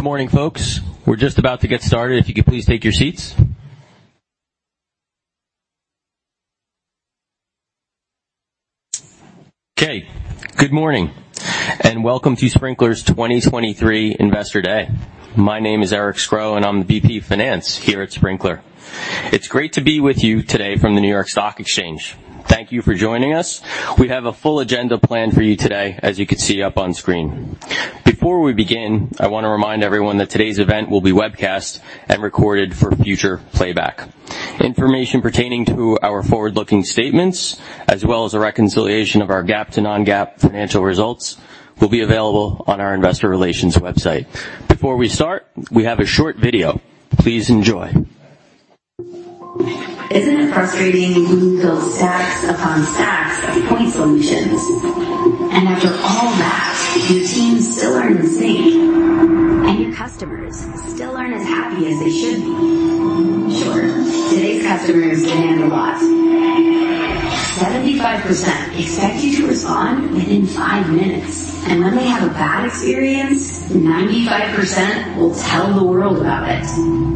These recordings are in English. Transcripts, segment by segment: Good morning, folks. We're just about to get started. If you could please take your seats. Okay, good morning, and welcome to Sprinklr's 2023 Investor Day. My name is Eric Scro, and I'm the VP of Finance here at Sprinklr. It's great to be with you today from the New York Stock Exchange. Thank you for joining us. We have a full agenda planned for you today, as you can see up on screen. Before we begin, I want to remind everyone that today's event will be webcast and recorded for future playback. Information pertaining to our forward-looking statements, as well as a reconciliation of our GAAP to non-GAAP financial results, will be available on our investor relations website. Before we start, we have a short video. Please enjoy. Isn't it frustrating when you build stacks upon stacks of point solutions, after all that, your teams still aren't in sync, your customers still aren't as happy as they should be? Sure, today's customers demand a lot. 75% expect you to respond within 5 minutes, when they have a bad experience, 95% will tell the world about it.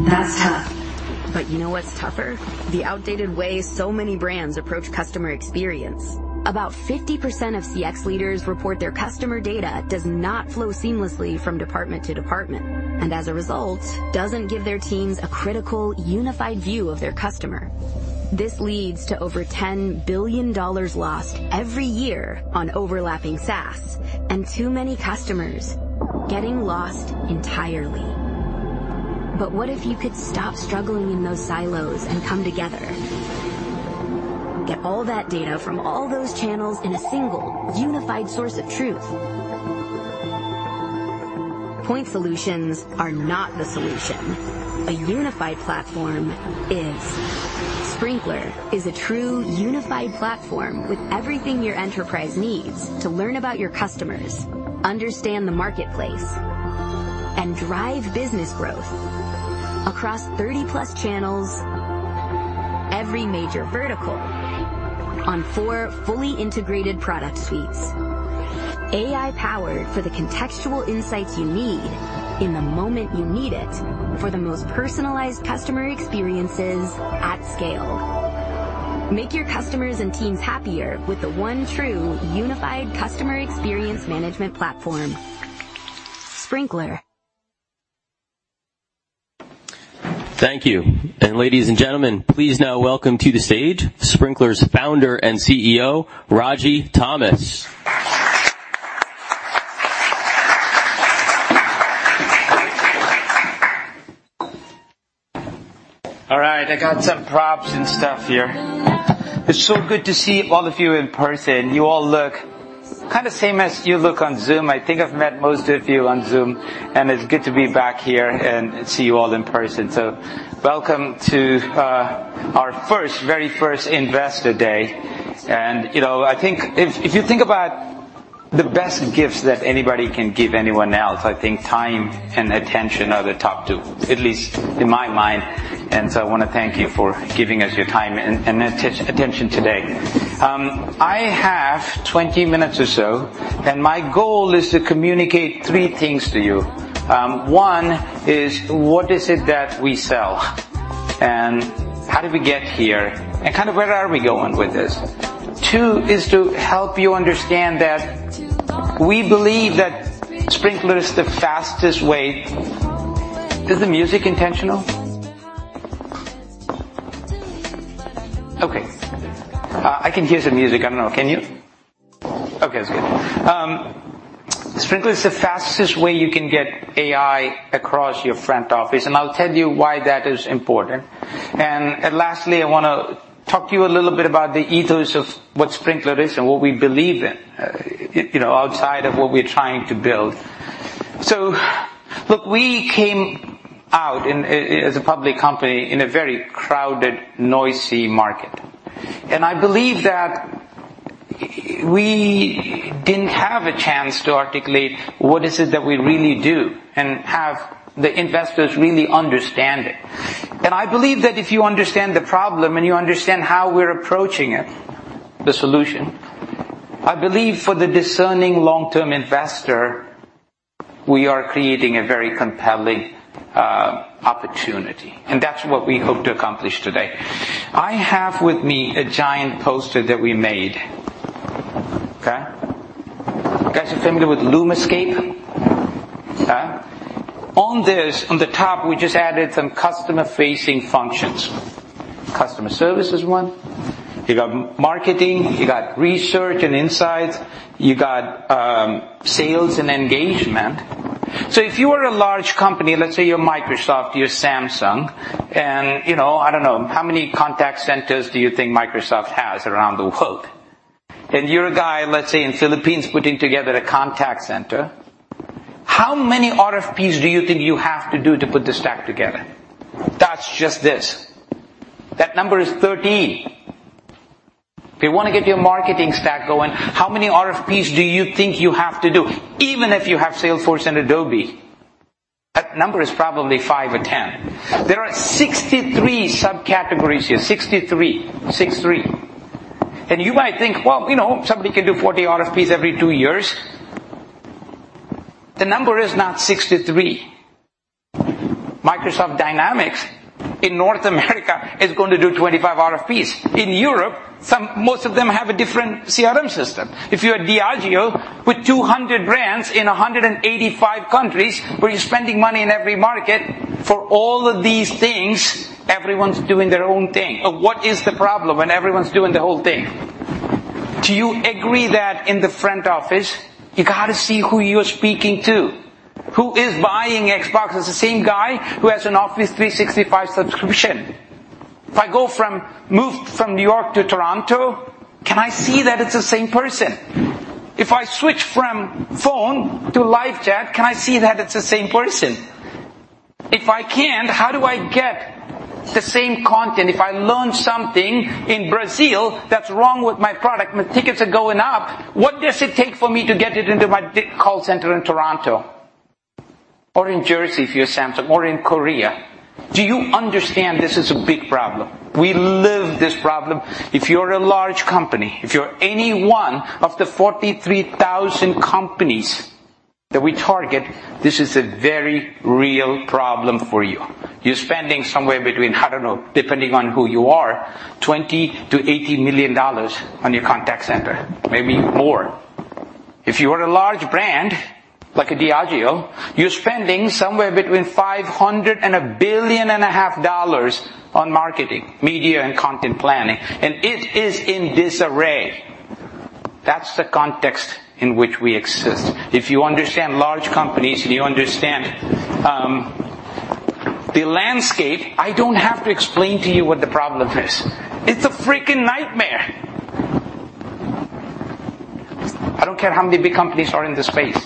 That's tough. You know what's tougher? The outdated way so many brands approach customer experience. About 50% of CX leaders report their customer data does not flow seamlessly from department to department, as a result, doesn't give their teams a critical, unified view of their customer. This leads to over $10 billion lost every year on overlapping SaaS and too many customers getting lost entirely. What if you could stop struggling in those silos and come together? Get all that data from all those channels inn a single, unified source of truth. Point solutions are not the solution. A unified platform is. Sprinklr is a true unified platform with everything your enterprise needs to learn about your customers, understand the marketplace, and drive business growth across 30+ channels, every major vertical, on 4 fully integrated product suites. AI-powered for the contextual insights you need in the moment you need it, for the most personalized customer experiences at scale. Make your customers and teams happier with the one true unified customer experience management platform, Sprinklr. Thank you. Ladies and gentlemen, please now welcome to the stage Sprinklr's founder and CEO, Ragy Thomas. All right, I got some props and stuff here. It's so good to see all of you in person. You all look kind of same as you look on Zoom. I think I've met most of you on Zoom, and it's good to be back here and see you all in person. Welcome to our first, very first Investor Day. You know, I think if you think about the best gifts that anybody can give anyone else, I think time and attention are the top two, at least in my mind. I want to thank you for giving us your time and attention today. I have 20 minutes or so, and my goal is to communicate 3 things to you. One is, what is it that we sell? How did we get here? Kind of where are we going with this? Two, is to help you understand that we believe that Sprinklr is the fastest way... Is the music intentional? Okay, I can hear the music. I don't know. Can you? Okay, that's good. Sprinklr is the fastest way you can get AI across your front office. I'll tell you why that is important. Lastly, I wanna talk to you a little bit about the ethos of what Sprinklr is and what we believe in, you know, outside of what we're trying to build. Look, we came out as a public company in a very crowded, noisy market. I believe that we didn't have a chance to articulate what is it that we really do and have the investors really understand it. I believe that if you understand the problem and you understand how we're approaching it, the solution, I believe for the discerning long-term investor, we are creating a very compelling opportunity, and that's what we hope to accomplish today. I have with me a giant poster that we made. Okay? You guys are familiar with LUMAscape? On this, on the top, we just added some customer-facing functions. Customer service is one. You got marketing, you got research and insights, you got sales and engagement. If you are a large company, let's say you're Microsoft, you're Samsung, and, you know, I don't know, how many contact centers do you think Microsoft has around the world? You're a guy, let's say, in Philippines, putting together a contact center. How many RFPs do you think you have to do to put this stack together? That's just this. That number is 13. If you want to get your marketing stack going, how many RFPs do you think you have to do, even if you have Salesforce and Adobe? That number is probably 5 or 10. There are 63 subcategories here, 63. 6, 3. You might think, well, you know, somebody can do 40 RFPs every 2 years. The number is not 63. Microsoft Dynamics in North America is going to do 25 RFPs. In Europe, most of them have a different CRM system. If you're at Diageo, with 200 brands in 185 countries, where you're spending money in every market for all of these things, everyone's doing their own thing. What is the problem when everyone's doing the whole thing? Do you agree that in the front office, you got to see who you're speaking to? Who is buying Xbox? It's the same guy who has an Office 365 subscription. If I move from New York to Toronto, can I see that it's the same person? If I switch from phone to live chat, can I see that it's the same person? If I can't, how do I get the same content? If I learn something in Brazil that's wrong with my product, my tickets are going up, what does it take for me to get it into my call center in Toronto or in Jersey, if you're Samsung, or in Korea? Do you understand this is a big problem? We live this problem. If you're a large company, if you're any one of the 43,000 companies that we target, this is a very real problem for you. You're spending somewhere between, I don't know, depending on who you are, $20 million-$80 million on your contact center, maybe more. If you are a large brand, like a Diageo, you're spending somewhere between $500 million and $1.5 billion on marketing, media, and content planning, and it is in disarray. That's the context in which we exist. If you understand large companies, and you understand the landscape, I don't have to explain to you what the problem is. It's a freaking nightmare! I don't care how many big companies are in the space.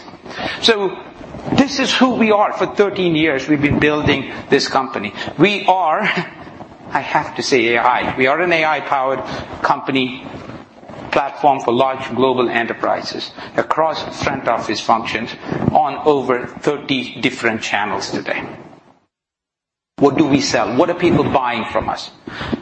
This is who we are. For 13 years, we've been building this company. We are, I have to say AI. We are an AI-powered company, platform for large global enterprises across front-office functions on over 30 different channels today. What do we sell? What are people buying from us?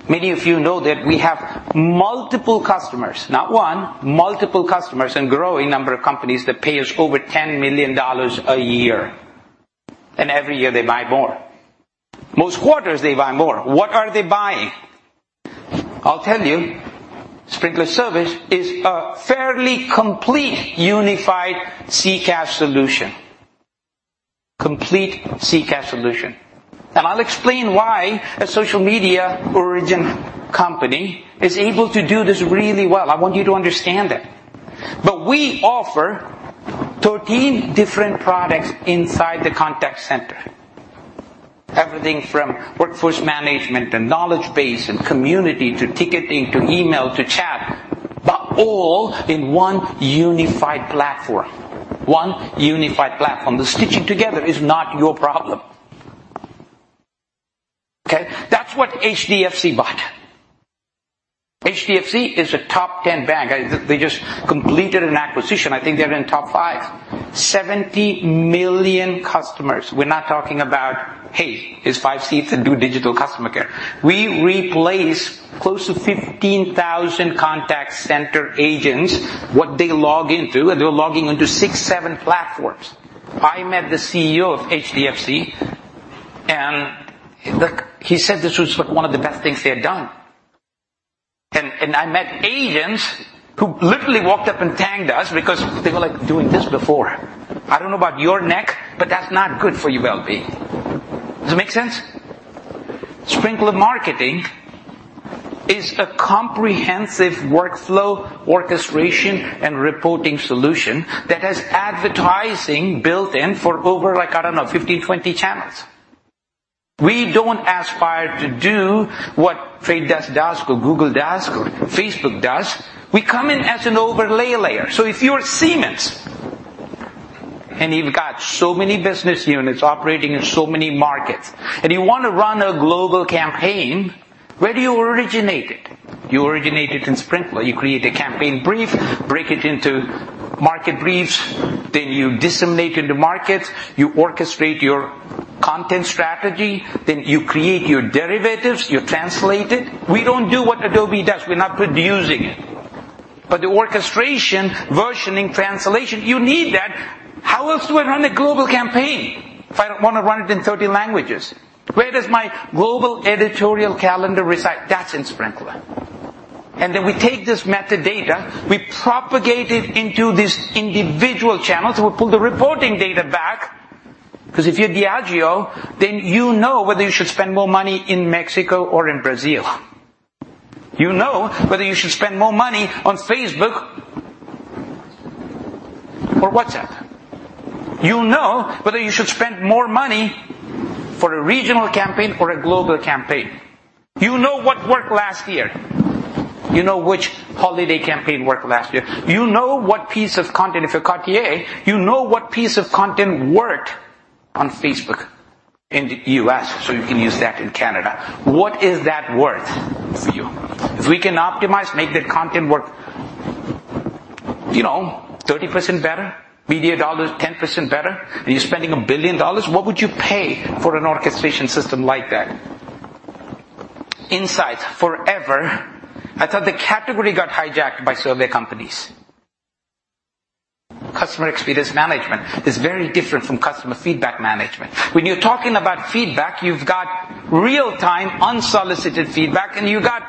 Many of you know that we have multiple customers, not one, multiple customers, and growing number of companies that pay us over $10 million a year, and every year, they buy more. Most quarters, they buy more. What are they buying? I'll tell you. Sprinklr Service is a fairly complete, unified CCaaS solution. Complete CCaaS solution. I'll explain why a social media origin company is able to do this really well. I want you to understand that. We offer 13 different products inside the contact center. Everything from workforce management and knowledge base and community, to ticketing, to email, to chat, but all in one unified platform. One unified platform. The stitching together is not your problem, okay? That's what HDFC bought. HDFC is a top 10 bank. They just completed an acquisition. I think they're in top 5. 70 million customers. We're not talking about, "Hey, here's five seats and do digital customer care." We replace close to 15,000 contact center agents, what they log into, and they're logging into six, seven platforms. I met the CEO of HDFC, look, he said this was one of the best things they had done. I met agents who literally walked up and thanked us because they were, like, doing this before. I don't know about your neck, but that's not good for your well-being. Does it make sense? Sprinklr Marketing is a comprehensive workflow, orchestration, and reporting solution that has advertising built in for over, like, I don't know, 15, 20 channels. We don't aspire to do what The Trade Desk does or Google does or Facebook does. We come in as an overlay layer. If you're Siemens, and you've got so many business units operating in so many markets, and you want to run a global campaign, where do you originate it? You originate it in Sprinklr. You create a campaign brief, break it into market briefs, then you disseminate in the markets, you orchestrate your content strategy, then you create your derivatives, you translate it. We don't do what Adobe does. We're not producing it. The orchestration, versioning, translation, you need that. How else do I run a global campaign if I don't want to run it in 30 languages? Where does my global editorial calendar reside? That's in Sprinklr. We take this metadata, we propagate it into these individual channels, we pull the reporting data back, because if you're Diageo, then you know whether you should spend more money in Mexico or in Brazil. You know whether you should spend more money on Facebook or WhatsApp. You know whether you should spend more money for a regional campaign or a global campaign. You know what worked last year. You know which holiday campaign worked last year. You know what piece of content, if you're Cartier, you know what piece of content worked on Facebook in the U.S., so you can use that in Canada. What is that worth for you? If we can optimize, make that content, you know, 30% better, media dollars, 10% better, and you're spending $1 billion. What would you pay for an orchestration system like that? Insights, forever. I thought the category got hijacked by survey companies. Customer experience management is very different from customer feedback management. When you're talking about feedback, you've got real-time, unsolicited feedback, and you got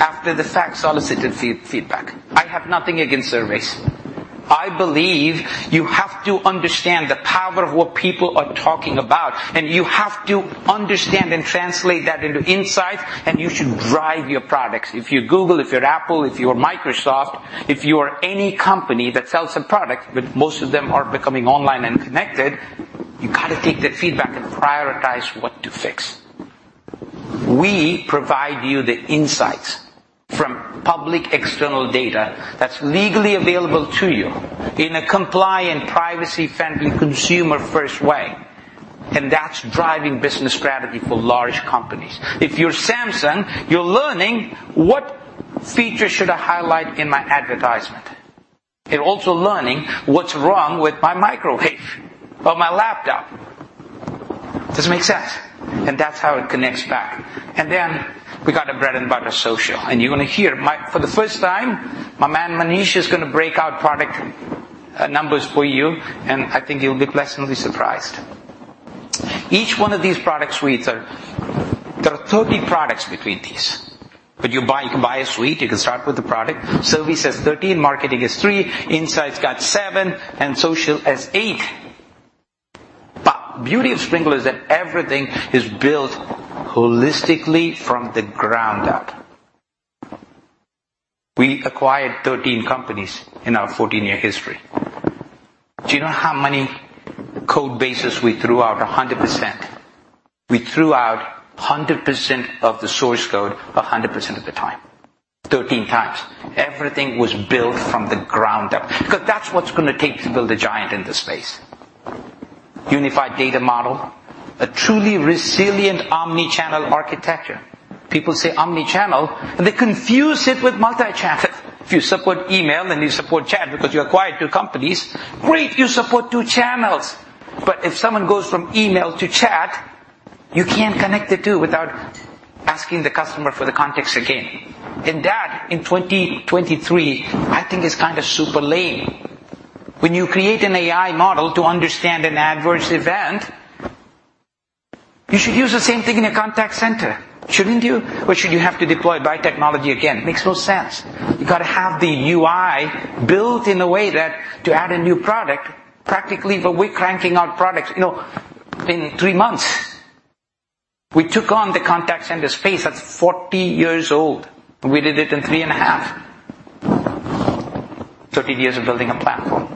after the fact, solicited feedback. I have nothing against surveys. I believe you have to understand the power of what people are talking about, you have to understand and translate that into insights, you should drive your products. If you're Google, if you're Apple, if you're Microsoft, if you are any company that sells a product, most of them are becoming online and connected, you got to take that feedback and prioritize what to fix. We provide you the insights from public external data that's legally available to you in a compliant, privacy-friendly, consumer-first way, that's driving business strategy for large companies. If you're Samsung, you're learning what features should I highlight in my advertisement? You're also learning what's wrong with my microwave or my laptop. Does it make sense? That's how it connects back. We got a bread-and-butter, social, and you're going to hear for the first time, my man, Manish, is going to break out product numbers for you, and I think you'll be pleasantly surprised. Each one of these product suites. There are 30 products between these, you can buy a suite. You can start with the product. Survey says 13, marketing is 3, insights got 7, and social has 8. Beauty of Sprinklr is that everything is built holistically from the ground up. We acquired 13 companies in our 14-year history. Do you know how many code bases we threw out 100%? We threw out 100% of the source code 100% of the time, 13 times. Everything was built from the ground up, because that's what it's going to take to build a giant in this space. Unified data model, a truly resilient omni-channel architecture. People say omni-channel, they confuse it with multi-channel. If you support email, and you support chat because you acquired 2 companies, great! You support 2 channels. If someone goes from email to chat, you can't connect the 2 without asking the customer for the context again. That, in 2023, I think, is kind of super lame. When you create an AI model to understand an adverse event, you should use the same thing in a contact center, shouldn't you? Should you have to deploy buy technology again? Makes no sense. You got to have the UI built in a way that to add a new product practically, but we're cranking out products, you know, in 3 months. We took on the contact center space that's 14 years old, and we did it in 3 and a half. 13 years of building a platform.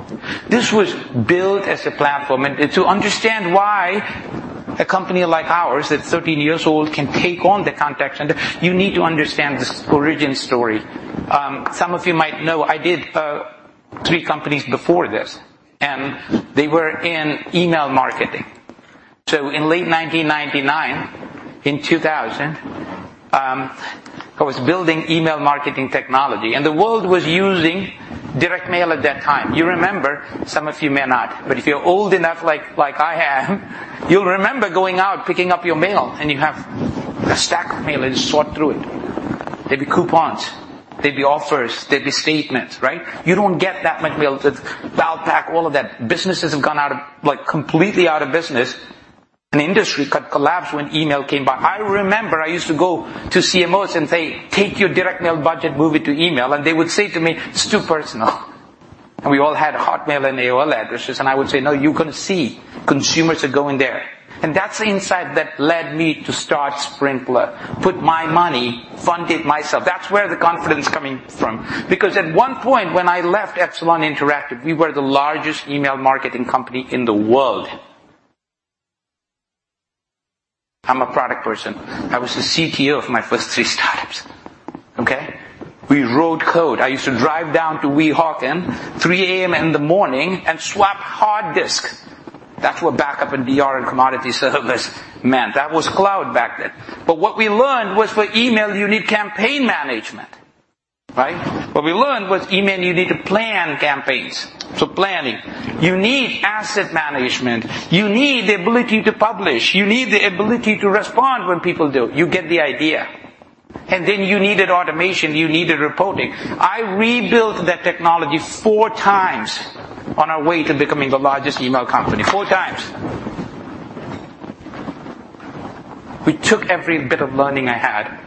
This was built as a platform. To understand why a company like ours, that's 13 years old, can take on the contact center, you need to understand this origin story. Some of you might know I did three companies before this. They were in email marketing. In late 1999, in 2000, I was building email marketing technology. The world was using direct mail at that time. You remember, some of you may not, but if you're old enough, like I am, you'll remember going out, picking up your mail. You have a stack of mail. You sort through it. They'd be coupons, they'd be offers, they'd be statements, right? You don't get that much mail to Valpak, all of that. Businesses have gone out of, like, completely out of business. Industry could collapse when email came by. I remember I used to go to CMOs and say, "Take your direct mail budget, move it to email." They would say to me, "It's too personal." We all had Hotmail and AOL addresses. I would say, "No, you can see consumers are going there." That's the insight that led me to start Sprinklr. Put my money, fund it myself. That's where the confidence coming from, because at one point, when I left Epsilon Interactive, we were the largest email marketing company in the world. I'm a product person. I was the CTO of my first 3 startups, okay? We wrote code. I used to drive down to Weehawken, 3 A.M. in the morning, and swap hard disk. That's what backup and DR and commodity service meant. That was cloud back then. What we learned was, for email, you need campaign management, right? What we learned was email, you need to plan campaigns. Planning. You need asset management. You need the ability to publish. You need the ability to respond when people do. You get the idea. Then you needed automation, you needed reporting. I rebuilt that technology 4 times on our way to becoming the largest email company. 4 times. We took every bit of learning I had.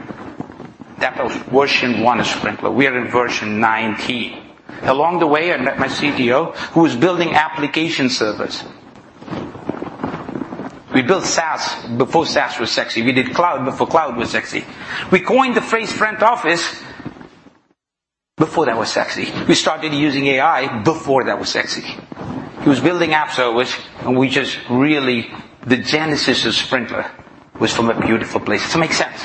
That was version 1 of Sprinklr. We are in version 19. Along the way, I met my CTO, who was building application servers. We built SaaS before SaaS was sexy. We did cloud before cloud was sexy. We coined the phrase front office before that was sexy. We started using AI before that was sexy. He was building apps, so it was... We just really, the genesis of Sprinklr was from a beautiful place. Does it make sense?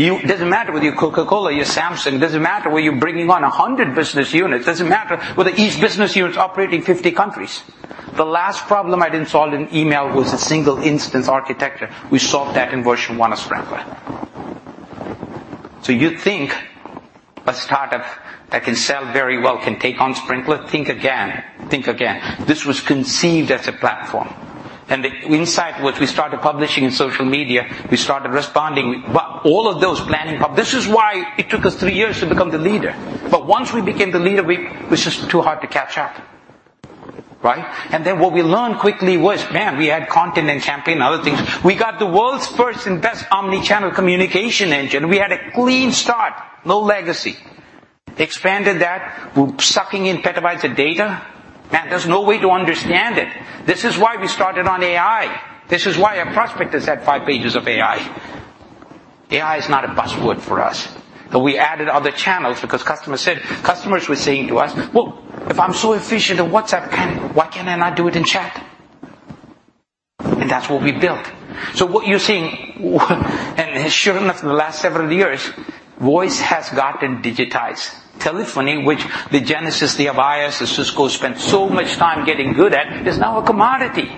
You, it doesn't matter whether you're Coca-Cola, you're Samsung, it doesn't matter whether you're bringing on 100 business units, it doesn't matter whether each business unit is operating 50 countries. The last problem I didn't solve in email was a single instance architecture. We solved that in version one of Sprinklr. You think a startup that can sell very well can take on Sprinklr? Think again. Think again. This was conceived as a platform, the insight was we started publishing in social media, we started responding, but all of those planning. This is why it took us three years to become the leader. Once we became the leader, it was just too hard to catch up, right? What we learned quickly was, man, we had content and campaign and other things. We got the world's first and best omnichannel communication engine. We had a clean start, no legacy. Expanded that, we're sucking in petabytes of data. Man, there's no way to understand it. This is why we started on AI. This is why our prospectus had 5 pages of AI. AI is not a buzzword for us, we added other channels because customers were saying to us, "Well, if I'm so efficient at WhatsApp, then why can I not do it in chat?" That's what we built. What you're seeing, sure enough, in the last several years, voice has gotten digitized. Telephony, which the Genesys, the Avaya, the Cisco spent so much time getting good at, is now a commodity.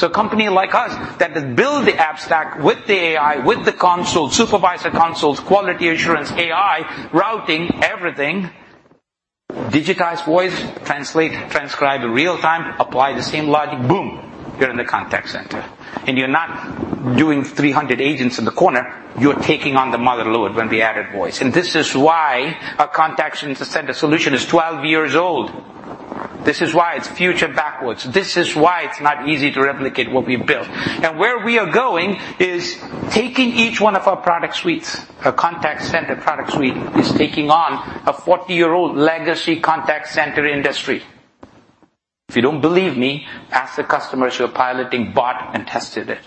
A company like us, that build the app stack with the AI, with the console, supervisor consoles, quality assurance, AI, routing, everything, digitize voice, translate, transcribe in real time, apply the same logic, boom, you're in the contact center. You're not doing 300 agents in the corner. You're taking on the motherload when we added voice. This is why our contact center solution is 12 years old. This is why it's future backwards. This is why it's not easy to replicate what we've built. Where we are going is taking each one of our product suites, our contact center product suite, is taking on a 40-year-old legacy contact center industry. If you don't believe me, ask the customers who are piloting, bought, and tested it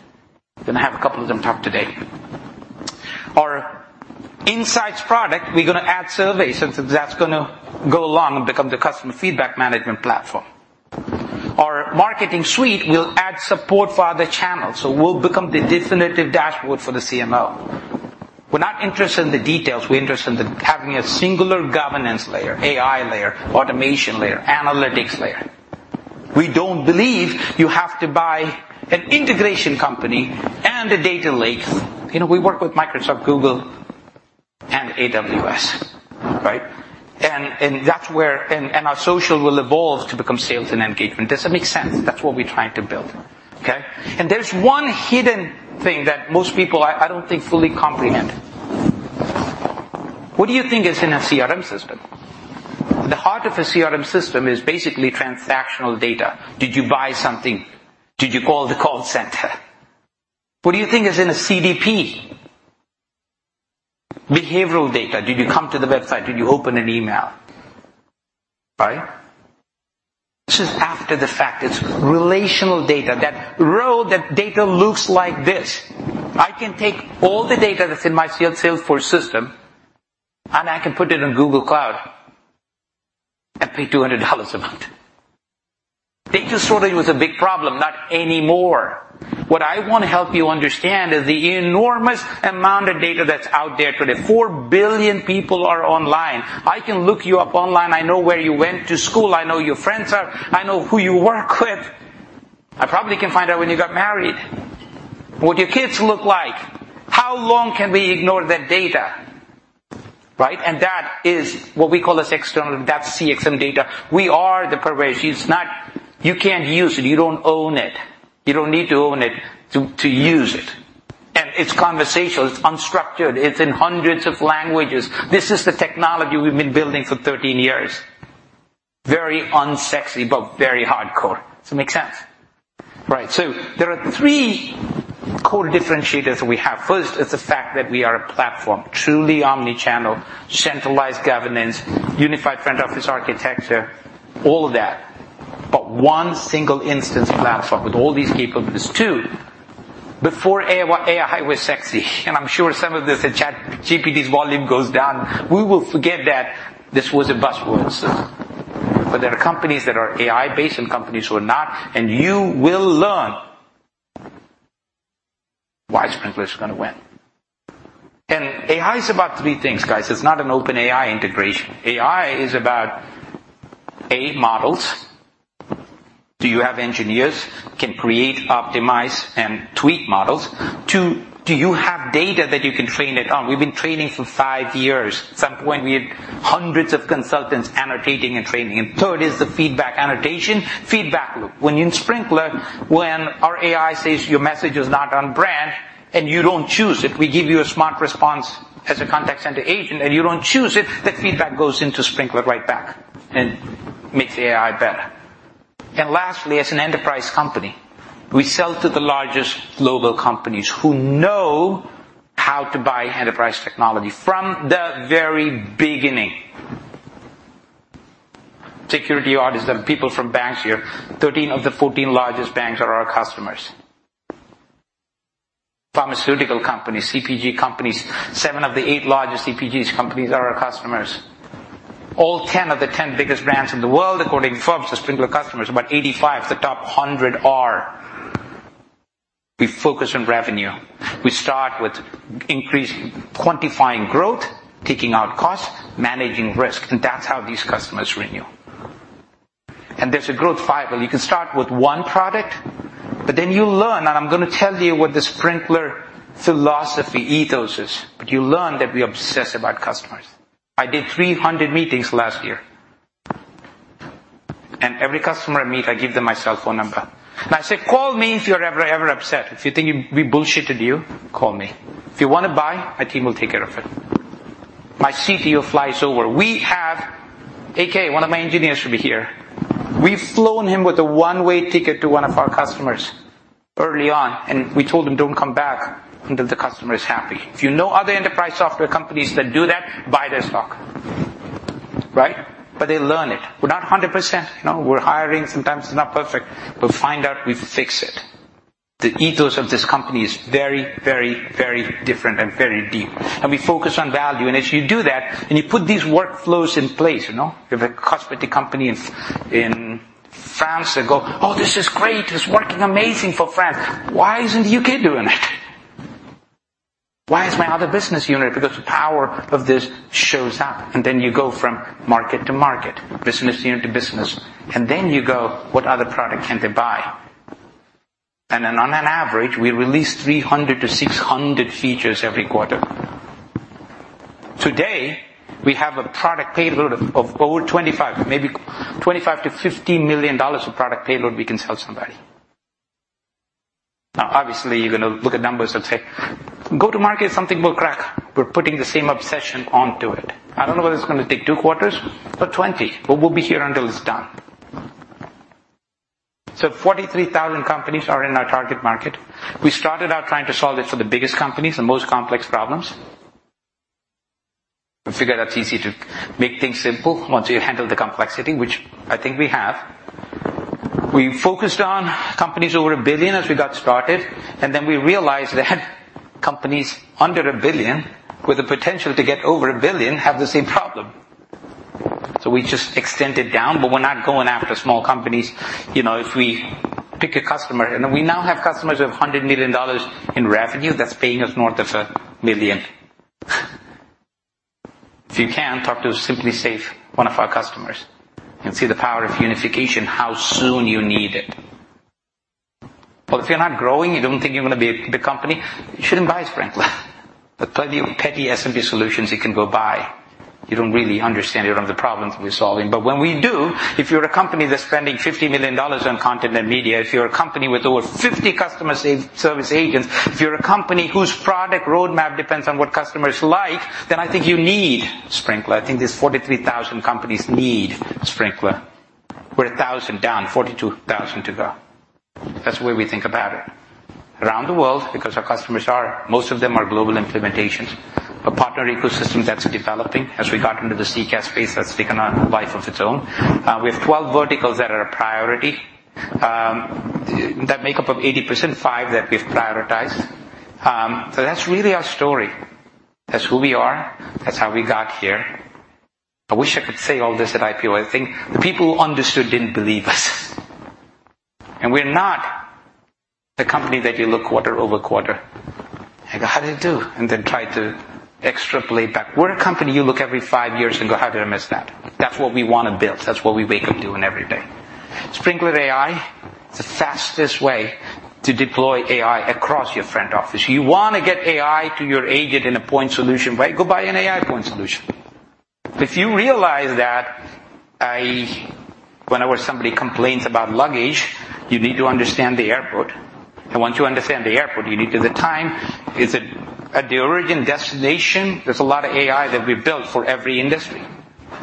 Gonna have a couple of them talk today. Our insights product, we're gonna add surveys, so that's gonna go along and become the customer feedback management platform. Our marketing suite will add support for other channels, so we'll become the definitive dashboard for the CMO. We're not interested in the details. We're interested in having a singular governance layer, AI layer, automation layer, analytics layer. We don't believe you have to buy an integration company and a data lake. You know, we work with Microsoft, Google, and AWS, right? That's where. Our social will evolve to become sales and engagement. Does that make sense? That's what we're trying to build, okay? There's one hidden thing that most people, I don't think, fully comprehend. What do you think is in a CRM system? The heart of a CRM system is basically transactional data. Did you buy something? Did you call the call center? What do you think is in a CDP? Behavioral data. Did you come to the website? Did you open an email? Right? This is after the fact. It's relational data. That data looks like this. I can take all the data that's in my Salesforce system, and I can put it in Google Cloud and pay $200 a month. Data storage was a big problem, not anymore. What I want to help you understand is the enormous amount of data that's out there today. 4 billion people are online. I can look you up online. I know where you went to school. I know who your friends are. I know who you work with. I probably can find out when you got married, what your kids look like. How long can we ignore that data, right? That is what we call as external, that's CXM data. We are the progression. You can't use it. You don't own it. You don't need to own it to use it. It's conversational, it's unstructured, it's in hundreds of languages. This is the technology we've been building for 13 years. Very unsexy, but very hardcore. Does it make sense? Right, so there are three core differentiators that we have. First, it's the fact that we are a platform, truly omni-channel, centralized governance, unified front office architecture, all of that, but one single instance platform with all these capabilities. Two, before AI was sexy, and I'm sure some of this, as ChatGPT's volume goes down, we will forget that this was a buzzword. There are companies that are AI-based and companies who are not, and you will learn why Sprinklr is gonna win. AI is about three things, guys. It's not an OpenAI integration. AI is about, A, models. Do you have engineers who can create, optimize, and tweak models? 2, do you have data that you can train it on? We've been training for five years. At some point, we had hundreds of consultants annotating and training. 3 is the feedback annotation, feedback loop. When you're in Sprinklr, when our AI says your message is not on brand and you don't choose it, we give you a smart response as a contact center agent, and you don't choose it, the feedback goes into Sprinklr right back and makes the AI better. Lastly, as an enterprise company, we sell to the largest global companies who know how to buy enterprise technology from the very beginning. Security audit, there are people from banks here. 13 of the 14 largest banks are our customers. Pharmaceutical companies, CPG companies, 7 of the 8 largest CPGs companies are our customers. All 10 of the 10 biggest brands in the world, according to Forbes, are Sprinklr customers. About 85 of the top 100 are. We focus on revenue. We start with increasing, quantifying growth, taking out costs, managing risk, that's how these customers renew. There's a growth fiber. You can start with 1 product, but then you learn, and I'm gonna tell you what the Sprinklr philosophy ethos is, but you learn that we obsess about customers. I did 300 meetings last year. Every customer I meet, I give them my cell phone number, and I say, "Call me if you're ever upset. If you think we bullshitted you, call me. If you wanna buy, my team will take care of it." My CTO flies over. We have AK, one of my engineers, should be here. We've flown him with a 1-way ticket to one of our customers early on, and we told him, "Don't come back until the customer is happy." If you know other enterprise software companies that do that, buy their stock, right? They learn it. We're not 100%. You know, we're hiring, sometimes it's not perfect, but we find out, we fix it. The ethos of this company is very, very, very different and very deep, and we focus on value. As you do that, and you put these workflows in place, you know. We have a cosmetic company in France. They go, "Oh, this is great. It's working amazing for France. Why isn't the UK doing it? Why is my other business unit...?" The power of this shows up, and then you go from market to market, business unit to business, and then you go, what other product can they buy? On average, we release 300 to 600 features every quarter. Today, we have a product payload of over $25 million, maybe $25 million-$50 million of product payload we can sell somebody. Obviously, you're gonna look at numbers and say, "Go to market, something will crack." We're putting the same obsession onto it. I don't know whether it's gonna take 2 quarters or 20, we'll be here until it's done. 43,000 companies are in our target market. We started out trying to solve it for the biggest companies, the most complex problems. We figured that's easy to make things simple once you handle the complexity, which I think we have. We focused on companies over $1 billion as we got started, and then we realized that companies under $1 billion, with the potential to get over $1 billion, have the same problem. We just extended down, but we're not going after small companies. You know, if we pick a customer, and we now have customers of $100 million in revenue, that's paying us north of $1 million. If you can, talk to SimpliSafe, one of our customers, and see the power of unification, how soon you need it. If you're not growing, you don't think you're gonna be a big company, you shouldn't buy Sprinklr. There are plenty of petty SMB solutions you can go buy. You don't really understand it or the problems we're solving. When we do, if you're a company that's spending $50 million on content and media, if you're a company with over 50 customer service agents, if you're a company whose product roadmap depends on what customers like, then I think you need Sprinklr. I think these 43,000 companies need Sprinklr. We're 1,000 down, 42,000 to go. That's the way we think about it. Around the world, because our customers are, most of them are global implementations. A partner ecosystem that's developing as we got into the CCaaS space, that's taken on a life of its own. We have 12 verticals that are a priority, that make up of 80%, 5 that we've prioritized. So that's really our story. That's who we are. That's how we got here. I wish I could say all this at IPO. I think the people who understood didn't believe us. We're not the company that you look quarter over quarter, and go, "How did it do?" Then try to extrapolate back. We're a company you look every 5 years and go, "How did I miss that?" That's what we wanna build. That's what we wake up doing every day. Sprinklr AI, it's the fastest way to deploy AI across your front office. You wanna get AI to your agent in a point solution, right? Go buy an AI point solution. If you realize that, Whenever somebody complains about luggage, you need to understand the airport, and once you understand the airport, you need to the time. Is it at the origin, destination? There's a lot of AI that we've built for every industry.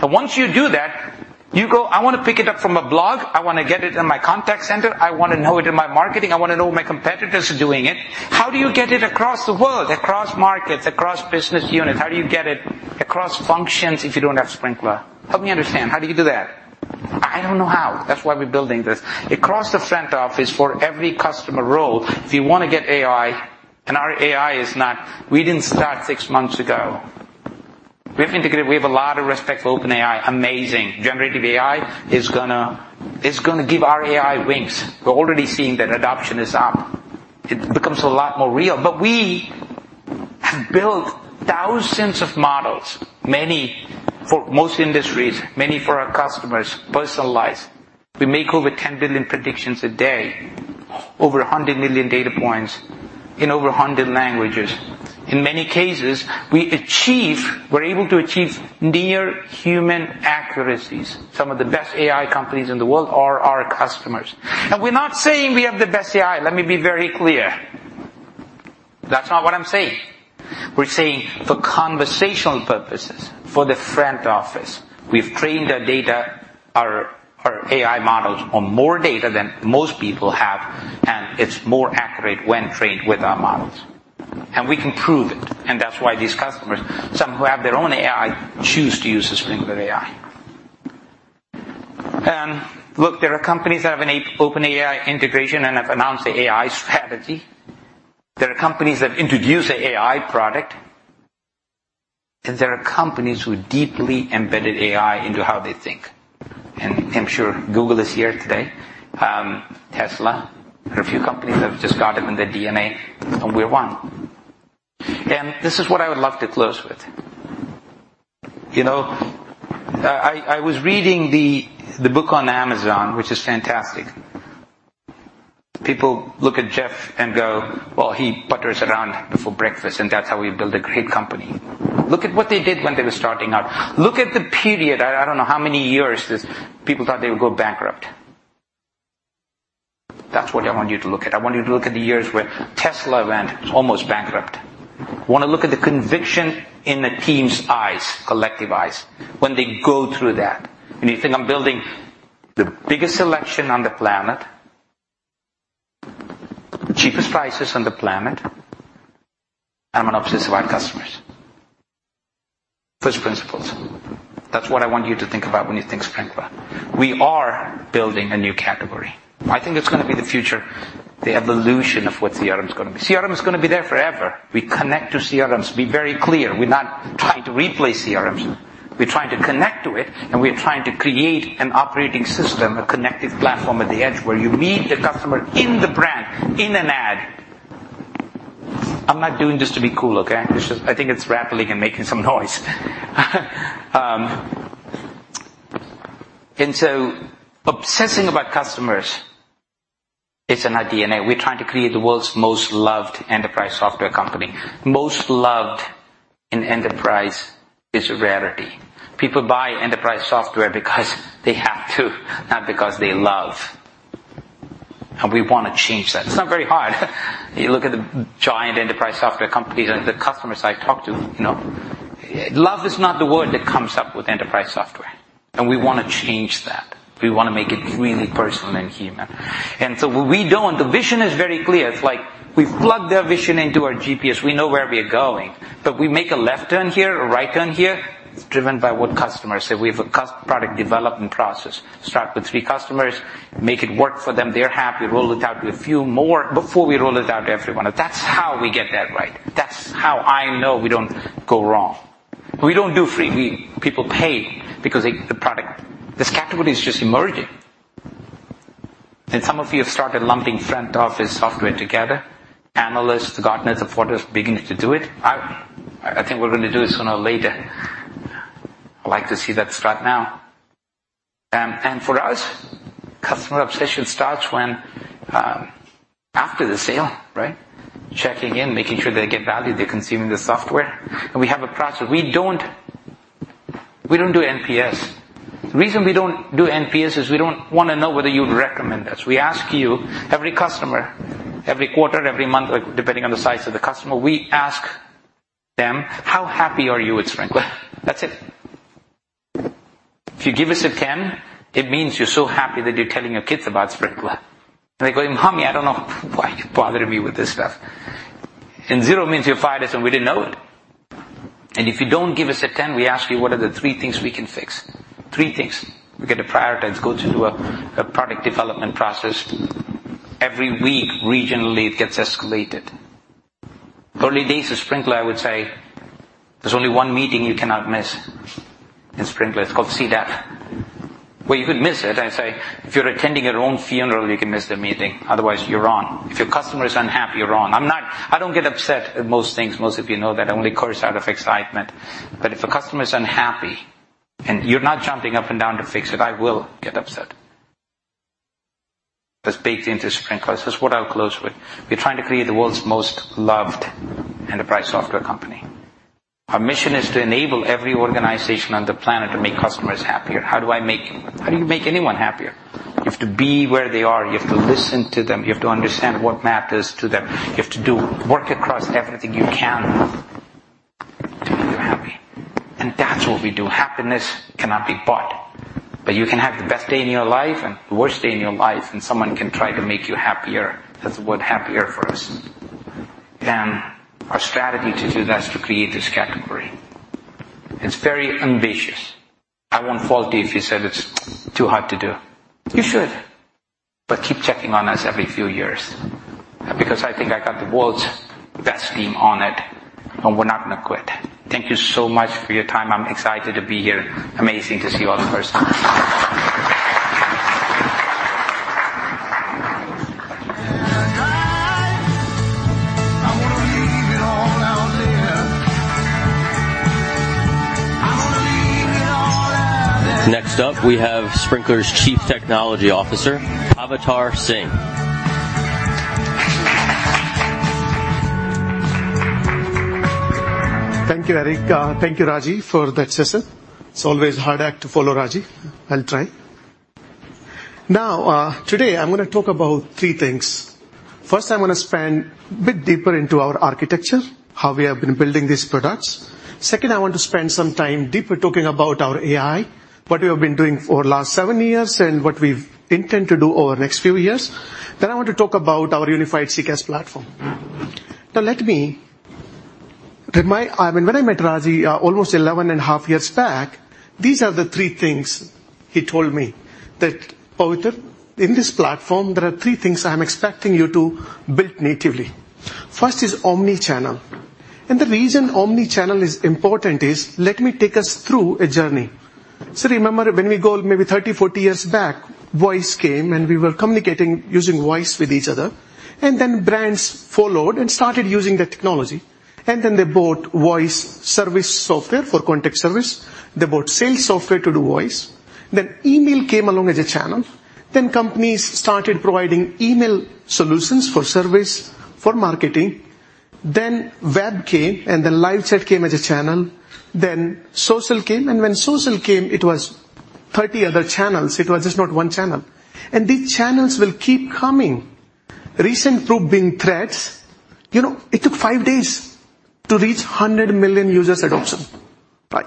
Once you do that, you go, "I wanna pick it up from a blog. I wanna get it in my contact center. I wanna know it in my marketing. I wanna know my competitors are doing it." How do you get it across the world, across markets, across business units? How do you get it across functions if you don't have Sprinklr? Help me understand, how do you do that? I don't know how. That's why we're building this. Across the front office, for every customer role, if you wanna get AI, and our AI is not... We didn't start six months ago. We have a lot of respect for OpenAI, amazing. Generative AI is gonna give our AI wings. We're already seeing that adoption is up. It becomes a lot more real, but we have built thousands of models, many for most industries, many for our customers, personalized. We make over 10 billion predictions a day, over 100 million data points in over 100 languages. In many cases, we're able to achieve near human accuracies. Some of the best AI companies in the world are our customers. We're not saying we have the best AI. Let me be very clear. That's not what I'm saying. We're saying for conversational purposes, for the front office, we've trained our data, our AI models on more data than most people have, and it's more accurate when trained with our models. We can prove it, and that's why these customers, some who have their own AI, choose to use the Sprinklr AI. Look, there are companies that have an OpenAI integration and have announced the AI strategy. There are companies that introduce an AI product, and there are companies who deeply embedded AI into how they think. I'm sure Google is here today, Tesla, there are a few companies that have just got it in their DNA, and we're one. This is what I would love to close with. You know, I was reading the book on Amazon, which is fantastic. People look at Jeff and go, "Well, he putters around before breakfast, and that's how we build a great company." Look at what they did when they were starting out. Look at the period, I don't know how many years this. People thought they would go bankrupt. That's what I want you to look at. I want you to look at the years where Tesla went almost bankrupt. I wanna look at the conviction in the team's eyes, collective eyes, when they go through that. When you think I'm building the biggest selection on the planet, cheapest prices on the planet, I'm an obsessive of our customers. First principles. That's what I want you to think about when you think Sprinklr. We are building a new category. I think it's gonna be the future, the evolution of what CRM is gonna be. CRM is gonna be there forever. We connect to CRMs. Be very clear, we're not trying to replace CRMs. We're trying to connect to it, and we are trying to create an operating system, a connective platform at the edge, where you meet the customer in the brand, in an ad. I'm not doing this to be cool, okay? I think it's rattling and making some noise. Obsessing about customers is in our DNA. We're trying to create the world's most loved enterprise software company. Most loved in enterprise is a rarity. People buy enterprise software because they have to, not because they love. We wanna change that. It's not very hard. You look at the giant enterprise software companies and the customers I talk to, you know, love is not the word that comes up with enterprise software, and we wanna change that. We wanna make it really personal and human. The vision is very clear. It's like we've plugged our vision into our GPS. We know where we are going, but we make a left turn here, a right turn here. It's driven by what customers say. We have a product development process. Start with three customers, make it work for them. They're happy. Roll it out to a few more before we roll it out to everyone. That's how we get that right. That's how I know we don't go wrong. We don't do free. People pay because they, the product... This category is just emerging, and some of you have started lumping front office software together. Analysts, Gartner, and Forrester are beginning to do it. I think we're gonna do it sooner or later. I'd like to see that start now. For us, customer obsession starts when after the sale, right? Checking in, making sure they get value, they're consuming the software. We have a process. We don't do NPS. The reason we don't do NPS is we don't wanna know whether you'd recommend us. We ask you, every customer, every quarter, every month, like, depending on the size of the customer, we ask them: How happy are you with Sprinklr? That's it. If you give us a 10, it means you're so happy that you're telling your kids about Sprinklr. They're going, "Mommy, I don't know why you're bothering me with this stuff." Zero means you fired us, and we didn't know it. If you don't give us a 10, we ask you, "What are the three things we can fix?" Three things. We get to prioritize, goes into a product development process. Every week, regionally, it gets escalated. Early days of Sprinklr, I would say, there's only one meeting you cannot miss in Sprinklr. It's called CDAP. Well, you could miss it. I'd say, if you're attending your own funeral, you can miss the meeting. Otherwise, you're on. If your customer is unhappy, you're on. I don't get upset at most things. Most of you know that I only curse out of excitement. If a customer is unhappy and you're not jumping up and down to fix it, I will get upset. That's baked into Sprinklr. That's what I'll close with. We're trying to create the world's most loved enterprise software company. Our mission is to enable every organization on the planet to make customers happier. How do you make anyone happier? You have to be where they are. You have to listen to them. You have to understand what matters to them. You have to do work across everything you can to make them happy. That's what we do. Happiness cannot be bought, but you can have the best day in your life and the worst day in your life, and someone can try to make you happier. That's the word, happier, for us. Our strategy to do that is to create this category. It's very ambitious. I won't fault you if you said it's too hard to do. You should, but keep checking on us every few years because I think I got the world's best team on it, and we're not gonna quit. Thank you so much for your time. I'm excited to be here. Amazing to see you all in person. Next up, we have Sprinklr's Chief Technology Officer, Pavitar Singh. Thank you, Eric. Thank you, Ragy, for that session. It's always a hard act to follow, Ragy. I'll try. Now, today I'm gonna talk about three things. First, I wanna expand a bit deeper into our architecture, how we have been building these products. Second, I want to spend some time deeper talking about our AI, what we have been doing for the last seven years, and what we intend to do over the next few years. I want to talk about our unified CX platform. Now, I mean, when I met Ragy, almost 11.5 years back, these are the three things he told me: that, "Pavitar, in this platform, there are three things I'm expecting you to build natively. First is omnichannel," The reason omnichannel is important is. Let me take us through a journey. Remember when we go maybe 30, 40 years back, voice came, we were communicating using voice with each other, brands followed and started using that technology. They bought voice service software for contact service. They bought sales software to do voice. Email came along as a channel. Companies started providing email solutions for service, for marketing. Web came, live chat came as a channel, social came, when social came, it was 30 other channels. It was just not one channel. These channels will keep coming. Recent proof being Threads. You know, it took 5 days to reach 100 million users adoption, right?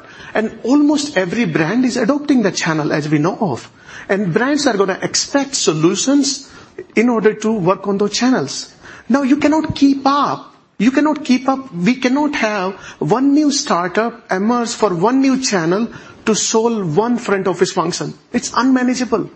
Almost every brand is adopting that channel, as we know of. Brands are gonna expect solutions in order to work on those channels. Now, you cannot keep up. You cannot keep up. We cannot have one new startup emerge for one new channel to solve one front office function. It's unmanageable.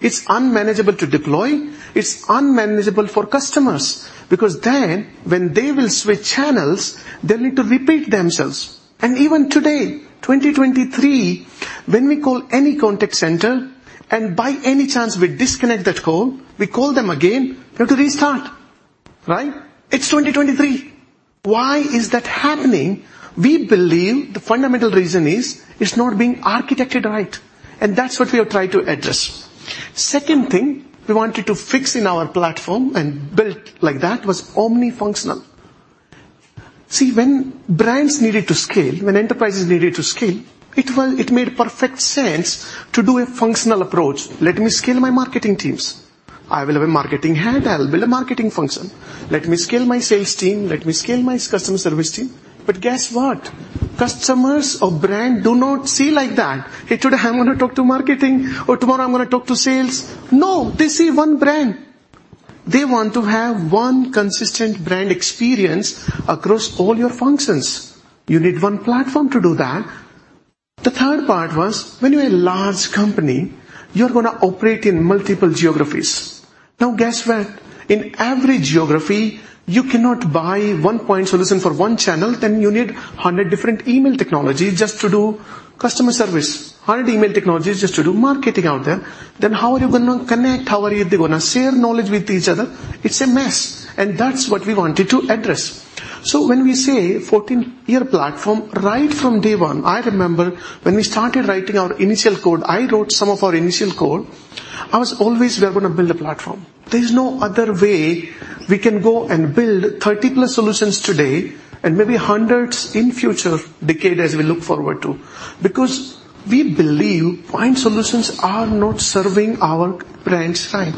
It's unmanageable to deploy, it's unmanageable for customers, because then when they will switch channels, they'll need to repeat themselves. Even today, 2023, when we call any contact center, and by any chance we disconnect that call, we call them again, we have to restart, right? It's 2023. Why is that happening? We believe the fundamental reason is it's not being architected right, and that's what we have tried to address. Second thing we wanted to fix in our platform and build like that was omni-functional. See, when brands needed to scale, when enterprises needed to scale, it made perfect sense to do a functional approach. Let me scale my marketing teams. I will have a marketing head. I'll build a marketing function. Let me scale my sales team. Let me scale my customer service team. Guess what? Customers or brand do not see like that. "Hey, today, I'm gonna talk to marketing, or tomorrow I'm gonna talk to sales." They see one brand. They want to have one consistent brand experience across all your functions. You need one platform to do that. The third part was, when you're a large company, you're gonna operate in multiple geographies. Guess what? In every geography, you cannot buy one point solution for one channel. You need 100 different email technology just to do customer service. 100 email technologies just to do marketing out there. How are you gonna connect? How are you gonna share knowledge with each other? It's a mess, and that's what we wanted to address. When we say 14-year platform, right from day one, I remember when we started writing our initial code, I wrote some of our initial code. I was always, "We are gonna build a platform." There's no other way we can go and build 30-plus solutions today and maybe hundreds in future decade as we look forward to, because we believe point solutions are not serving our brands right.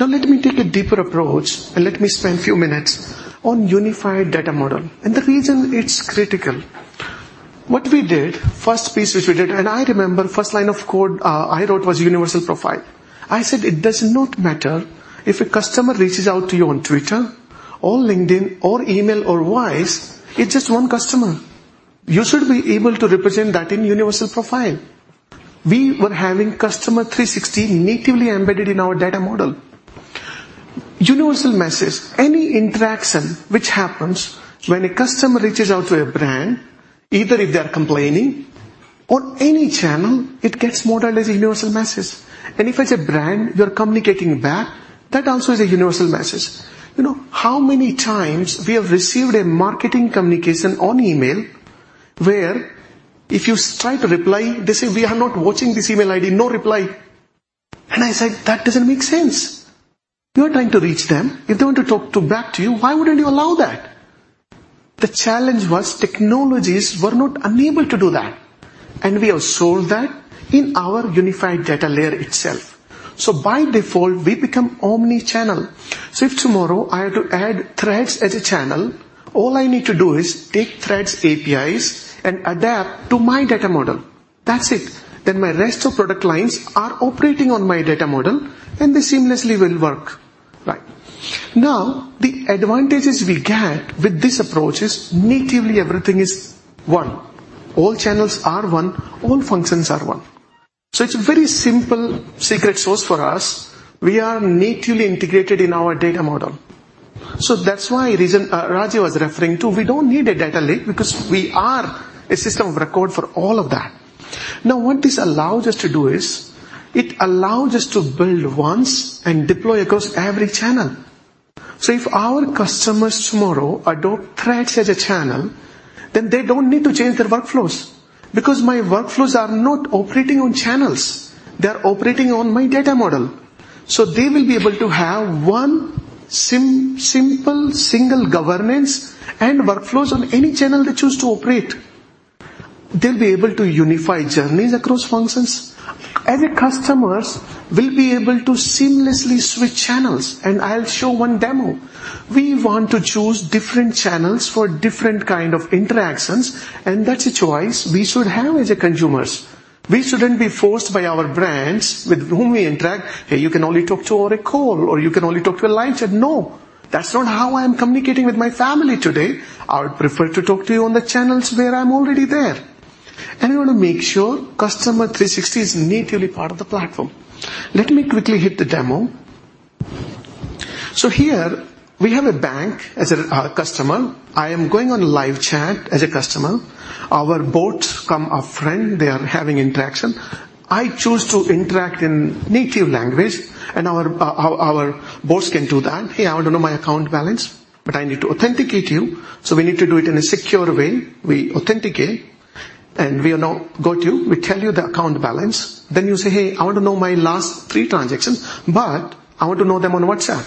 Now, let me take a deeper approach and let me spend a few minutes on unified data model and the reason it's critical. What we did, first piece which we did, and I remember, first line of code, I wrote was universal profile. I said, "It does not matter if a customer reaches out to you on Twitter or LinkedIn or email or Wise, it's just one customer. You should be able to represent that in universal profile." We were having Customer 360 natively embedded in our data model. Universal message, any interaction which happens when a customer reaches out to a brand, either if they're complaining or any channel, it gets modeled as a universal message. If, as a brand, you're communicating back, that also is a universal message. You know, how many times we have received a marketing communication on email where if you try to reply, they say, "We are not watching this email ID, no reply." I said, "That doesn't make sense." You are trying to reach them. If they want to talk to back to you, why wouldn't you allow that? The challenge was technologies were not unable to do that, and we have solved that in our unified data layer itself. By default, we become omni-channel. If tomorrow I have to add Threads as a channel, all I need to do is take Threads APIs and adapt to my data model. That's it. My rest of product lines are operating on my data model, and they seamlessly will work. Right. The advantages we get with this approach is natively, everything is one. All channels are one, all functions are one. It's a very simple secret sauce for us. We are natively integrated in our data model. That's why reason, Ragy was referring to, we don't need a data lake because we are a system of record for all of that. What this allows us to do is, it allows us to build once and deploy across every channel. If our customers tomorrow adopt Threads as a channel, then they don't need to change their workflows, because my workflows are not operating on channels, they're operating on my data model. They will be able to have one simple, single governance and workflows on any channel they choose to operate. They'll be able to unify journeys across functions, and the customers will be able to seamlessly switch channels, and I'll show one demo. We want to choose different channels for different kind of interactions, and that's a choice we should have as a consumers. We shouldn't be forced by our brands with whom we interact, "Hey, you can only talk to over a call, or you can only talk to a live chat." No! That's not how I am communicating with my family today. I would prefer to talk to you on the channels where I'm already there. We want to make sure Customer 360 is natively part of the platform. Let me quickly hit the demo. Here we have a bank as a customer. I am going on live chat as a customer. Our bots become a friend. They are having interaction. I choose to interact in native language, and our bots can do that. "Hey, I want to know my account balance," but I need to authenticate you, so we need to do it in a secure way. We authenticate, and we are now got you. We tell you the account balance. You say, "Hey, I want to know my last three transactions, but I want to know them on WhatsApp."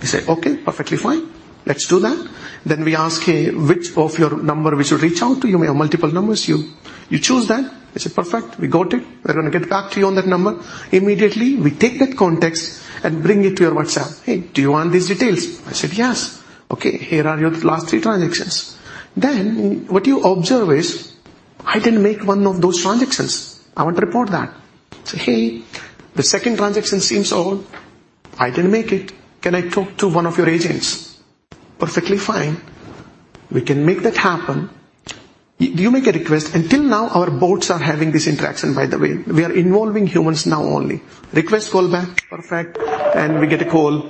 We say, "Okay, perfectly fine. Let's do that." We ask you, "Which of your number we should reach out to you? You may have multiple numbers." You choose that. We say, "Perfect, we got it. We're going to get back to you on that number." Immediately, we take that context and bring it to your WhatsApp. "Hey, do you want these details?" I said, "Yes." "Okay, here are your last three transactions." What you observe is, I didn't make one of those transactions. I want to report that. Say, "Hey, the second transaction seems odd. I didn't make it. Can I talk to one of your agents?" Perfectly fine, we can make that happen. You make a request. Until now, our bots are having this interaction, by the way. We are involving humans now only. Request call back. Perfect, we get a call.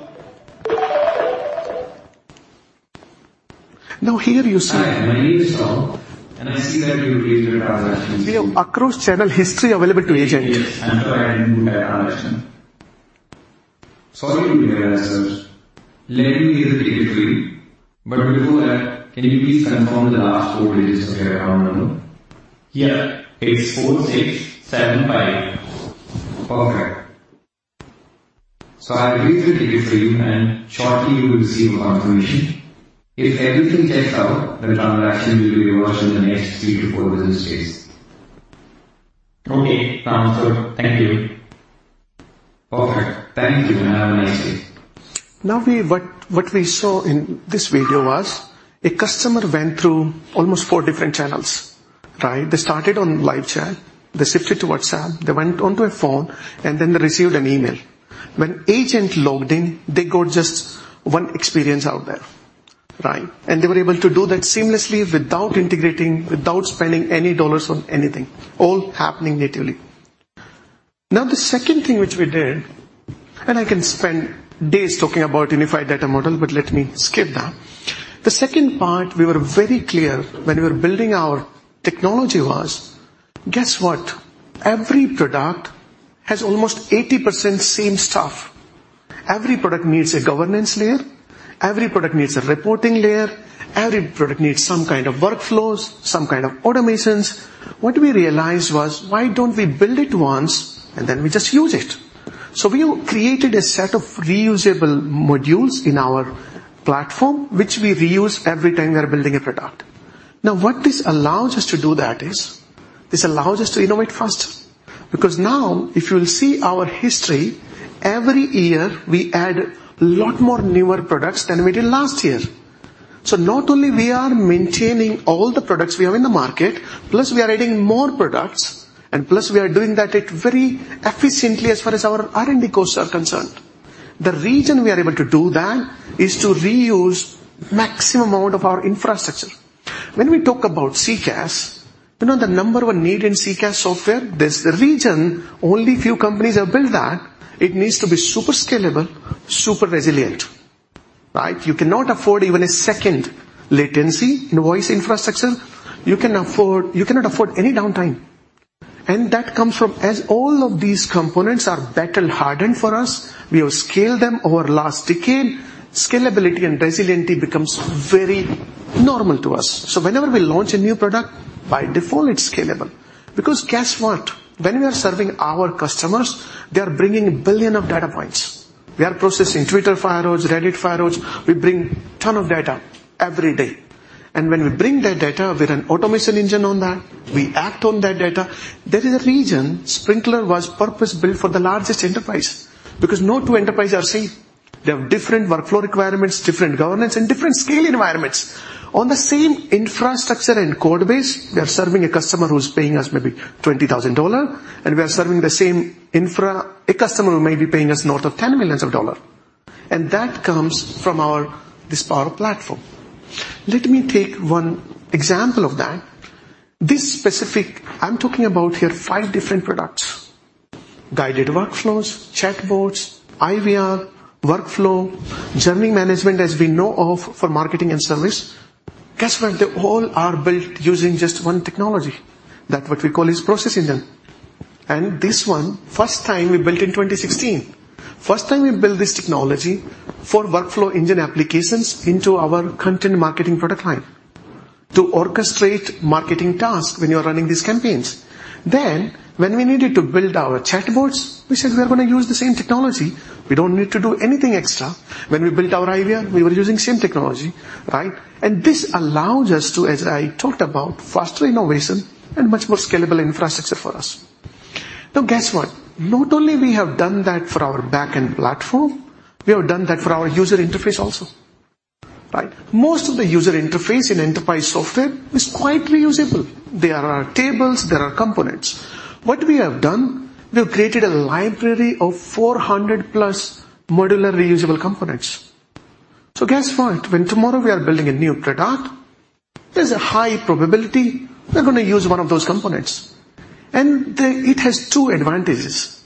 Here you see- Hi, my name is Tom, and I see that you've made three transactions. We have across channel history available to agent. Yes, I'm trying a new transaction. Sorry to hear that, sir. Let me raise a ticket for you. Before that, can you please confirm the last 4 digits of your account number? Yeah. It's 4, 6, 7, 5. Perfect. I'll raise a ticket for you, and shortly you will receive a confirmation. If everything checks out, the transaction will be reversed in the next three to four business days. Okay, sounds good. Thank you. Okay, thank you, and have a nice day. What we saw in this video was, a customer went through almost four different channels, right? They started on live chat, they shifted to WhatsApp, they went onto a phone, and then they received an email. When agent logged in, they got just one experience out there, right? They were able to do that seamlessly without integrating, without spending any U.S. dollars on anything. All happening natively. The second thing which we did, I can spend days talking about unified data model, but let me skip that. The second part, we were very clear when we were building our technology was, guess what? Every product has almost 80% same stuff. Every product needs a governance layer. Every product needs a reporting layer. Every product needs some kind of workflows, some kind of automations. What we realized was, why don't we build it once, and then we just use it? We created a set of reusable modules in our platform, which we reuse every time we are building a product. What this allows us to do that is, this allows us to innovate faster, because now, if you will see our history, every year, we add a lot more newer products than we did last year. Not only we are maintaining all the products we have in the market, plus we are adding more products, and plus we are doing that at very efficiently as far as our R&D costs are concerned. The reason we are able to do that is to reuse maximum amount of our infrastructure. When we talk about CCaaS, you know, the number one need in CCaaS software, there's a reason only few companies have built that. It needs to be super scalable, super resilient, right? You cannot afford even a second latency in voice infrastructure. You cannot afford any downtime. As all of these components are battle-hardened for us, we have scaled them over last decade. Scalability and resiliency becomes very normal to us. Whenever we launch a new product, by default, it's scalable. Guess what? When we are serving our customers, they are bringing 1 billion data points. We are processing Twitter firehose, Reddit firehose. We bring ton of data every day. When we bring that data with an automation engine on that, we act on that data. There is a reason Sprinklr was purpose-built for the largest enterprise, because no two enterprise are same. They have different workflow requirements, different governance, different scale environments. On the same infrastructure and code base, we are serving a customer who's paying us maybe $20,000, and we are serving the same infra, a customer who may be paying us north of $10 million, and that comes from our this power platform. Let me take one example of that. This specific, I'm talking about here five different products: guided workflows, chatbots, IVR, workflow, journey management, as we know of for marketing and service. Guess what? They all are built using just one technology. That what we call is process engine. This one, first time we built in 2016. First time we built this technology for workflow engine applications into our content marketing product line to orchestrate marketing tasks when you are running these campaigns. When we needed to build our chatbots, we said, "We are going to use the same technology. We don't need to do anything extra." When we built our IVR, we were using same technology, right? This allows us to, as I talked about, faster innovation and much more scalable infrastructure for us. Now, guess what? Not only we have done that for our back-end platform, we have done that for our user interface also. Right? Most of the user interface in enterprise software is quite reusable. There are tables, there are components. What we have done, we have created a library of 400 plus modular, reusable components. Guess what? When tomorrow we are building a new product, there's a high probability we're going to use one of those components. It has two advantages: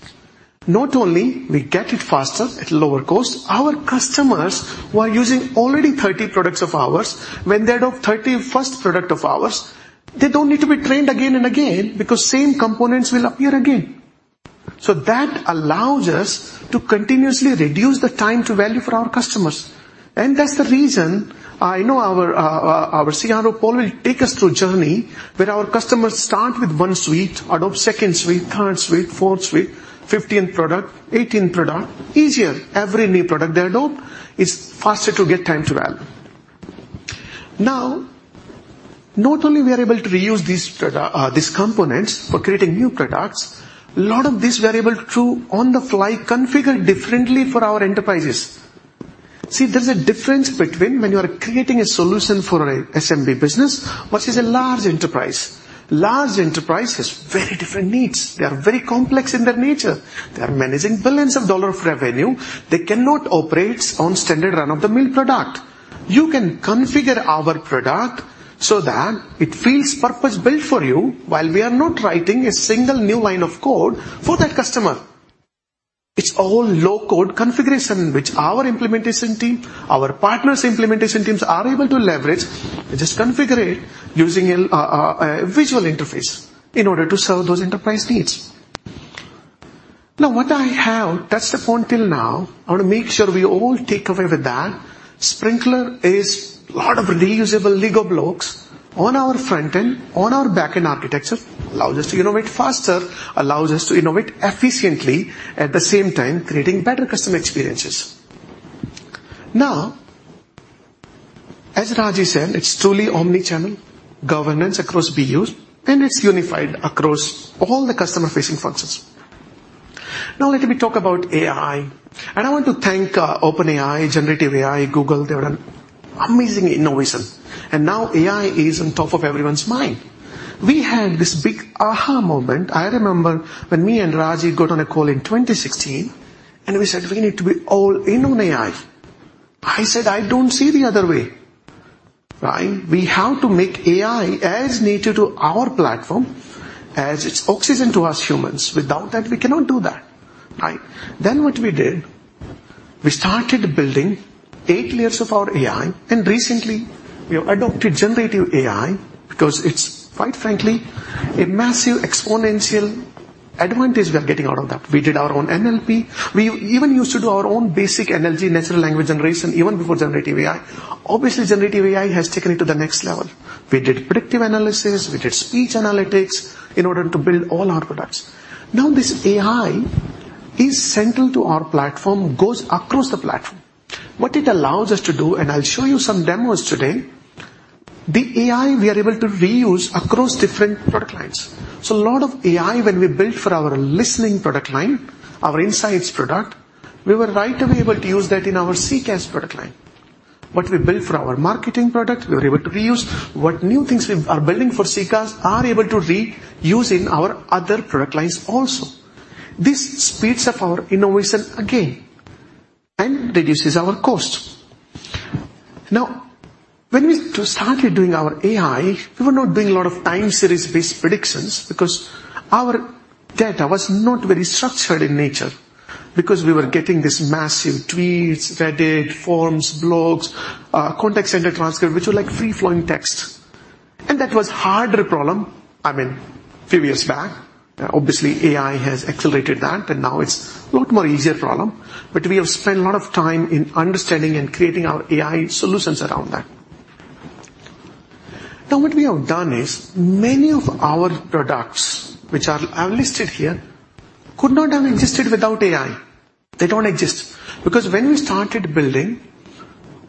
not only we get it faster at lower cost, our customers who are using already 30 products of ours, when they adopt 31st product of ours, they don't need to be trained again and again, because same components will appear again. That allows us to continuously reduce the time to value for our customers. That's the reason I know our CRO, Paul, will take us through a journey where our customers start with 1 suite, adopt 2nd suite, 3rd suite, 4th suite, 15th product, 18th product. Easier. Every new product they adopt is faster to get time to value. Not only we are able to reuse these components for creating new products, a lot of these we are able to, on-the-fly, configure differently for our enterprises. See, there's a difference between when you are creating a solution for a SMB business versus a large enterprise. Large enterprise has very different needs. They are very complex in their nature. They are managing billions of dollar of revenue. They cannot operate on standard run-of-the-mill product. You can configure our product so that it feels purpose-built for you, while we are not writing a single new line of code for that customer. It's all low-code configuration, which our implementation team, our partners' implementation teams, are able to leverage and just configure it using a visual interface in order to serve those enterprise needs. Now, what I have, that's the point till now. I want to make sure we all take away with that. Sprinklr is a lot of reusable Lego blocks on our front-end, on our back-end architecture. Allows us to innovate faster, allows us to innovate efficiently, at the same time, creating better customer experiences. As Rajiv said, it's truly omni-channel, governance across BUs, and it's unified across all the customer-facing functions. Let me talk about AI. I want to thank OpenAI, generative AI, Google. They've done amazing innovation. Now AI is on top of everyone's mind. We had this big aha! moment. I remember when me and got on a call in 2016. We said, "We need to be all in on AI." I said, "I don't see the other way," right? We have to make AI as native to our platform as it's oxygen to us humans. Without that, we cannot do that, right? What we did, we started building 8 layers of our AI, and recently we have adopted generative AI because it's, quite frankly, a massive exponential advantage we are getting out of that. We did our own NLP. We even used to do our own basic NLG, natural language generation, even before generative AI. Obviously, generative AI has taken it to the next level. We did predictive analysis, we did speech analytics in order to build all our products. This AI is central to our platform, goes across the platform. What it allows us to do, and I'll show you some demos today, the AI we are able to reuse across different product lines. A lot of AI, when we built for our listening product line, our Insights product, we were right away able to use that in our CCaaS product line. What we built for our marketing product, we were able to reuse. What new things we are building for CCaaS, are able to reuse in our other product lines also. This speeds up our innovation again and reduces our costs. When we started doing our AI, we were not doing a lot of time series-based predictions because our data was not very structured in nature, because we were getting these massive tweets, Reddit, forums, blogs, contact center transcript, which were like free-flowing text, and that was harder problem. I mean, few years back. Obviously, AI has accelerated that, and now it's a lot more easier problem. We have spent a lot of time in understanding and creating our AI solutions around that. What we have done is, many of our products, I've listed here, could not have existed without AI. They don't exist, because when we started building.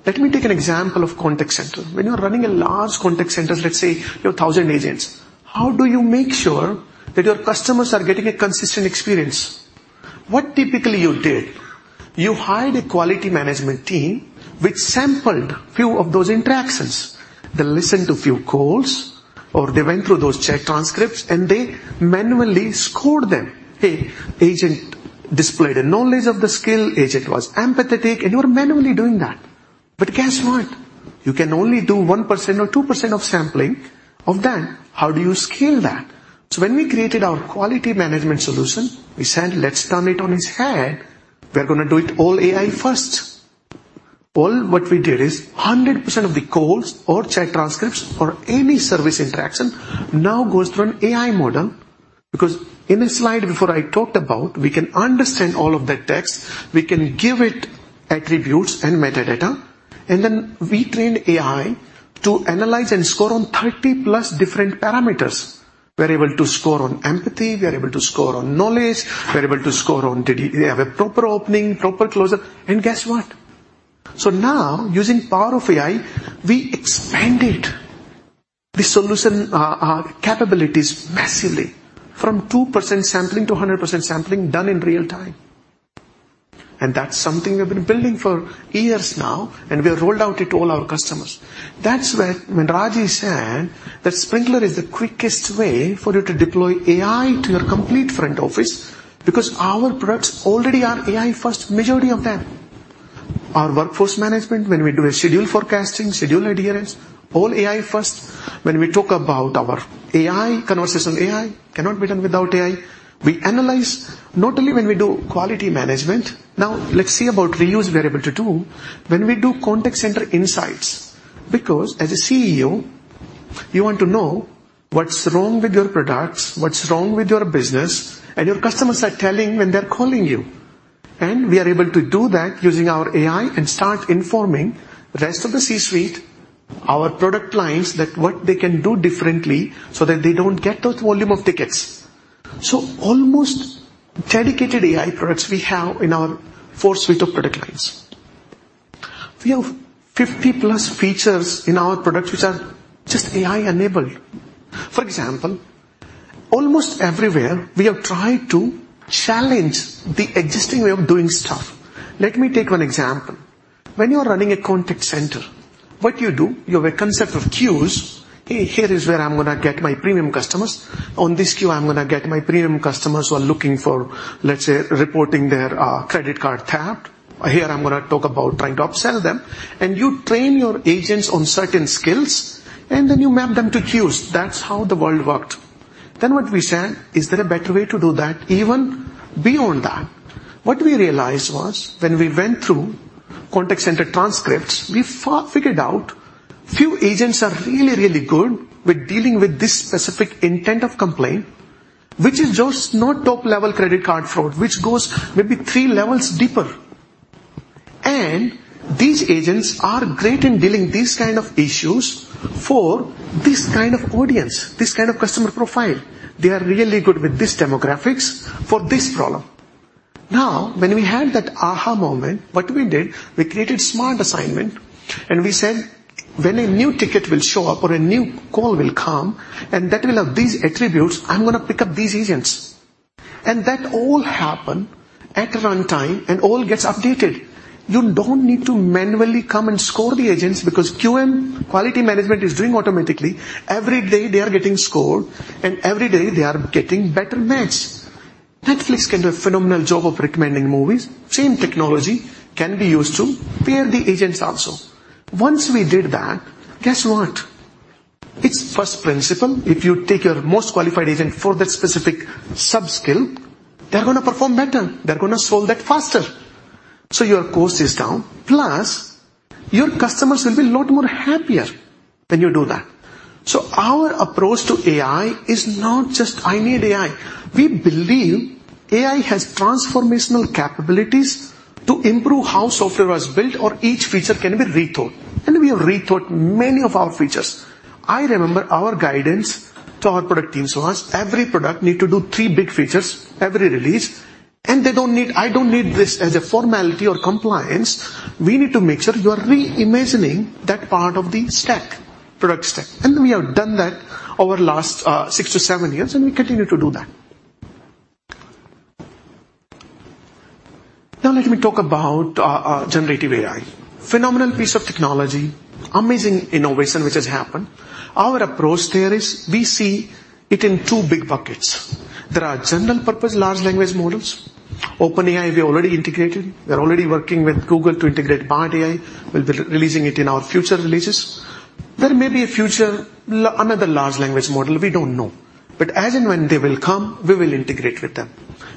Let me take an example of contact center. When you're running a large contact center, let's say you have 1,000 agents. How do you make sure that your customers are getting a consistent experience? What typically you did, you hired a quality management team which sampled few of those interactions. They listened to few calls, or they went through those chat transcripts, and they manually scored them. "Hey, agent displayed a knowledge of the skill, agent was empathetic," and you are manually doing that. Guess what? You can only do 1% or 2% of sampling of that. How do you scale that? When we created our quality management solution, we said, "Let's turn it on its head. We're going to do it all AI first. All what we did is 100% of the calls or chat transcripts or any service interaction now goes through an AI model, because in a slide before I talked about, we can understand all of that text, we can give it attributes and metadata, and then we train AI to analyze and score on 30-plus different parameters. We're able to score on empathy, we are able to score on knowledge, we're able to score on did you have a proper opening, proper closure. Guess what? Now, using power of AI, we expand the solution capabilities massively from 2% sampling to 100% sampling done in real time. That's something we've been building for years now, and we have rolled out to all our customers. That's where when Ragy said that Sprinklr is the quickest way for you to deploy AI to your complete front office, because our products already are AI first, majority of them. Our workforce management, when we do a schedule forecasting, schedule adherence, all AI first. When we talk about our AI, conversational AI cannot be done without AI. We analyze not only when we do quality management. Now let's see about we use variable to do when we do contact center insights, because as a CEO, you want to know what's wrong with your products, what's wrong with your business, and your customers are telling when they're calling you. We are able to do that using our AI and start informing the rest of the C-suite, our product lines, that what they can do differently so that they don't get those volume of tickets. Almost dedicated AI products we have in our 4 suite of product lines. We have 50 plus features in our products which are just AI-enabled. For example, almost everywhere we have tried to challenge the existing way of doing stuff. Let me take 1 example. When you are running a contact center, what you do? You have a concept of queues. "Hey, here is where I'm gonna get my premium customers. On this queue, I'm gonna get my premium customers who are looking for, let's say, reporting their credit card tapped. Here I'm gonna talk about trying to upsell them." You train your agents on certain skills, and then you map them to queues. That's how the world worked. What we said, "Is there a better way to do that?" Even beyond that, what we realized was when we went through contact center transcripts, we far figured out few agents are really, really good with dealing with this specific intent of complaint, which is just not top-level credit card fraud, which goes maybe three levels deeper. These agents are great in dealing these kind of issues for this kind of audience, this kind of customer profile. They are really good with this demographics for this problem. When we had that aha moment, what we did, we created smart assignment, and we said, "When a new ticket will show up or a new call will come, and that will have these attributes, I'm gonna pick up these agents." That all happen at runtime and all gets updated. You don't need to manually come and score the agents because QM, quality management, is doing automatically. Every day they are getting scored, and every day they are getting better match. Netflix can do a phenomenal job of recommending movies. Same technology can be used to pair the agents also. Once we did that, guess what? It's first principle. If you take your most qualified agent for that specific sub-skill, they're gonna perform better. They're gonna solve that faster. Your cost is down, plus your customers will be a lot more happier when you do that. Our approach to AI is not just, "I need AI." We believe AI has transformational capabilities to improve how software was built, or each feature can be rethought. We have rethought many of our features. I remember our guidance to our product teams was every product need to do three big features every release, I don't need this as a formality or compliance. We need to make sure you are reimagining that part of the stack, product stack. We have done that over the last six to seven years, and we continue to do that. Now, let me talk about generative AI. Phenomenal piece of technology, amazing innovation, which has happened. Our approach there is we see it in two big buckets. There are general-purpose large language models. OpenAI, we already integrated. We're already working with Google to integrate Bard AI. We'll be releasing it in our future releases. There may be a future, another large language model, we don't know. As and when they will come, we will integrate with them.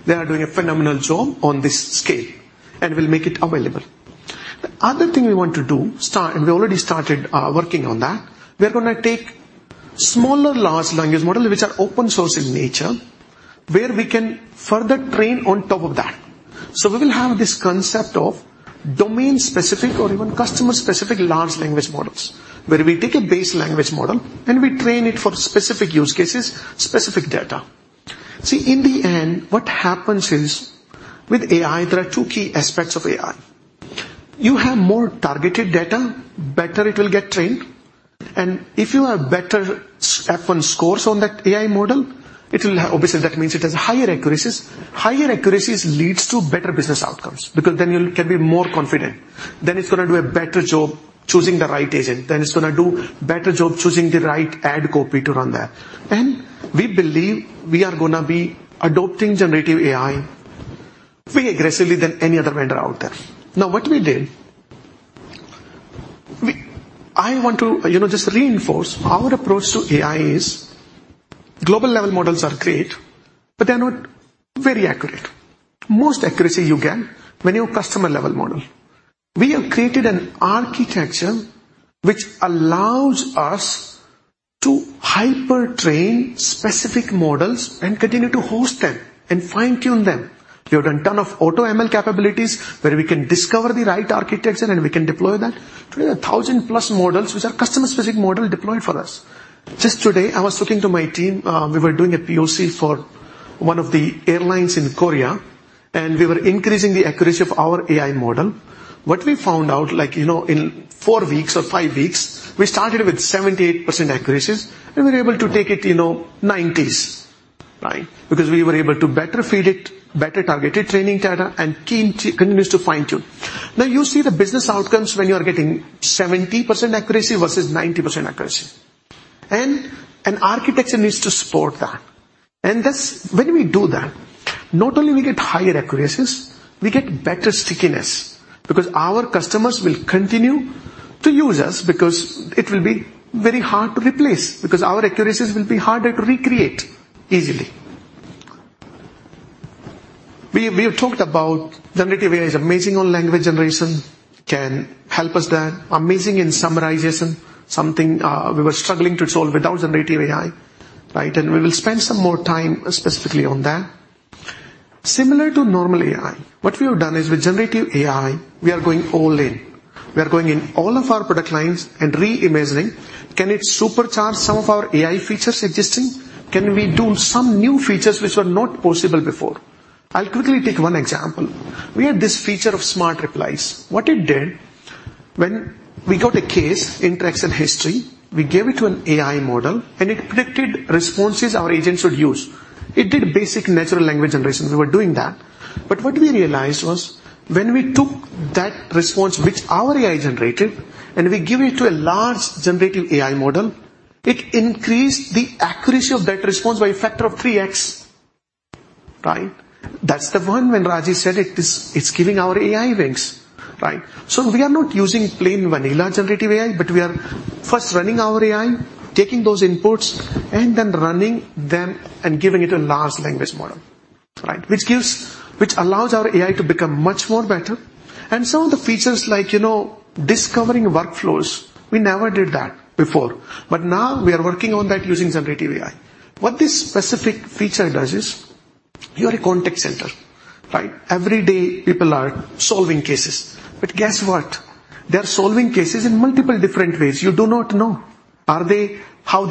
They are doing a phenomenal job on this scale, and we'll make it available. The other thing we want to do and we already started working on that. We're gonna take smaller large language models, which are open source in nature, where we can further train on top of that. We will have this concept of domain-specific or even customer-specific large language models, where we take a base language model, and we train it for specific use cases, specific data. In the end, what happens is with AI, there are two key aspects of AI. You have more targeted data, better it will get trained, and if you have better F1 scores on that AI model, obviously, that means it has higher accuracies. Higher accuracies leads to better business outcomes because then you can be more confident. Then it's gonna do a better job choosing the right agent, then it's gonna do better job choosing the right ad copy to run there. We believe we are gonna be adopting generative AI way aggressively than any other vendor out there. I want to, you know, just reinforce our approach to AI is global-level models are great, but they're not very accurate. Most accuracy you get when you're customer-level model. We have created an architecture which allows us to hyper train specific models and continue to host them and fine-tune them. We have done ton of AutoML capabilities, where we can discover the right architecture, and we can deploy that. Today, 1,000+ models, which are customer-specific model, deployed for us. Just today, I was talking to my team, we were doing a POC. one of the airlines in Korea, and we were increasing the accuracy of our AI model. What we found out, like, you know, in 4 weeks or 5 weeks, we started with 78% accuracies, and we were able to take it, you know, 90s, right? Because we were able to better feed it, better targeted training data, and continues to fine-tune. Now, you see the business outcomes when you are getting 70% accuracy versus 90% accuracy. An architecture needs to support that. That's when we do that, not only we get higher accuracies, we get better stickiness, because our customers will continue to use us because it will be very hard to replace, because our accuracies will be harder to recreate easily. We have talked about generative AI is amazing on language generation, can help us there. Amazing in summarization, something we were struggling to solve without generative AI, right? We will spend some more time specifically on that. Similar to normal AI, what we have done is with generative AI, we are going all in. We are going in all of our product lines and re-imagining, can it supercharge some of our AI features existing? Can we do some new features which were not possible before? I'll quickly take one example. We had this feature of smart replies. What it did, when we got a case, interaction history, we gave it to an AI model, and it predicted responses our agents would use. It did basic natural language generation. We were doing that. What we realized was, when we took that response, which our AI generated, and we give it to a large generative AI model, it increased the accuracy of that response by a factor of 3x. Right? That's the one when Rajiv said it is, it's giving our AI wings, right? We are not using plain vanilla generative AI, but we are first running our AI, taking those inputs, and then running them and giving it a large language model, right? Which allows our AI to become much more better. Some of the features, like, you know, discovering workflows, we never did that before, but now we are working on that using generative AI. What this specific feature does is, you are a contact center, right? Every day, people are solving cases. Guess what? They are solving cases in multiple different ways. You do not know how they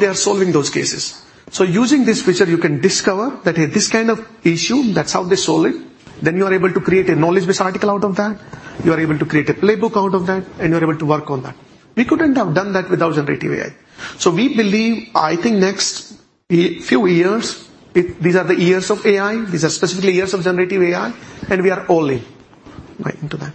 are solving those cases. Using this feature, you can discover that, hey, this kind of issue, that's how they solve it. You are able to create a knowledge base article out of that, you are able to create a playbook out of that, and you are able to work on that. We couldn't have done that without generative AI. We believe, I think next a few years, these are the years of AI. These are specifically years of generative AI, we are all in, right, into that.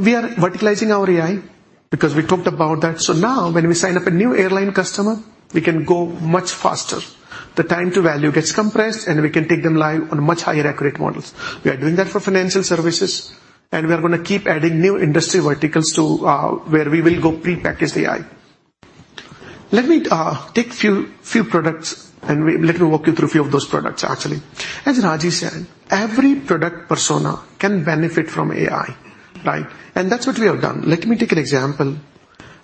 We are verticalizing our AI because we talked about that. Now, when we sign up a new airline customer, we can go much faster. The time to value gets compressed, we can take them live on much higher accurate models. We are doing that for financial services, we are going to keep adding new industry verticals to where we will go prepackaged AI. Let me take few products and let me walk you through a few of those products, actually. As Rajiv said, every product persona can benefit from AI, right? That's what we have done. Let me take an example.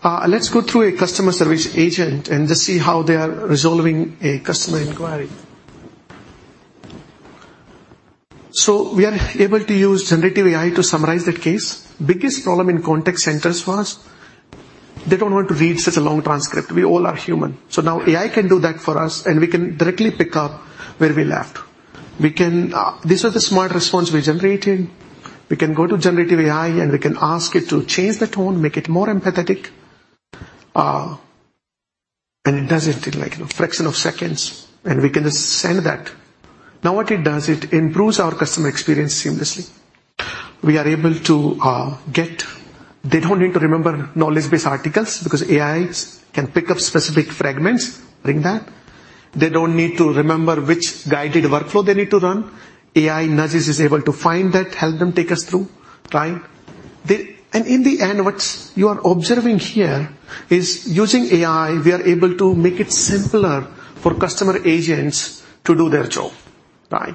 Let's go through a customer service agent and just see how they are resolving a customer inquiry. We are able to use generative AI to summarize that case. Biggest problem in contact centers was they don't want to read such a long transcript. We all are human. Now AI can do that for us, and we can directly pick up where we left. This was the smart response we generated. We can go to generative AI, we can ask it to change the tone, make it more empathetic, it does it in, like, a fraction of seconds, we can just send that. What it does, it improves our customer experience seamlessly. They don't need to remember knowledge base articles because AIs can pick up specific fragments, bring that. They don't need to remember which guided workflow they need to run. AI nudges is able to find that, help them take us through, right? In the end, what you are observing here is using AI, we are able to make it simpler for customer agents to do their job, right?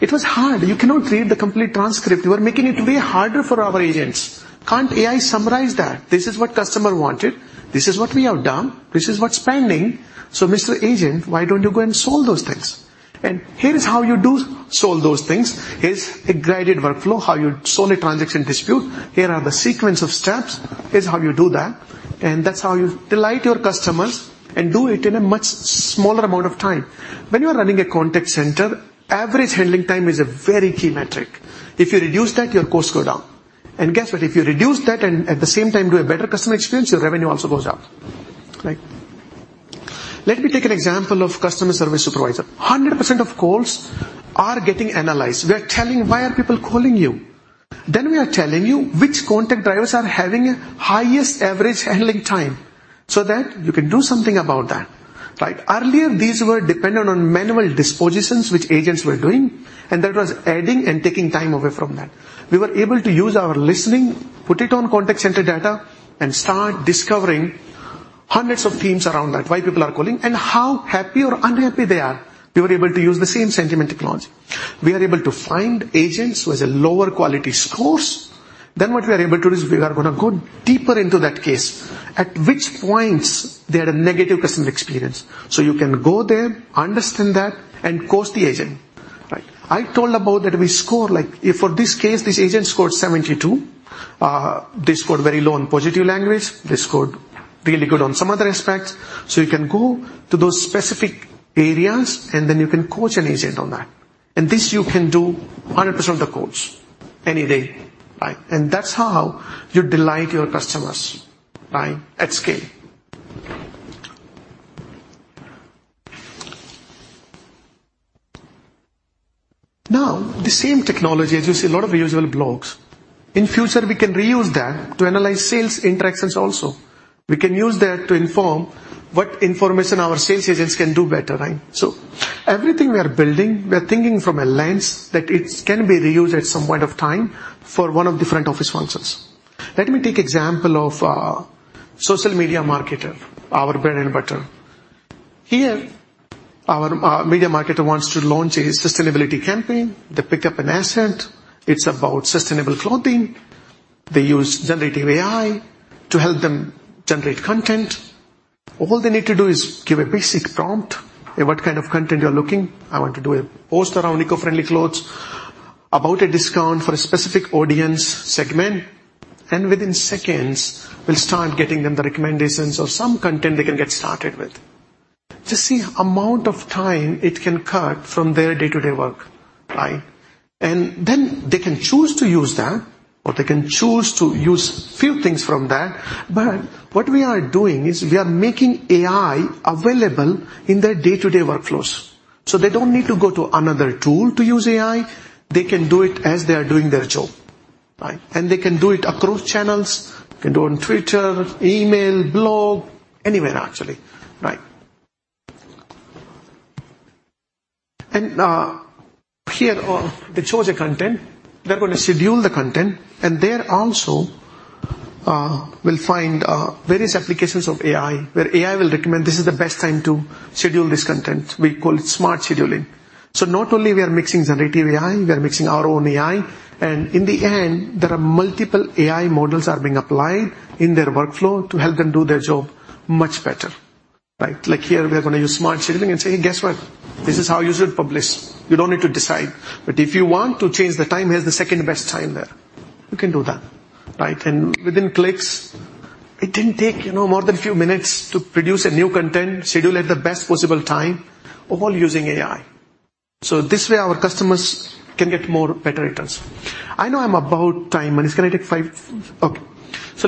It was hard. You cannot read the complete transcript. You are making it way harder for our agents. Can't AI summarize that? This is what customer wanted. This is what we have done. This is what's pending. Mr. Agent, why don't you go and solve those things? Here is how you do solve those things. Here's a guided workflow, how you solve a transaction dispute. Here are the sequence of steps. Here's how you do that. That's how you delight your customers and do it in a much smaller amount of time. When you are running a contact center, average handling time is a very key metric. If you reduce that, your costs go down. Guess what? If you reduce that and at the same time do a better customer experience, your revenue also goes up, right? Let me take an example of customer service supervisor. 100% of calls are getting analyzed. We are telling: Why are people calling you? We are telling you which contact drivers are having highest average handling time, so that you can do something about that, right? Earlier, these were dependent on manual dispositions, which agents were doing, and that was adding and taking time away from that. We were able to use our listening, put it on contact center data, and start discovering hundreds of themes around that, why people are calling and how happy or unhappy they are. We were able to use the same sentiment technology. We are able to find agents who has a lower quality scores. What we are able to do is we are gonna go deeper into that case, at which points they had a negative customer experience. You can go there, understand that, and coach the agent. Right. I told about that we score, like, if for this case, this agent scored 72. They scored very low on positive language. They scored really good on some other aspects. You can go to those specific areas, and then you can coach an agent on that. This you can do 100% of the course any day, right? That's how you delight your customers, right, at scale. The same technology, as you see a lot of usual blogs, in future, we can reuse that to analyze sales interactions also. We can use that to inform what information our sales agents can do better, right? Everything we are building, we are thinking from a lens that it can be reused at some point of time for one of different office functions. Let me take example of social media marketer, our bread and butter. Here, our media marketer wants to launch a sustainability campaign. They pick up an asset. It's about sustainable clothing. They use generative AI to help them generate content. All they need to do is give a basic prompt in what kind of content you're looking. I want to do a post around eco-friendly clothes, about a discount for a specific audience segment, within seconds, we'll start getting them the recommendations of some content they can get started with. Just see amount of time it can cut from their day-to-day work, right? They can choose to use that, or they can choose to use few things from that. What we are doing is we are making AI available in their day-to-day workflows, so they don't need to go to another tool to use AI. They can do it as they are doing their job, right? They can do it across channels. They can do on Twitter, email, blog, anywhere, actually, right. Here, they chose a content. They're gonna schedule the content, and there also, we'll find various applications of AI, where AI will recommend this is the best time to schedule this content. We call it smart scheduling. Not only we are mixing generative AI, we are mixing our own AI, and in the end, there are multiple AI models are being applied in their workflow to help them do their job much better, right? Like here, we are gonna use smart scheduling and say, "Hey, guess what? This is how you should publish. You don't need to decide. But if you want to change the time, here's the second-best time there." You can do that, right? Within clicks, it didn't take, you know, more than a few minutes to produce a new content, schedule at the best possible time, all using AI. This way, our customers can get more better returns. I know I'm about time. Okay,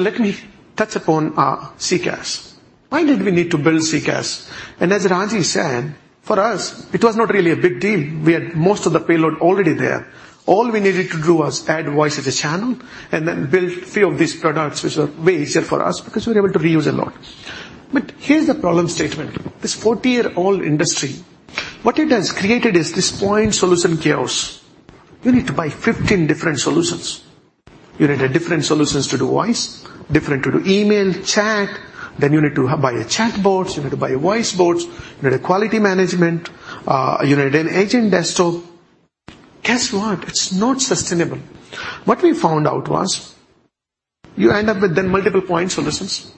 let me touch upon CCaaS. Why did we need to build CCaaS? As Ragy said, for us, it was not really a big deal. We had most of the payload already there. All we needed to do was add voice as a channel and then build a few of these products, which were way easier for us because we were able to reuse a lot. Here's the problem statement: This 40-year-old industry, what it has created is this point solution chaos. You need to buy 15 different solutions. You need a different solutions to do voice, different to do email, chat, then you need to buy a chatbots, you need to buy voicebots, you need a quality management, you need an agent desktop. Guess what? It's not sustainable. What we found out was, you end up with then multiple point solutions.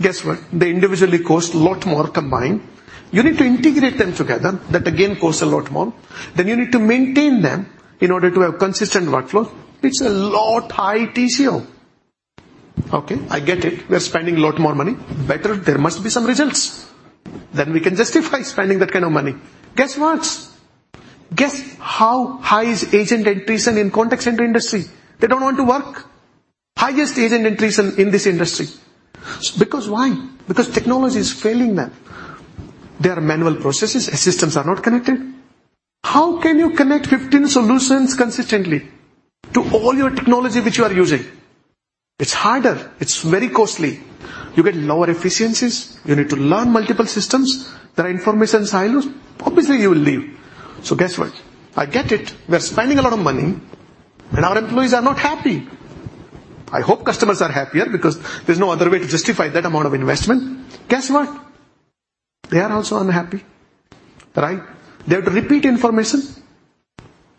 Guess what? They individually cost a lot more combined. You need to integrate them together. That, again, costs a lot more. You need to maintain them in order to have consistent workflow. It's a lot high TCO. Okay, I get it. We're spending a lot more money. Better there must be some results, then we can justify spending that kind of money. Guess what? Guess how high is agent attrition in contact center industry? They don't want to work. Highest agent attrition in this industry. Why? Technology is failing them. There are manual processes, systems are not connected. How can you connect 15 solutions consistently to all your technology which you are using? It's harder. It's very costly. You get lower efficiencies. You need to learn multiple systems. There are information silos. Obviously, you will leave. Guess what? I get it. We're spending a lot of money, and our employees are not happy. I hope customers are happier because there's no other way to justify that amount of investment. Guess what? They are also unhappy, right? They have to repeat information,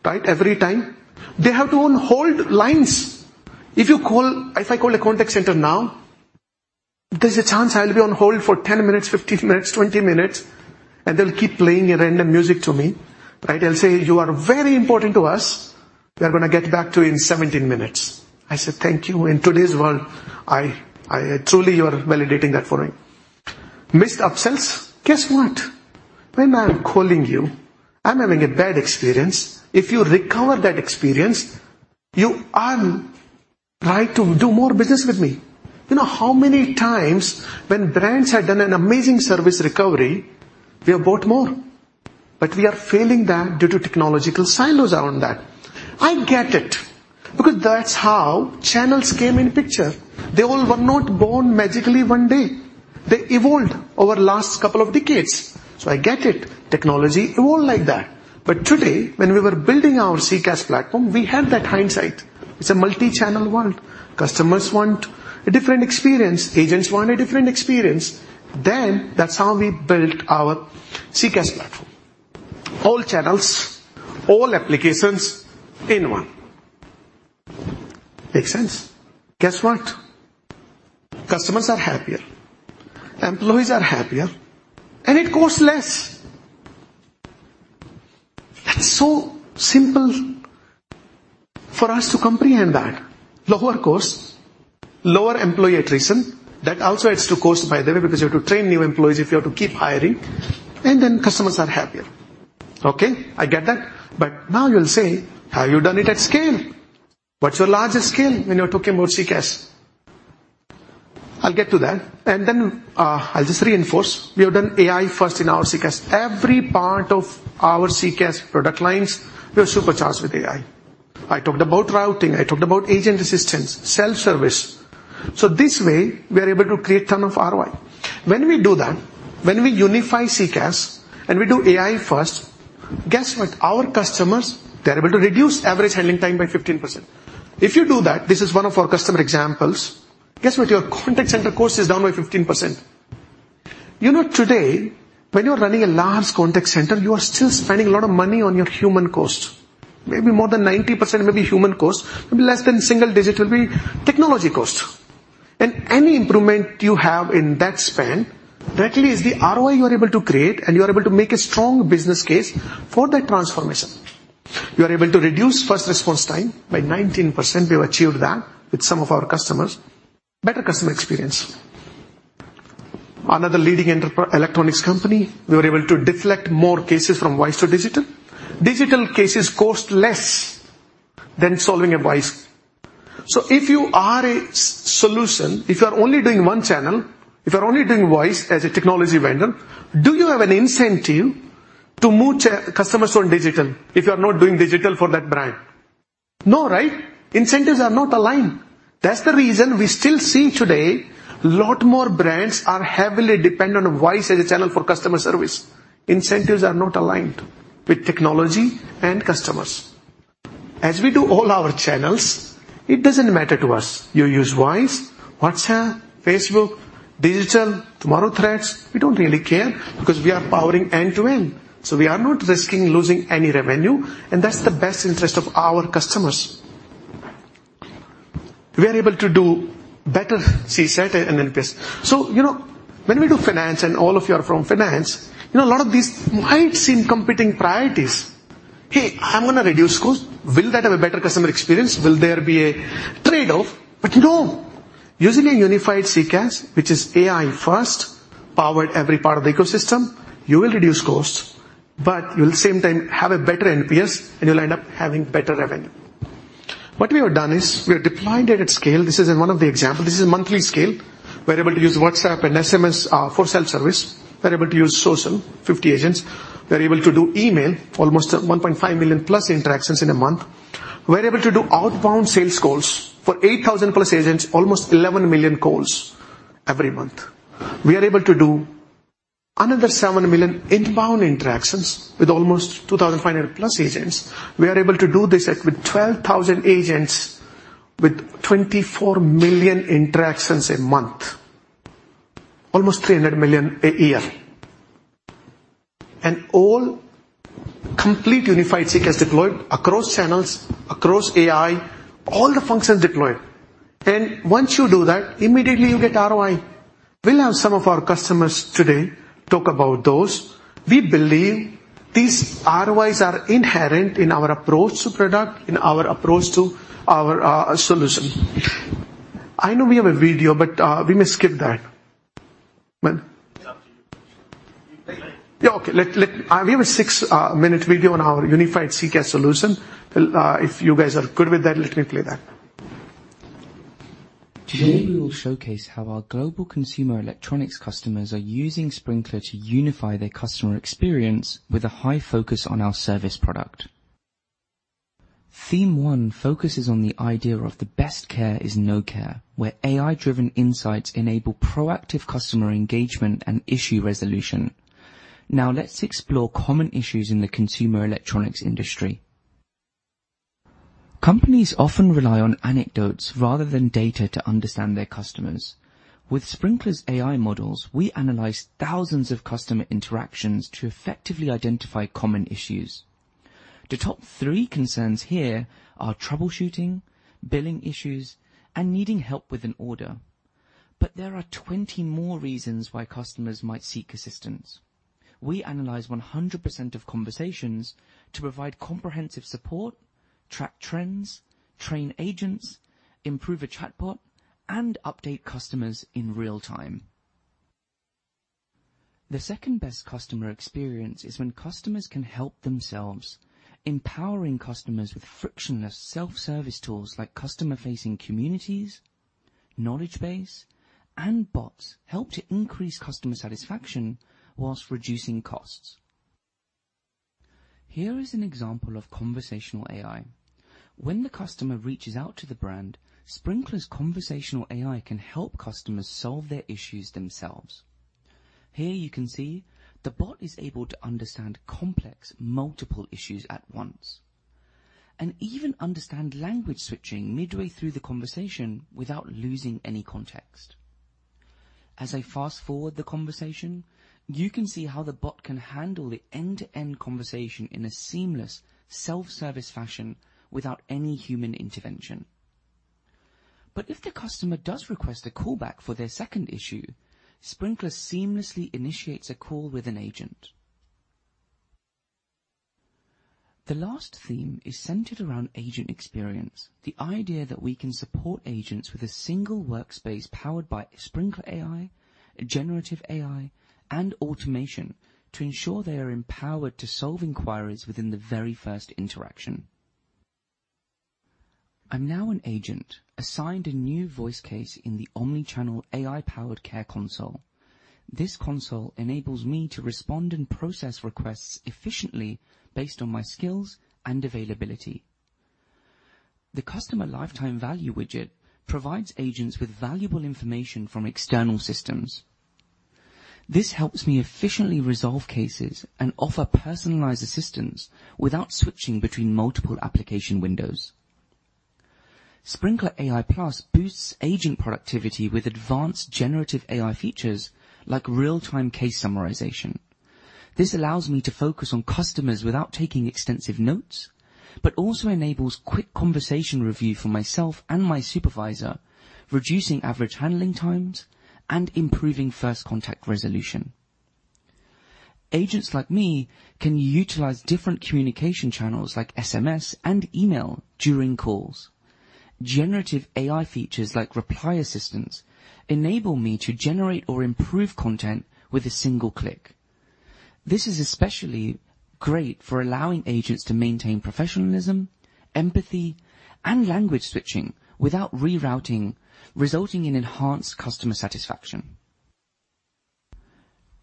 right? Every time. They have to on hold lines. If I call a contact center now, there's a chance I'll be on hold for 10 minutes, 15 minutes, 20 minutes, and they'll keep playing a random music to me, right? They'll say, "You are very important to us. We are going to get back to you in 17 minutes." I said, "Thank you. In today's world, I truly, you are validating that for me." Missed upsells. Guess what? When I'm calling you, I'm having a bad experience. If you recover that experience, you are trying to do more business with me. You know how many times when brands have done an amazing service recovery, we have bought more, but we are failing that due to technological silos around that. I get it because that's how channels came in picture. They all were not born magically one day. They evolved over last couple of decades. I get it. Technology evolved like that. Today, when we were building our CCaaS platform, we have that hindsight. It's a multi-channel world. Customers want a different experience. Agents want a different experience. That's how we built our CCaaS platform. All channels, all applications in one. Make sense? Guess what? Customers are happier, employees are happier, and it costs less. That's so simple for us to comprehend that. Lower costs, lower employee attrition. That also adds to cost, by the way, because you have to train new employees if you have to keep hiring, and then customers are happier. Okay, I get that. Now you'll say: Have you done it at scale? What's your largest scale when you're talking about CCaaS? I'll get to that. I'll just reinforce. We have done AI first in our CCaaS. Every part of our CCaaS product lines, we are supercharged with AI. I talked about routing. I talked about agent assistance, self-service. This way, we are able to create ton of ROI. When we do that, when we unify CCaaS, and we do AI first, guess what? Our customers, they're able to reduce average handling time by 15%. If you do that, this is one of our customer examples, guess what? Your contact center cost is down by 15%. You know, today, when you're running a large contact center, you are still spending a lot of money on your human costs. Maybe more than 90% may be human costs, maybe less than single digit will be technology costs. Any improvement you have in that spend, directly is the ROI you are able to create, and you are able to make a strong business case for that transformation. You are able to reduce first response time by 19%. We have achieved that with some of our customers. Better customer experience. Another leading electronics company, we were able to deflect more cases from voice to digital. Digital cases cost less than solving a voice. If you are a solution, if you are only doing one channel, if you're only doing voice as a technology vendor, do you have an incentive to move customers on digital, if you are not doing digital for that brand? No, right? Incentives are not aligned. That's the reason we still see today a lot more brands are heavily dependent on voice as a channel for customer service. Incentives are not aligned with technology and customers. We do all our channels, it doesn't matter to us. You use voice, WhatsApp, Facebook, digital, tomorrow, Threads, we don't really care because we are powering end-to-end, so we are not risking losing any revenue, and that's the best interest of our customers. We are able to do better CSAT and NPS You know, when we do finance, and all of you are from finance, you know, a lot of these might seem competing priorities. "Hey, I'm gonna reduce costs. Will that have a better customer experience? Will there be a trade-off?" No, using a unified CCaaS, which is AI first, power every part of the ecosystem, you will reduce costs, but you'll at the same time have a better NPS, and you'll end up having better revenue. What we have done is we have deployed it at scale. This is in one of the examples. This is a monthly scale. We're able to use WhatsApp and SMS for self-service. We're able to use social, 50 agents. We're able to do email, almost 1.5 million+ interactions in a month. We're able to do outbound sales calls for 8,000+ agents, almost 11 million calls every month. We are able to do another 7 million inbound interactions with almost 2,500+ agents. We are able to do this with 12,000 agents with 24 million interactions a month, almost 300 million a year. All complete unified CCaaS deployed across channels, across AI, all the functions deployed. Once you do that, immediately you get ROI. We'll have some of our customers today talk about those. We believe these ROIs are inherent in our approach to product, in our approach to our solution. I know we have a video, but we may skip that. Yeah. Yeah, okay. We have a six minute video on our unified CCaaS solution. If you guys are good with that, let me play that. Today, we will showcase how our global consumer electronics customers are using Sprinklr to unify their customer experience with a high focus on our service product. Theme one focuses on the idea of the best care is no care, where AI-driven insights enable proactive customer engagement and issue resolution. Let's explore common issues in the consumer electronics industry. Companies often rely on anecdotes rather than data to understand their customers. With Sprinklr's AI models, we analyze thousands of customer interactions to effectively identify common issues. The top three concerns here are troubleshooting, billing issues, and needing help with an order. There are 20 more reasons why customers might seek assistance. We analyze 100% of conversations to provide comprehensive support, track trends, train agents, improve a chatbot, and update customers in real time. The second best customer experience is when customers can help themselves. Empowering customers with frictionless self-service tools like customer-facing communities, knowledge base, and bots help to increase customer satisfaction while reducing costs. Here is an example of conversational AI. When the customer reaches out to the brand, Sprinklr's conversational AI can help customers solve their issues themselves. Here you can see the bot is able to understand complex multiple issues at once and even understand language switching midway through the conversation without losing any context. As I fast-forward the conversation, you can see how the bot can handle the end-to-end conversation in a seamless, self-service fashion without any human intervention. If the customer does request a call back for their second issue, Sprinklr seamlessly initiates a call with an agent. The last theme is centered around agent experience. The idea that we can support agents with a single workspace powered by Sprinklr AI, generative AI, and automation to ensure they are empowered to solve inquiries within the very first interaction. I'm now an agent, assigned a new voice case in the omni-channel AI-powered care console. This console enables me to respond and process requests efficiently based on my skills and availability. The customer lifetime value widget provides agents with valuable information from external systems. This helps me efficiently resolve cases and offer personalized assistance without switching between multiple application windows. Sprinklr AI+ boosts agent productivity with advanced generative AI features like real-time case summarization. This allows me to focus on customers without taking extensive notes, but also enables quick conversation review for myself and my supervisor, reducing average handling times and improving first contact resolution. Agents like me can utilize different communication channels, like SMS and email, during calls. Generative AI features like reply assistance enable me to generate or improve content with a single click. This is especially great for allowing agents to maintain professionalism, empathy, and language switching without rerouting, resulting in enhanced customer satisfaction.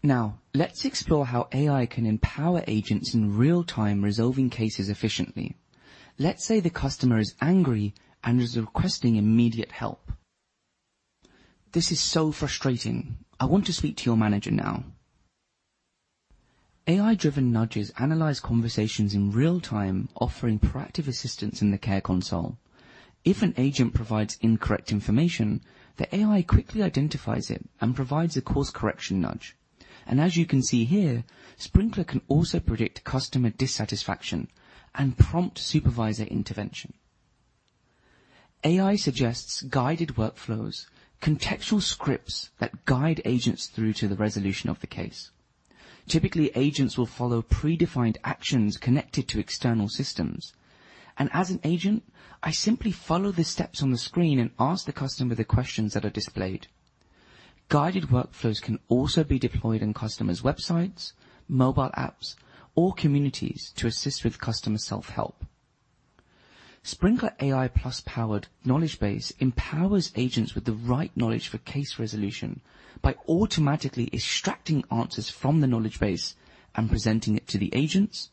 Now, let's explore how AI can empower agents in real-time, resolving cases efficiently. Let's say the customer is angry and is requesting immediate help. "This is so frustrating. I want to speak to your manager now." AI-driven nudges analyze conversations in real time, offering proactive assistance in the care console. If an agent provides incorrect information, the AI quickly identifies it and provides a course correction nudge. As you can see here, Sprinklr can also predict customer dissatisfaction and prompt supervisor intervention. AI suggests guided workflows, contextual scripts that guide agents through to the resolution of the case. Typically, agents will follow predefined actions connected to external systems, and as an agent, I simply follow the steps on the screen and ask the customer the questions that are displayed. Guided workflows can also be deployed on customers' websites, mobile apps, or communities to assist with customer self-help. Sprinklr AI+-powered knowledge base empowers agents with the right knowledge for case resolution by automatically extracting answers from the knowledge base and presenting it to the agents,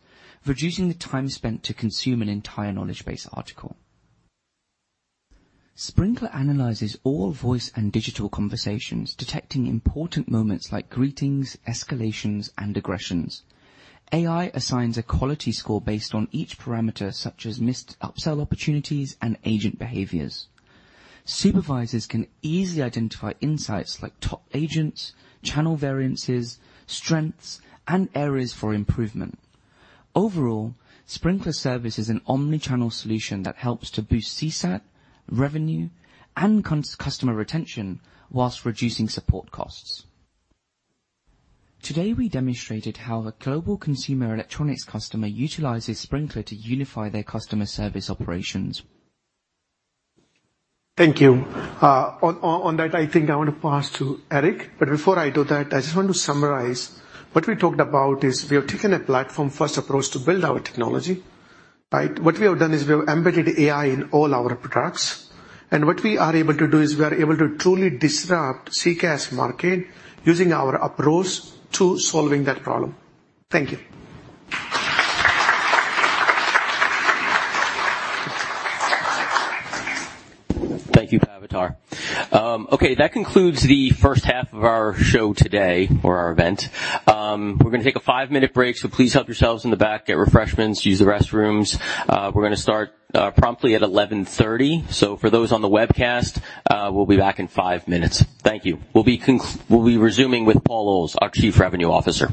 reducing the time spent to consume an entire knowledge base article. Sprinklr analyzes all voice and digital conversations, detecting important moments like greetings, escalations, and aggressions. AI assigns a quality score based on each parameter, such as missed upsell opportunities and agent behaviors. Supervisors can easily identify insights like top agents, channel variances, strengths, and areas for improvement. Overall, Sprinklr Service is an omni-channel solution that helps to boost CSAT, revenue, and customer retention whilst reducing support costs. Today, we demonstrated how a global consumer electronics customer utilizes Sprinklr to unify their customer service operations. Thank you. On that, I think I want to pass to Eric. Before I do that, I just want to summarize. What we talked about is we have taken a platform-first approach to build our technology, right? What we have done is we have embedded AI in all our products. What we are able to do is we are able to truly disrupt CCaaS market using our approach to solving that problem. Thank you. Thank you, Pavitar. Okay, that concludes the first half of our show today, or our event. We're gonna take a 5-minute break. Please help yourselves in the back, get refreshments, use the restrooms. We're gonna start promptly at 11:30. For those on the webcast, we'll be back in 5 minutes. Thank you. We'll be resuming with Paul Ohls, our Chief Revenue Officer.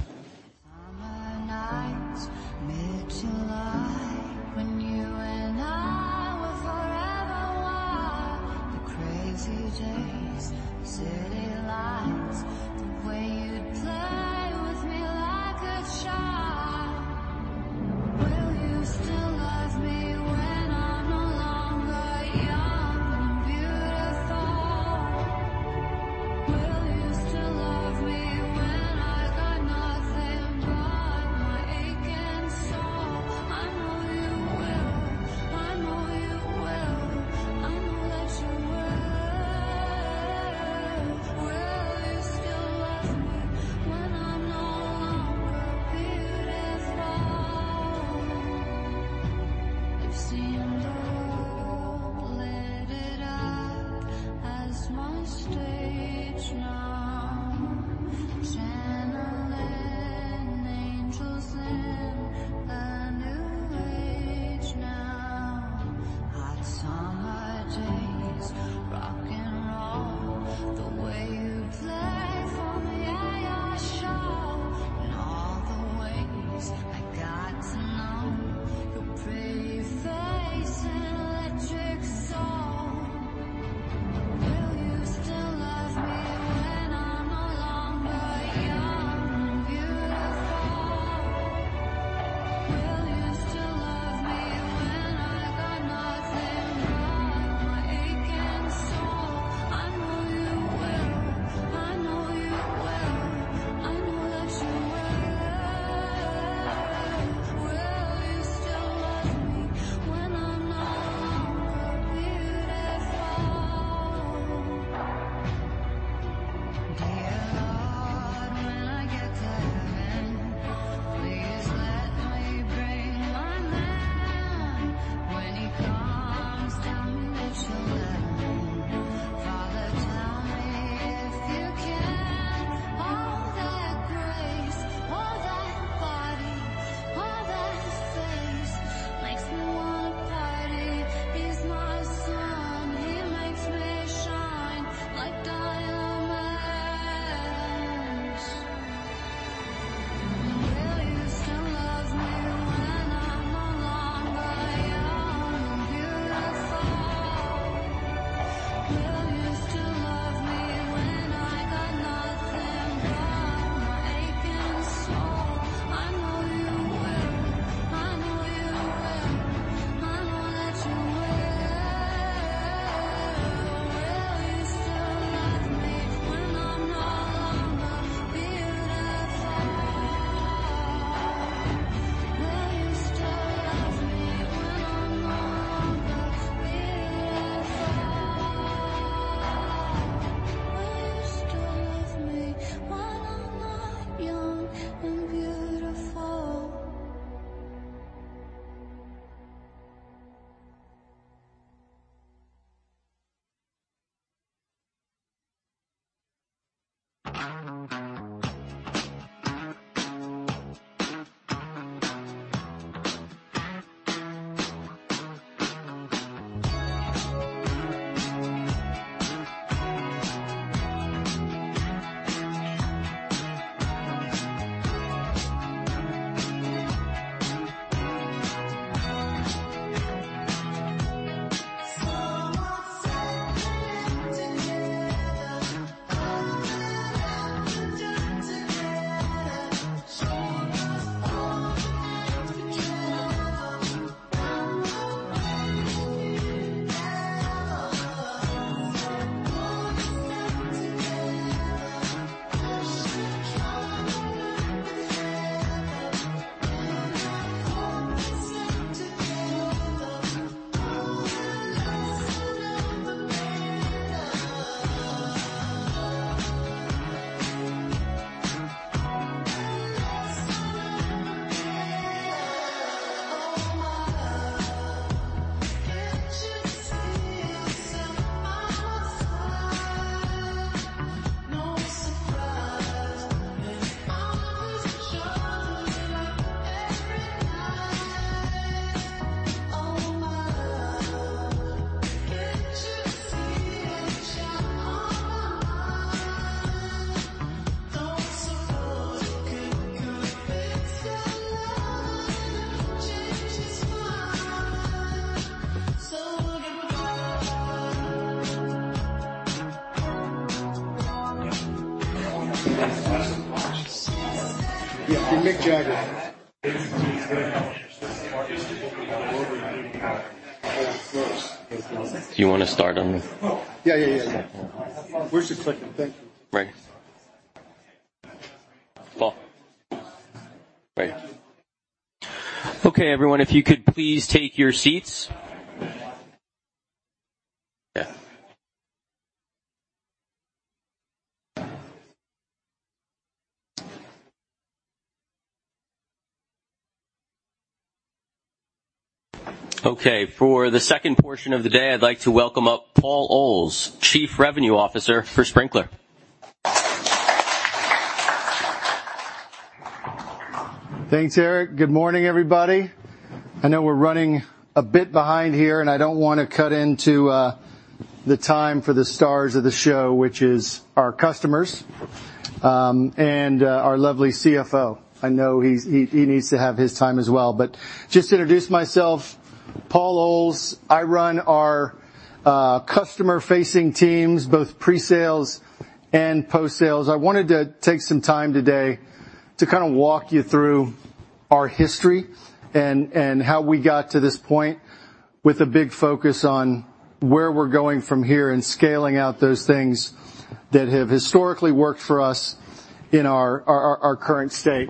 Yeah. Okay, for the second portion of the day, I'd like to welcome up Paul Ohls, Chief Revenue Officer for Sprinklr. Thanks, Eric. Good morning, everybody. I know we're running a bit behind here. I don't want to cut into the time for the stars of the show, which is our customers, and our lovely CFO. I know he needs to have his time as well. Just to introduce myself, Paul Ohls. I run our customer-facing teams, both pre-sales and post-sales. I wanted to take some time today to kind of walk you through our history and how we got to this point, with a big focus on where we're going from here and scaling out those things that have historically worked for us in our current state.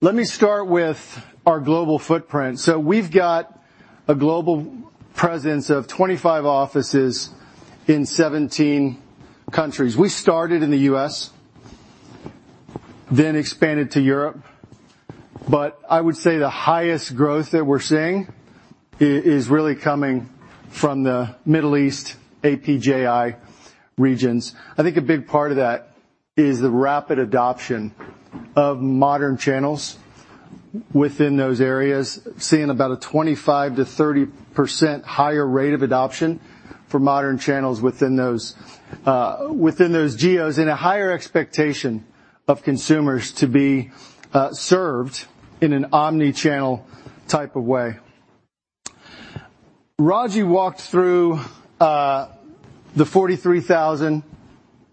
Let me start with our global footprint. We've got a global presence of 25 offices in 17 countries. We started in the US, then expanded to Europe, but I would say the highest growth that we're seeing is really coming from the Middle East, APJ regions. I think a big part of that is the rapid adoption of modern channels within those areas, seeing about a 25% to 30% higher rate of adoption for modern channels within those within those geos, and a higher expectation of consumers to be served in an omni-channel type of way. Raji walked through the 43,000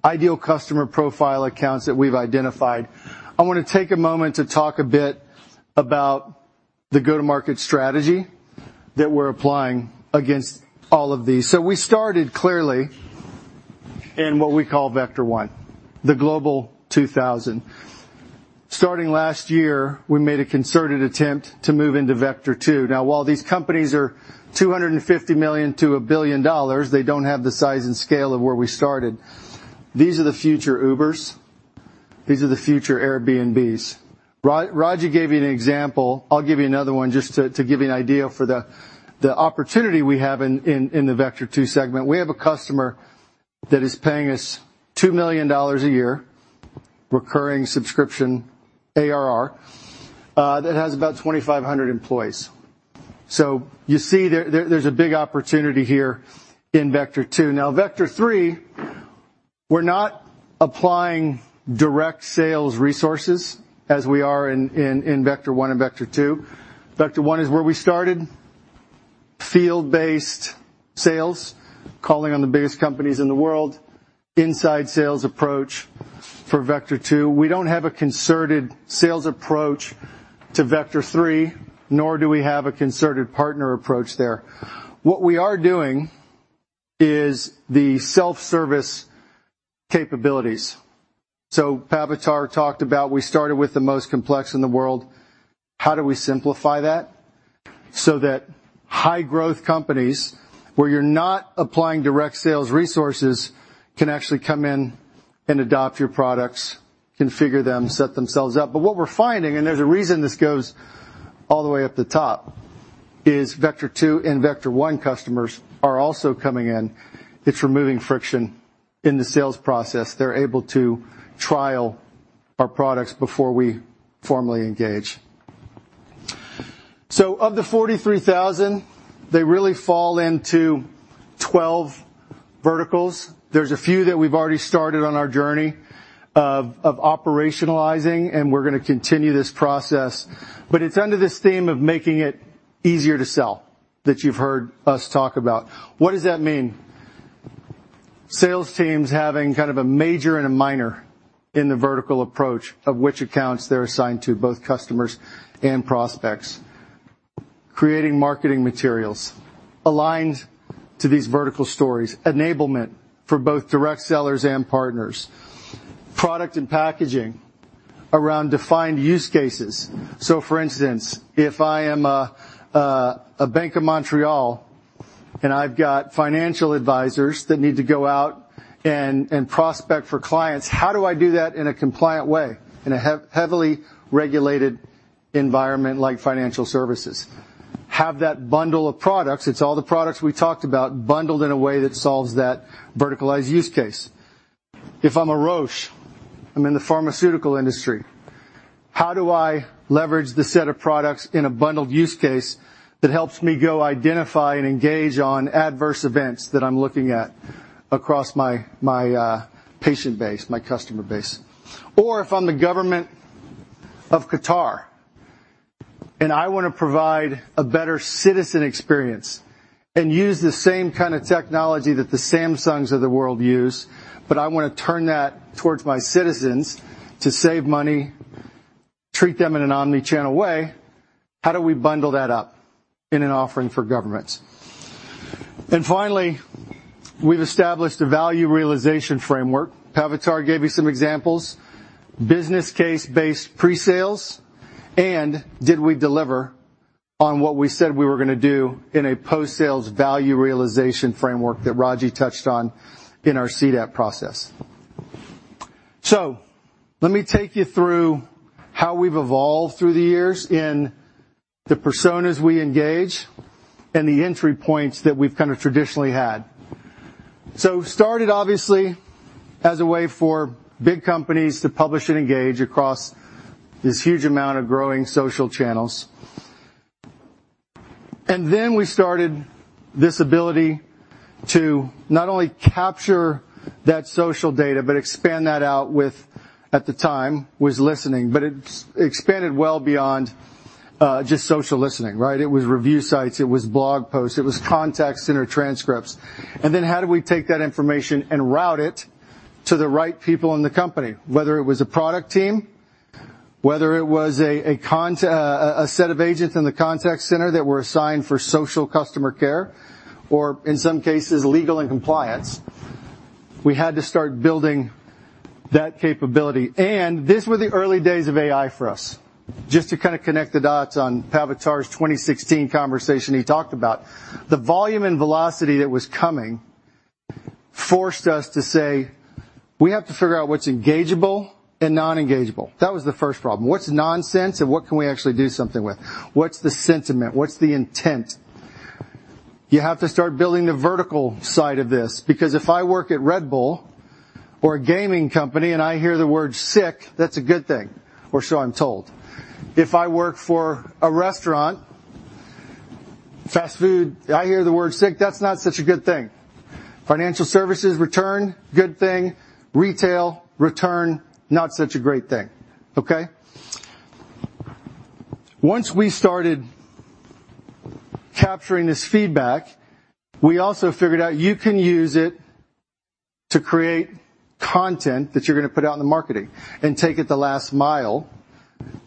ideal customer profile accounts that we've identified. I want to take a moment to talk a bit about the go-to-market strategy that we're applying against all of these. We started clearly in what we call Vector One, the Global 2000. Starting last year, we made a concerted attempt to move into Vector Two. While these companies are $250 million-$1 billion, they don't have the size and scale of where we started. These are the future Ubers, these are the future Airbnbs. Ragy gave you an example. I'll give you another one just to give you an idea for the opportunity we have in the Vector Two segment. We have a customer that is paying us $2 million a year, recurring subscription ARR, that has about 2,500 employees. You see there's a big opportunity here in Vector Two. Vector Three, we're not applying direct sales resources as we are in Vector One and Vector Two. Vector One is where we started, field-based sales, calling on the biggest companies in the world, inside sales approach for Vector Two. We don't have a concerted sales approach to Vector Three, nor do we have a concerted partner approach there. What we are doing is the self-service capabilities. Pavitar talked about, we started with the most complex in the world. How do we simplify that so that high-growth companies, where you're not applying direct sales resources, can actually come in and adopt your products, configure them, set themselves up? What we're finding, and there's a reason this goes all the way up the top, is Vector Two and Vector One customers are also coming in. It's removing friction in the sales process. They're able to trial our products before we formally engage. Of the 43,000, they really fall into 12 verticals. There's a few that we've already started on our journey of operationalizing, and we're going to continue this process, but it's under this theme of making it easier to sell, that you've heard us talk about. What does that mean? Sales teams having kind of a major and a minor in the vertical approach of which accounts they're assigned to, both customers and prospects. Creating marketing materials aligned to these vertical stories. Enablement for both direct sellers and partners. Product and packaging around defined use cases. For instance, if I am a Bank of Montreal, and I've got financial advisors that need to go out and prospect for clients, how do I do that in a compliant way, in a heavily regulated environment like financial services? Have that bundle of products, it's all the products we talked about, bundled in a way that solves that verticalized use case. If I'm a Roche, I'm in the pharmaceutical industry, how do I leverage this set of products in a bundled use case that helps me go identify and engage on adverse events that I'm looking at across my patient base, my customer base? If I'm the government of Qatar, and I want to provide a better citizen experience and use the same kind of technology that the Samsungs of the world use, but I want to turn that towards my citizens to save money, treat them in an omni-channel way, how do we bundle that up in an offering for governments? Finally, we've established a value realization framework. Pavitar gave you some examples, business case-based pre-sales, did we deliver on what we said we were going to do in a post-sales value realization framework that Ragy touched on in our CDAP process? Let me take you through how we've evolved through the years in the personas we engage and the entry points that we've kind of traditionally had. Started, obviously, as a way for big companies to publish and engage across this huge amount of growing social channels. Then we started this ability to not only capture that social data, but expand that out with, at the time, was listening, but it's expanded well beyond just social listening, right? It was review sites, it was blog posts, it was contact center transcripts. How do we take that information and route it to the right people in the company, whether it was a product team, whether it was a set of agents in the contact center that were assigned for social customer care, or in some cases, legal and compliance? We had to start building that capability. These were the early days of AI for us. Just to kind of connect the dots on Pavitar's 2016 conversation he talked about, the volume and velocity that was coming forced us to say, "We have to figure out what's engageable and non-engageable." That was the first problem. What's nonsense, and what can we actually do something with? What's the sentiment? What's the intent?... You have to start building the vertical side of this, because if I work at Red Bull or a gaming company, and I hear the word sick, that's a good thing, or so I'm told. If I work for a restaurant, fast food, I hear the word sick, that's not such a good thing. Financial services, return, good thing. Retail, return, not such a great thing. Okay? Once we started capturing this feedback, we also figured out you can use it to create content that you're gonna put out in the marketing and take it the last mile,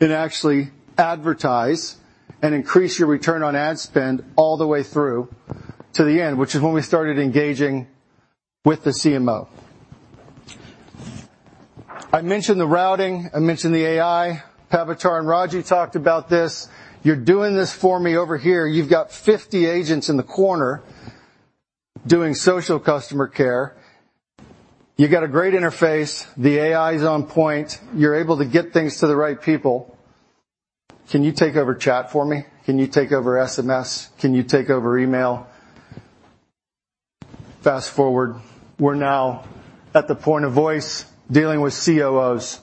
and actually advertise and increase your return on ad spend all the way through to the end, which is when we started engaging with the CMO. I mentioned the routing, I mentioned the AI. Pavitar and Roji talked about this. You're doing this for me over here. You've got 50 agents in the corner doing social customer care. You got a great interface. The AI is on point. You're able to get things to the right people. Can you take over chat for me? Can you take over SMS? Can you take over email? Fast forward, we're now at the point of voice, dealing with COOs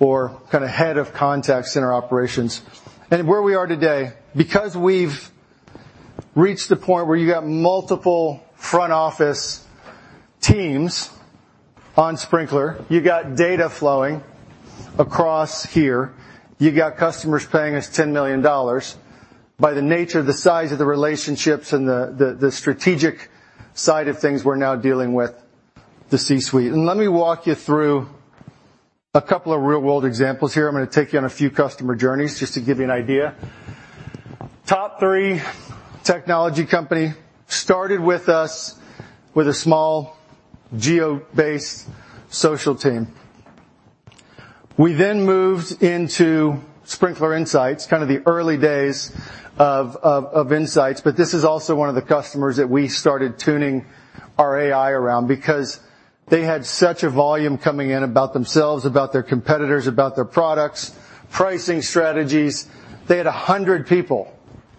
or kinda head of contact center operations. Where we are today, because we've reached the point where you got multiple front office teams on Sprinklr, you got data flowing across here. You got customers paying us $10 million. By the nature of the size of the relationships and the strategic side of things, we're now dealing with the C-suite. Let me walk you through a couple of real-world examples here. I'm gonna take you on a few customer journeys, just to give you an idea. Top 3 technology company started with us with a small geo-based social team. We moved into Sprinklr Insights, kind of the early days of Insights. This is also one of the customers that we started tuning our AI around because they had such a volume coming in about themselves, about their competitors, about their products, pricing strategies. They had 100 people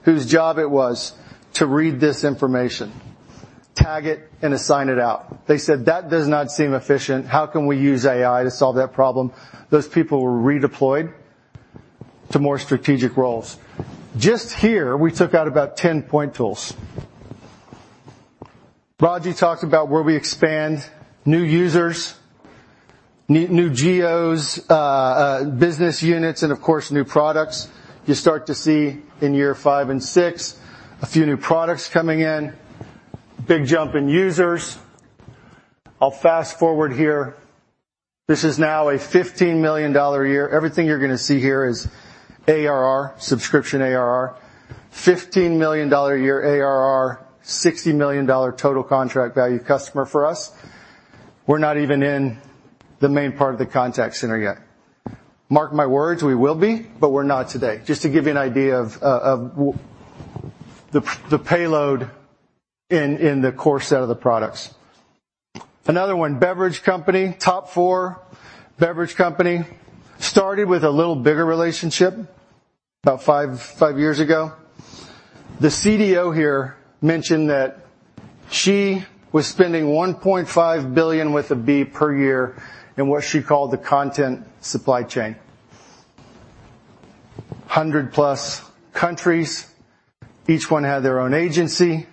whose job it was to read this information, tag it, and assign it out. They said, "That does not seem efficient. How can we use AI to solve that problem?" Those people were redeployed to more strategic roles. Just here, we took out about 10 point tools. Roji talked about where we expand new users, new geos, business units, and of course, new products. You start to see in year 5 and 6, a few new products coming in, big jump in users. I'll fast-forward here. This is now a $15 million a year. Everything you're gonna see here is ARR, subscription ARR. $15 million a year ARR, $60 million total contract value customer for us. We're not even in the main part of the contact center yet. Mark my words, we will be, but we're not today. Just to give you an idea of the payload in the core set of the products. Another one, beverage company, top 4 beverage company, started with a little bigger relationship about 5 years ago. The CDO here mentioned that she was spending $1.5 billion with a B per year in what she called the content supply chain. 100+ countries, each one had their own agency.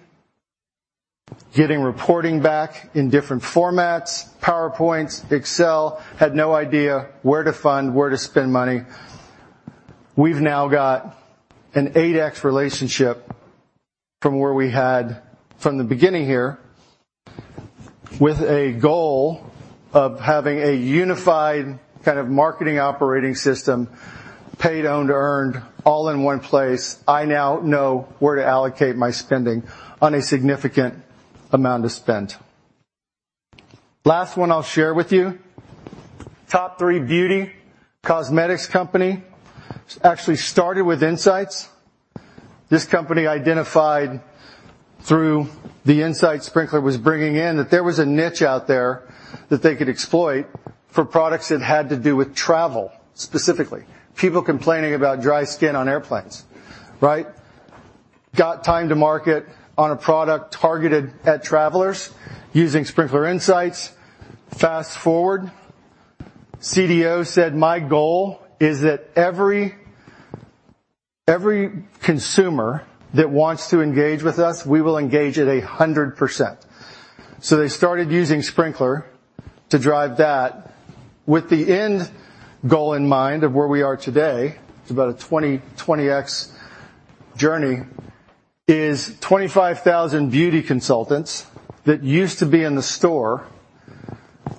Getting reporting back in different formats, PowerPoints, Excel, had no idea where to find, where to spend money. We've now got an 8x relationship from where we had from the beginning here, with a goal of having a unified kind of marketing operating system, paid, owned, or earned, all in one place. I now know where to allocate my spending on a significant amount of spend. Last one I'll share with you. Top 3 beauty cosmetics company, actually started with Sprinklr Insights. This company identified through the Sprinklr Insights Sprinklr was bringing in, that there was a niche out there that they could exploit for products that had to do with travel, specifically, people complaining about dry skin on airplanes, right? Got time to market on a product targeted at travelers using Sprinklr Insights. Fast forward, CDO said, "My goal is that every consumer that wants to engage with us, we will engage at 100%." They started using Sprinklr to drive that with the end goal in mind of where we are today, it's about a 20X journey, is 25,000 beauty consultants that used to be in the store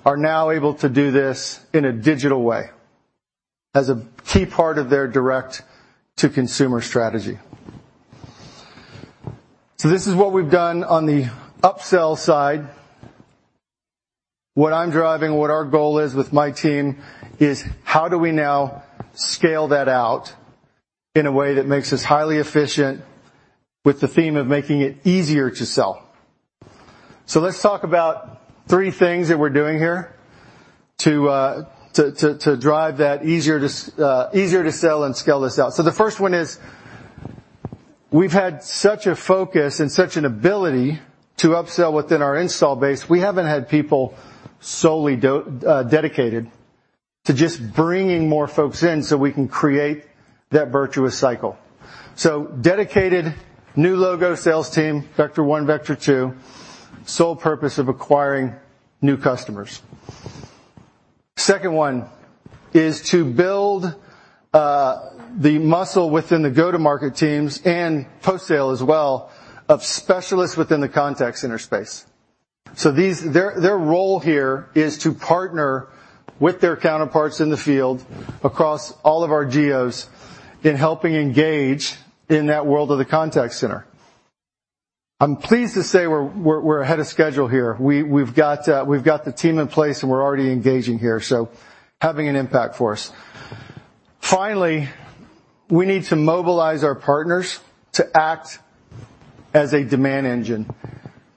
are now able to do this in a digital way, as a key part of their direct-to-consumer strategy. This is what we've done on the upsell side. What I'm driving, what our goal is with my team is: how do we now scale that out in a way that makes us highly efficient with the theme of making it easier to sell? Let's talk about three things that we're doing here to drive that easier to sell and scale this out. The first one is, we've had such a focus and such an ability to upsell within our install base, we haven't had people solely dedicated to just bringing more folks in so we can create that virtuous cycle. Dedicated new logo sales team, Vector One, Vector Two, sole purpose of acquiring new customers. Second one is to build the muscle within the go-to-market teams and post-sale as well, of specialists within the contact center space. Their role here is to partner with their counterparts in the field across all of our geos in helping engage in that world of the contact center. I'm pleased to say we're ahead of schedule here. We've got the team in place. We're already engaging here, so having an impact for us. Finally, we need to mobilize our partners to act as a demand engine.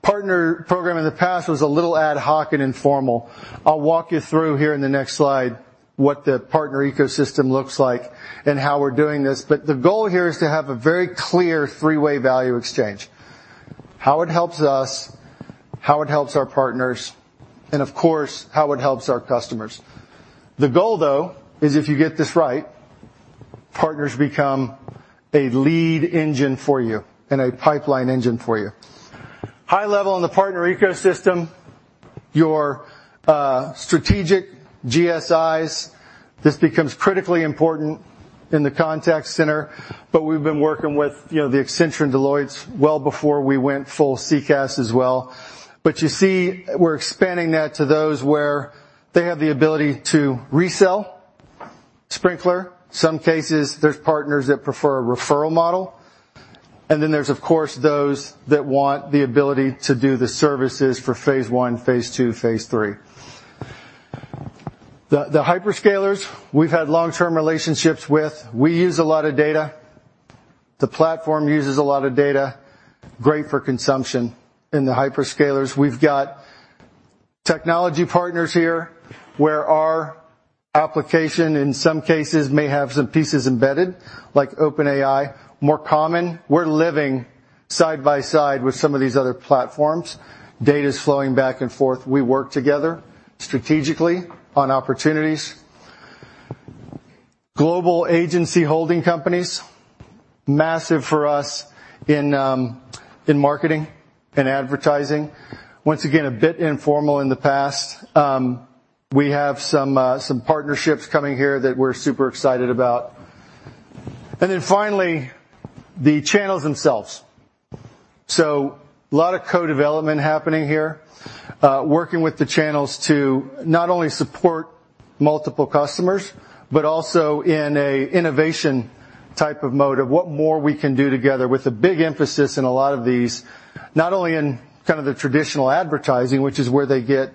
Partner program in the past was a little ad hoc and informal. I'll walk you through here in the next slide, what the partner ecosystem looks like and how we're doing this. The goal here is to have a very clear three-way value exchange. How it helps us, how it helps our partners, and of course, how it helps our customers. The goal, though, is if you get this right, partners become a lead engine for you and a pipeline engine for you. High level on the partner ecosystem, your strategic GSIs, this becomes critically important in the contact center, but we've been working with, you know, the Accenture and Deloittes well before we went full CCaaS as well. You see, we're expanding that to those where they have the ability to resell Sprinklr. Some cases, there's partners that prefer a referral model, and then there's, of course, those that want the ability to do the services for phase one, phase two, phase three. The hyperscalers, we've had long-term relationships with. We use a lot of data. The platform uses a lot of data, great for consumption in the hyperscalers. We've got technology partners here, where our application, in some cases, may have some pieces embedded, like OpenAI. More common, we're living side by side with some of these other platforms. Data is flowing back and forth. We work together strategically on opportunities. Global agency holding companies, massive for us in marketing and advertising. Once again, a bit informal in the past. We have some partnerships coming here that we're super excited about. Finally, the channels themselves. A lot of co-development happening here, working with the channels to not only support multiple customers, but also in a innovation type of mode of what more we can do together with a big emphasis in a lot of these, not only in kind of the traditional advertising, which is where they get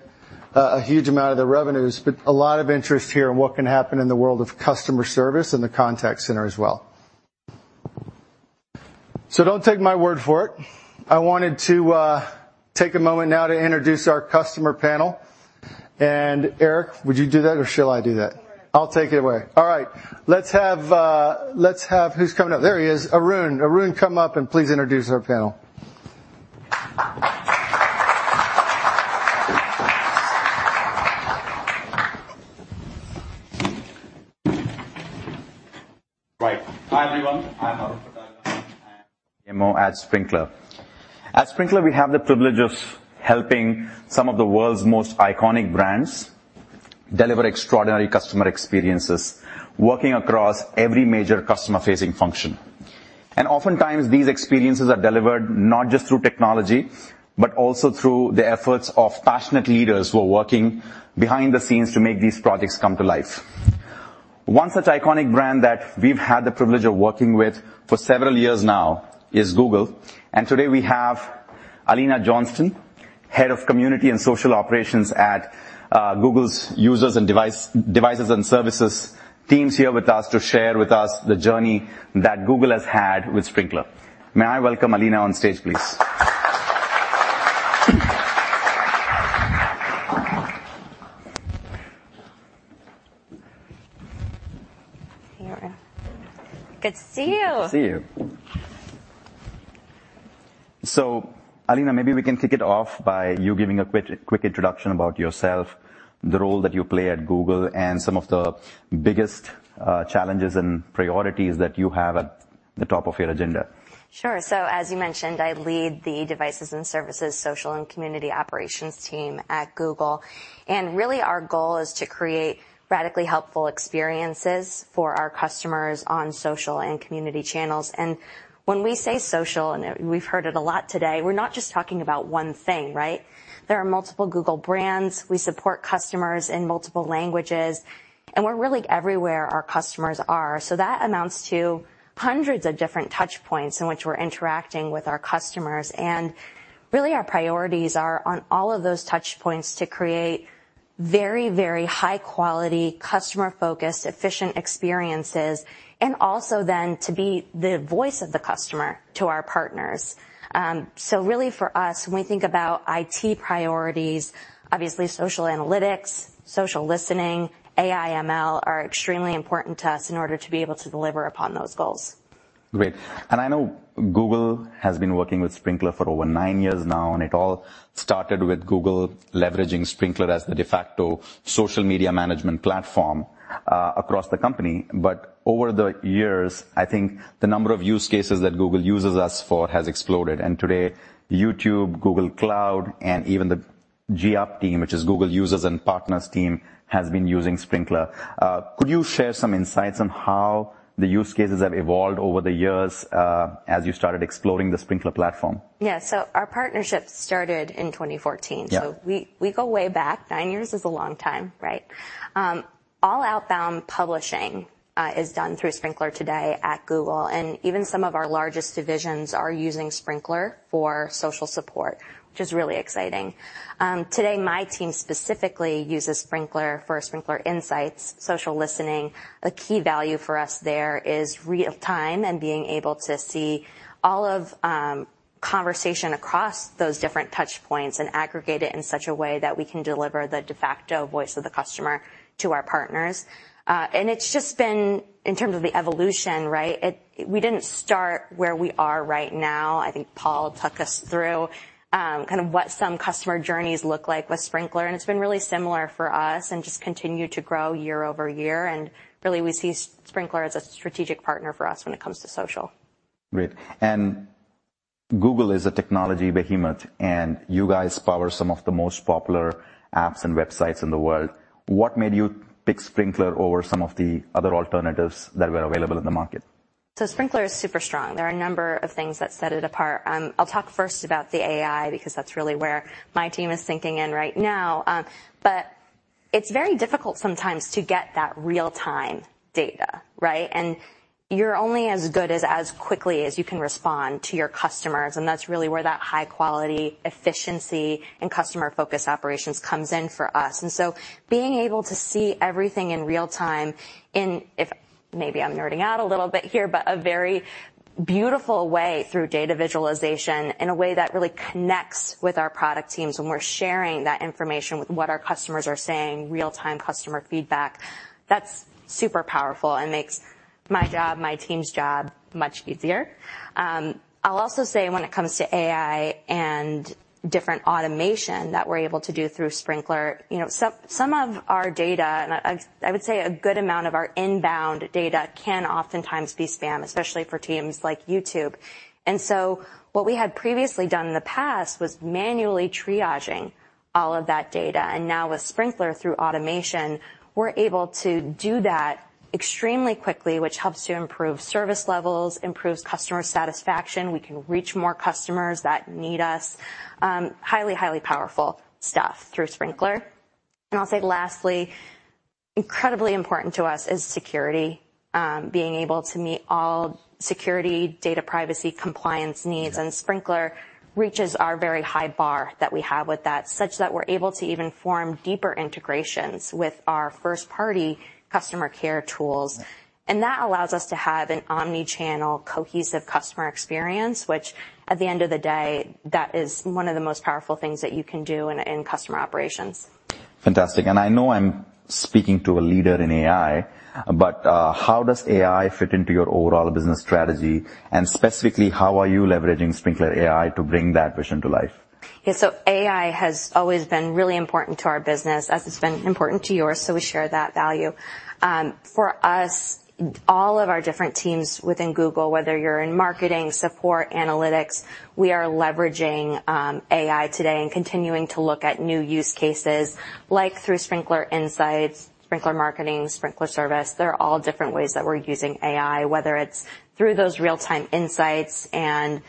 a huge amount of their revenues, but a lot of interest here on what can happen in the world of customer service and the contact center as well. Don't take my word for it. I wanted to take a moment now to introduce our customer panel. Eric, would you do that, or shall I do that? I'll take it away. All right. Let's have. Who's coming up? There he is. Arun. Come up, please introduce our panel. Right. Hi, everyone. I'm Arun Pattabhiraman, CMO at Sprinklr. At Sprinklr, we have the privilege of helping some of the world's most iconic brands deliver extraordinary customer experiences, working across every major customer-facing function. Oftentimes, these experiences are delivered not just through technology, but also through the efforts of passionate leaders who are working behind the scenes to make these projects come to life. One such iconic brand that we've had the privilege of working with for several years now is Google, and today we have Alena Johnston, head of community and social operations at Google's users and devices and services teams, here with us to share with us the journey that Google has had with Sprinklr. May I welcome Alena on stage, please? Hey, Arun. Good to see you! Good to see you. Alina, maybe we can kick it off by you giving a quick introduction about yourself, the role that you play at Google, and some of the biggest challenges and priorities that you have at the top of your agenda. Sure. As you mentioned, I lead the devices and services, social and community operations team at Google. Really, our goal is to create radically helpful experiences for our customers on social and community channels. When we say social, and we've heard it a lot today, we're not just talking about one thing, right? There are multiple Google brands. We support customers in multiple languages, and we're really everywhere our customers are. That amounts to hundreds of different touch points in which we're interacting with our customers. Really, our priorities are on all of those touch points to create very high quality, customer-focused, efficient experiences, and also then to be the voice of the customer to our partners. Really for us, when we think about IT priorities, obviously, social analytics, social listening, AI, ML, are extremely important to us in order to be able to deliver upon those goals. Great. I know Google has been working with Sprinklr for over nine years now, and it all started with Google leveraging Sprinklr as the de facto social media management platform across the company. Over the years, I think the number of use cases that Google uses us for has exploded, and today, YouTube, Google Cloud, and even the gUP team, which is Google Users and Partners team, has been using Sprinklr. Could you share some insights on how the use cases have evolved over the years as you started exploring the Sprinklr platform? Yeah. Our partnership started in 2014. Yeah. we go way back. Nine years is a long time, right? All outbound publishing is done through Sprinklr today at Google, Even some of our largest divisions are using Sprinklr for social support, which is really exciting. Today, my team specifically uses Sprinklr for Sprinklr Insights, social listening. A key value for us there is real time and being able to see all of conversation across those different touch points and aggregate it in such a way that we can deliver the de facto voice of the customer to our partners. It's just been, in terms of the evolution, right, We didn't start where we are right now. I think Paul took us through, kind of what some customer journeys look like with Sprinklr, and it's been really similar for us and just continued to grow year-over-year, and really, we see Sprinklr as a strategic partner for us when it comes to social. Great. Google is a technology behemoth, and you guys power some of the most popular apps and websites in the world. What made you pick Sprinklr over some of the other alternatives that were available in the market? Sprinklr is super strong. There are a number of things that set it apart. I'll talk first about the AI because that's really where my team is sinking in right now. It's very difficult sometimes to get that real-time data, right? You're only as good as quickly as you can respond to your customers, and that's really where that high quality, efficiency, and customer-focused operations comes in for us. Being able to see everything in real time in, maybe I'm nerding out a little bit here, but a very beautiful way through data visualization in a way that really connects with our product teams when we're sharing that information with what our customers are saying, real-time customer feedback, that's super powerful and makes my job, my team's job, much easier. I'll also say when it comes to AI and different automation that we're able to do through Sprinklr, you know, some of our data, and I would say a good amount of our inbound data can oftentimes be spam, especially for teams like YouTube. What we had previously done in the past was manually triaging all of that data, and now with Sprinklr, through automation, we're able to do that extremely quickly, which helps to improve service levels, improves customer satisfaction. We can reach more customers that need us. Highly powerful stuff through Sprinklr. I'll say, lastly, incredibly important to us is security, being able to meet all security, data privacy, compliance needs. Yeah. Sprinklr reaches our very high bar that we have with that, such that we're able to even form deeper integrations with our first-party customer care tools. Yeah. That allows us to have an omni-channel, cohesive customer experience, which, at the end of the day, that is one of the most powerful things that you can do in customer operations. Fantastic. I know I'm speaking to a leader in AI, but how does AI fit into your overall business strategy? Specifically, how are you leveraging Sprinklr AI to bring that vision to life? Yeah. AI has always been really important to our business, as it's been important to yours, we share that value. For us, all of our different teams within Google, whether you're in marketing, support, analytics, we are leveraging AI today and continuing to look at new use cases, like through Sprinklr Insights, Sprinklr Marketing, Sprinklr Service. They're all different ways that we're using AI, whether it's through those real-time insights and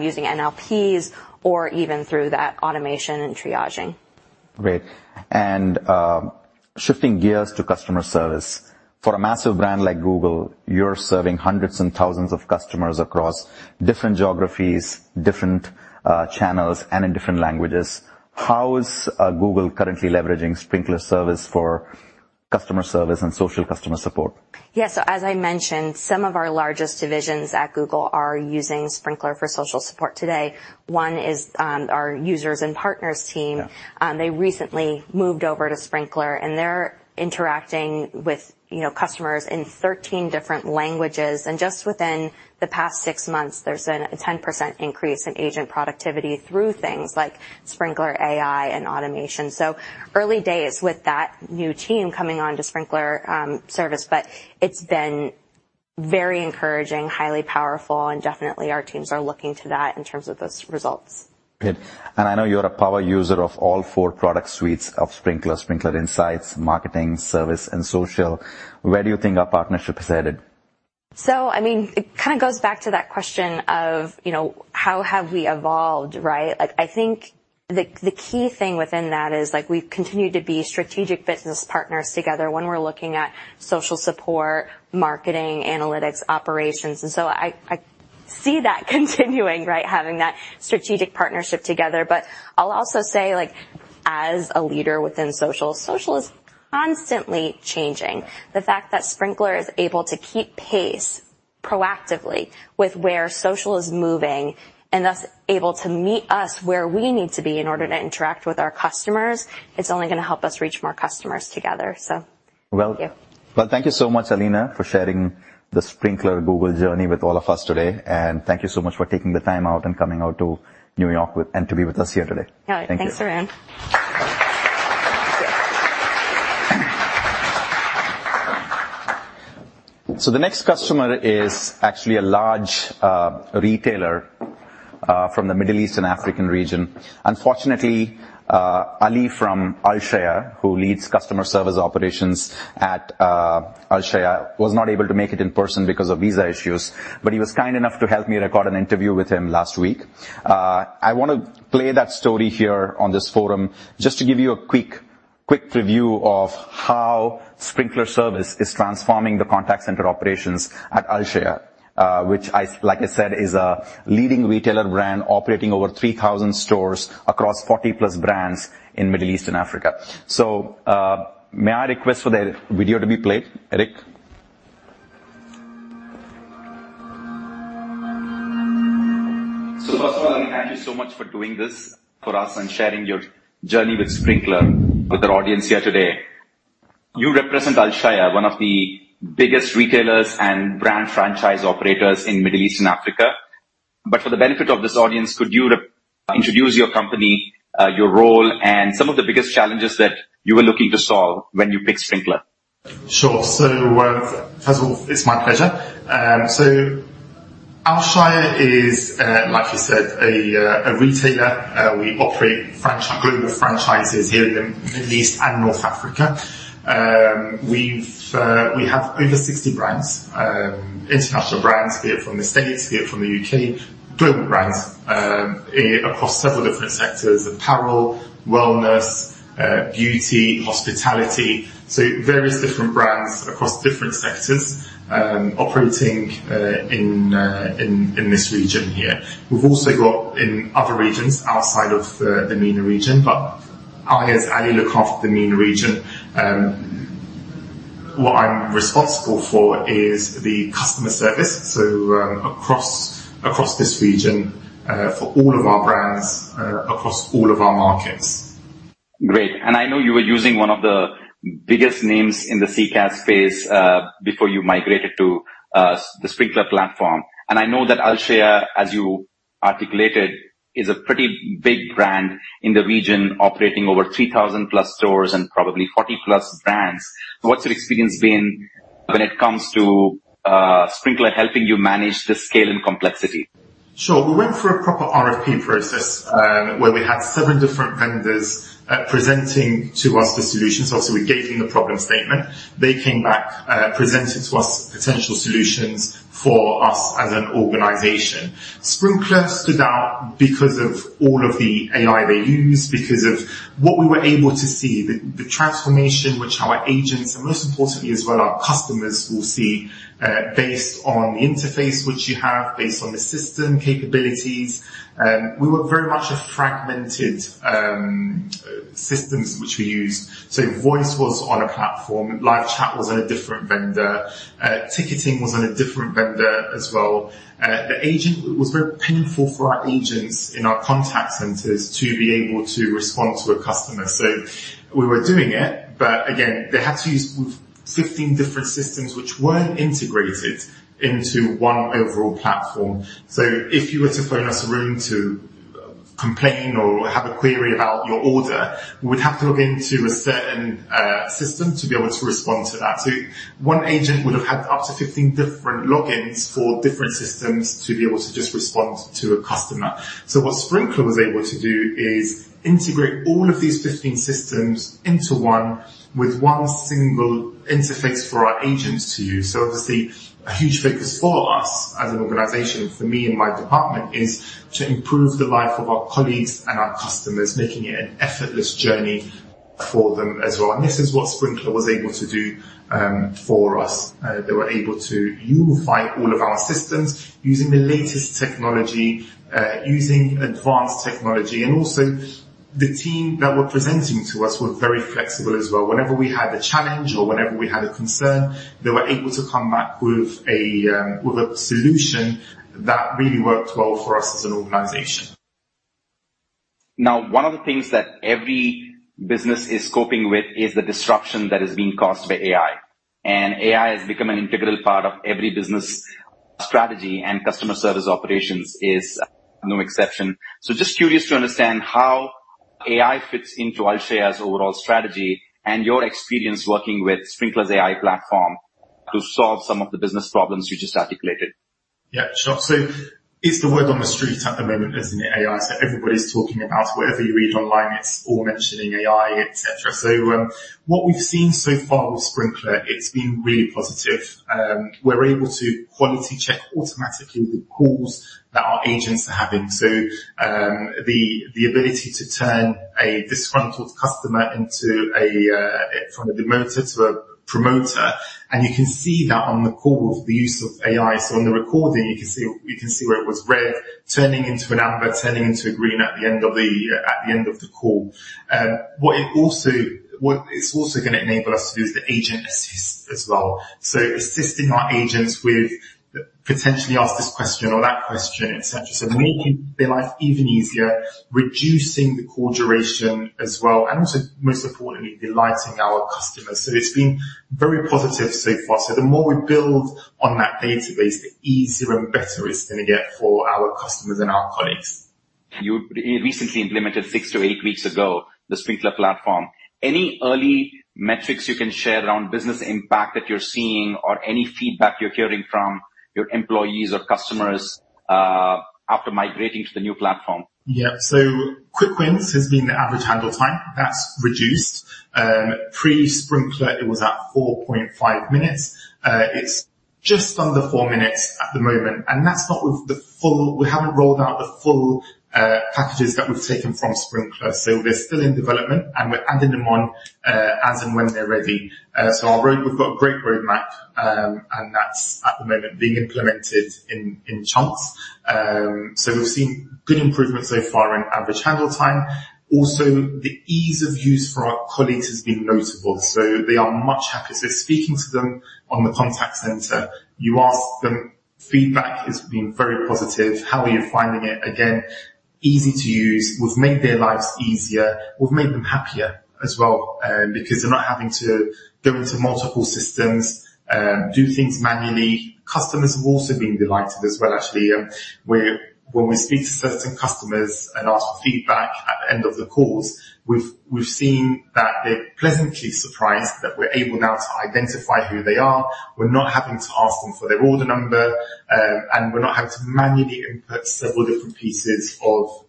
using NLPs or even through that automation and triaging. Great. Shifting gears to customer service. For a massive brand like Google, you're serving hundreds and thousands of customers across different geographies, different channels, and in different languages. How is Google currently leveraging Sprinklr Service for customer service and social customer support? As I mentioned, some of our largest divisions at Google are using Sprinklr for social support today. One is our Users and Partners team. Yeah. They recently moved over to Sprinklr, and they're interacting with, you know, customers in 13 different languages, and just within the past 6 months, there's been a 10% increase in agent productivity through things like Sprinklr AI and automation. Early days with that new team coming on to Sprinklr Service, but it's been very encouraging, highly powerful, and definitely our teams are looking to that in terms of those results. Great. I know you're a power user of all four product suites of Sprinklr: Sprinklr Insights, Marketing, Service, and Social. Where do you think our partnership is headed? I mean, it kind of goes back to that question of, you know, how have we evolved, right? I think the key thing within that is, like, we've continued to be strategic business partners together when we're looking at social support, marketing, analytics, operations, and so I see that continuing, right? Having that strategic partnership together. I'll also say, like, as a leader within social is constantly changing. The fact that Sprinklr is able to keep pace proactively with where social is moving, and thus able to meet us where we need to be in order to interact with our customers, it's only gonna help us reach more customers together. Well- Thank you. Well, thank you so much, Alena, for sharing the Sprinklr-Google journey with all of us today. Thank you so much for taking the time out and coming out to New York and to be with us here today. All right. Thank you. Thanks, everyone. The next customer is actually a large retailer from the Middle East and African region. Unfortunately, Ali from Alshaya, who leads customer service operations at Alshaya, was not able to make it in person because of visa issues, but he was kind enough to help me record an interview with him last week. I want to play that story here on this forum, just to give you a quick preview of how Sprinklr Service is transforming the contact center operations at Alshaya, which I, like I said, is a leading retailer brand operating over 3,000 stores across 40+ brands in Middle East and Africa. May I request for the video to be played, Eric? First of all, thank you so much for doing this for us and sharing your journey with Sprinklr with our audience here today. You represent Alshaya, one of the biggest retailers and brand franchise operators in Middle East and Africa. For the benefit of this audience, could you introduce your company, your role, and some of the biggest challenges that you were looking to solve when you picked Sprinklr? Sure. First of all, it's my pleasure. Alshaya is, like you said, a retailer. We operate a group of franchises here in the Middle East and North Africa. We have over 60 brands, international brands, be it from the States, be it from the UK. Brilliant brands, across several different sectors: apparel, wellness, beauty, hospitality. Various different brands across different sectors, operating in this region here. We've also got in other regions outside of the MENA region, but I, as Ali, look after the MENA region. What I'm responsible for is the customer service across this region for all of our brands across all of our markets. Great. I know you were using one of the biggest names in the CCaaS space before you migrated to the Sprinklr platform. I know that Alshaya, as you articulated, is a pretty big brand in the region, operating over 3,000-plus stores and probably 40-plus brands. What's your experience been when it comes to Sprinklr helping you manage this scale and complexity? Sure. We went through a proper RFP process, where we had seven different vendors presenting to us the solutions. Obviously, we gave them the problem statement. They came back, presented to us potential solutions for us as an organization. Sprinklr stood out because of all of the AI they use, because of what we were able to see, the transformation which our agents, and most importantly as well, our customers will see, based on the interface which you have, based on the system capabilities. We were very much a fragmented systems which we used. Voice was on a platform, live chat was on a different vendor, ticketing was on a different vendor as well. It was very painful for our agents in our contact centers to be able to respond to a customer. We were doing it, but again, they had to use 15 different systems which weren't integrated into one overall platform. If you were to phone us a room to complain or have a query about your order, we would have to log in to a certain system to be able to respond to that. One agent would have had up to 15 different logins for different systems to be able to just respond to a customer. What Sprinklr was able to do is integrate all of these 15 systems into one, with one single interface for our agents to use. Obviously, a huge focus for us as an organization, for me and my department, is to improve the life of our colleagues and our customers, making it an effortless journey for them as well. This is what Sprinklr was able to do for us. They were able to unify all of our systems using the latest technology, using advanced technology, and also the team that were presenting to us were very flexible as well. Whenever we had a challenge or whenever we had a concern, they were able to come back with a solution that really worked well for us as an organization. Now, one of the things that every business is coping with is the disruption that is being caused by AI. AI has become an integral part of every business strategy. Customer service operations is no exception. Just curious to understand how AI fits into Alshaya's overall strategy and your experience working with Sprinklr's AI platform to solve some of the business problems you just articulated. Yeah, sure. It's the word on the street at the moment, isn't it, AI? Everybody's talking about whatever you read online, it's all mentioning AI, et cetera. What we've seen so far with Sprinklr, it's been really positive. We're able to quality check automatically with calls that our agents are having. The ability to turn a disgruntled customer into a, from a detractor to a promoter, and you can see that on the call with the use of AI. On the recording, you can see where it was red, turning into an amber, turning into a green at the end of the call. What it's also gonna enable us to do is the agent assist as well. Assisting our agents with potentially ask this question or that question, et cetera. Making their life even easier, reducing the call duration as well, and also, most importantly, delighting our customers. It's been very positive so far. The more we build on that database, the easier and better it's gonna get for our customers and our colleagues. You recently implemented 6 to 8 weeks ago, the Sprinklr platform. Any early metrics you can share around business impact that you're seeing or any feedback you're hearing from your employees or customers, after migrating to the new platform? Yeah. Quick wins has been the average handle time. That's reduced. Pre-Sprinklr, it was at 4.5 minutes. It's just under 4 minutes at the moment. We haven't rolled out the full packages that we've taken from Sprinklr, so they're still in development, and we're adding them on as and when they're ready. Our roadmap, we've got a great roadmap, and that's at the moment, being implemented in chunks. We've seen good improvements so far in average handle time. Also, the ease of use for our colleagues has been notable, so they are much happier. Speaking to them on the contact center, you ask them, feedback has been very positive. How are you finding it? Again, easy to use. We've made their lives easier. We've made them happier as well, because they're not having to go into multiple systems, do things manually. Customers have also been delighted as well, actually. When we speak to certain customers and ask for feedback at the end of the calls, we've seen that they're pleasantly surprised that we're able now to identify who they are. We're not having to ask them for their order number, and we're not having to manually input several different pieces of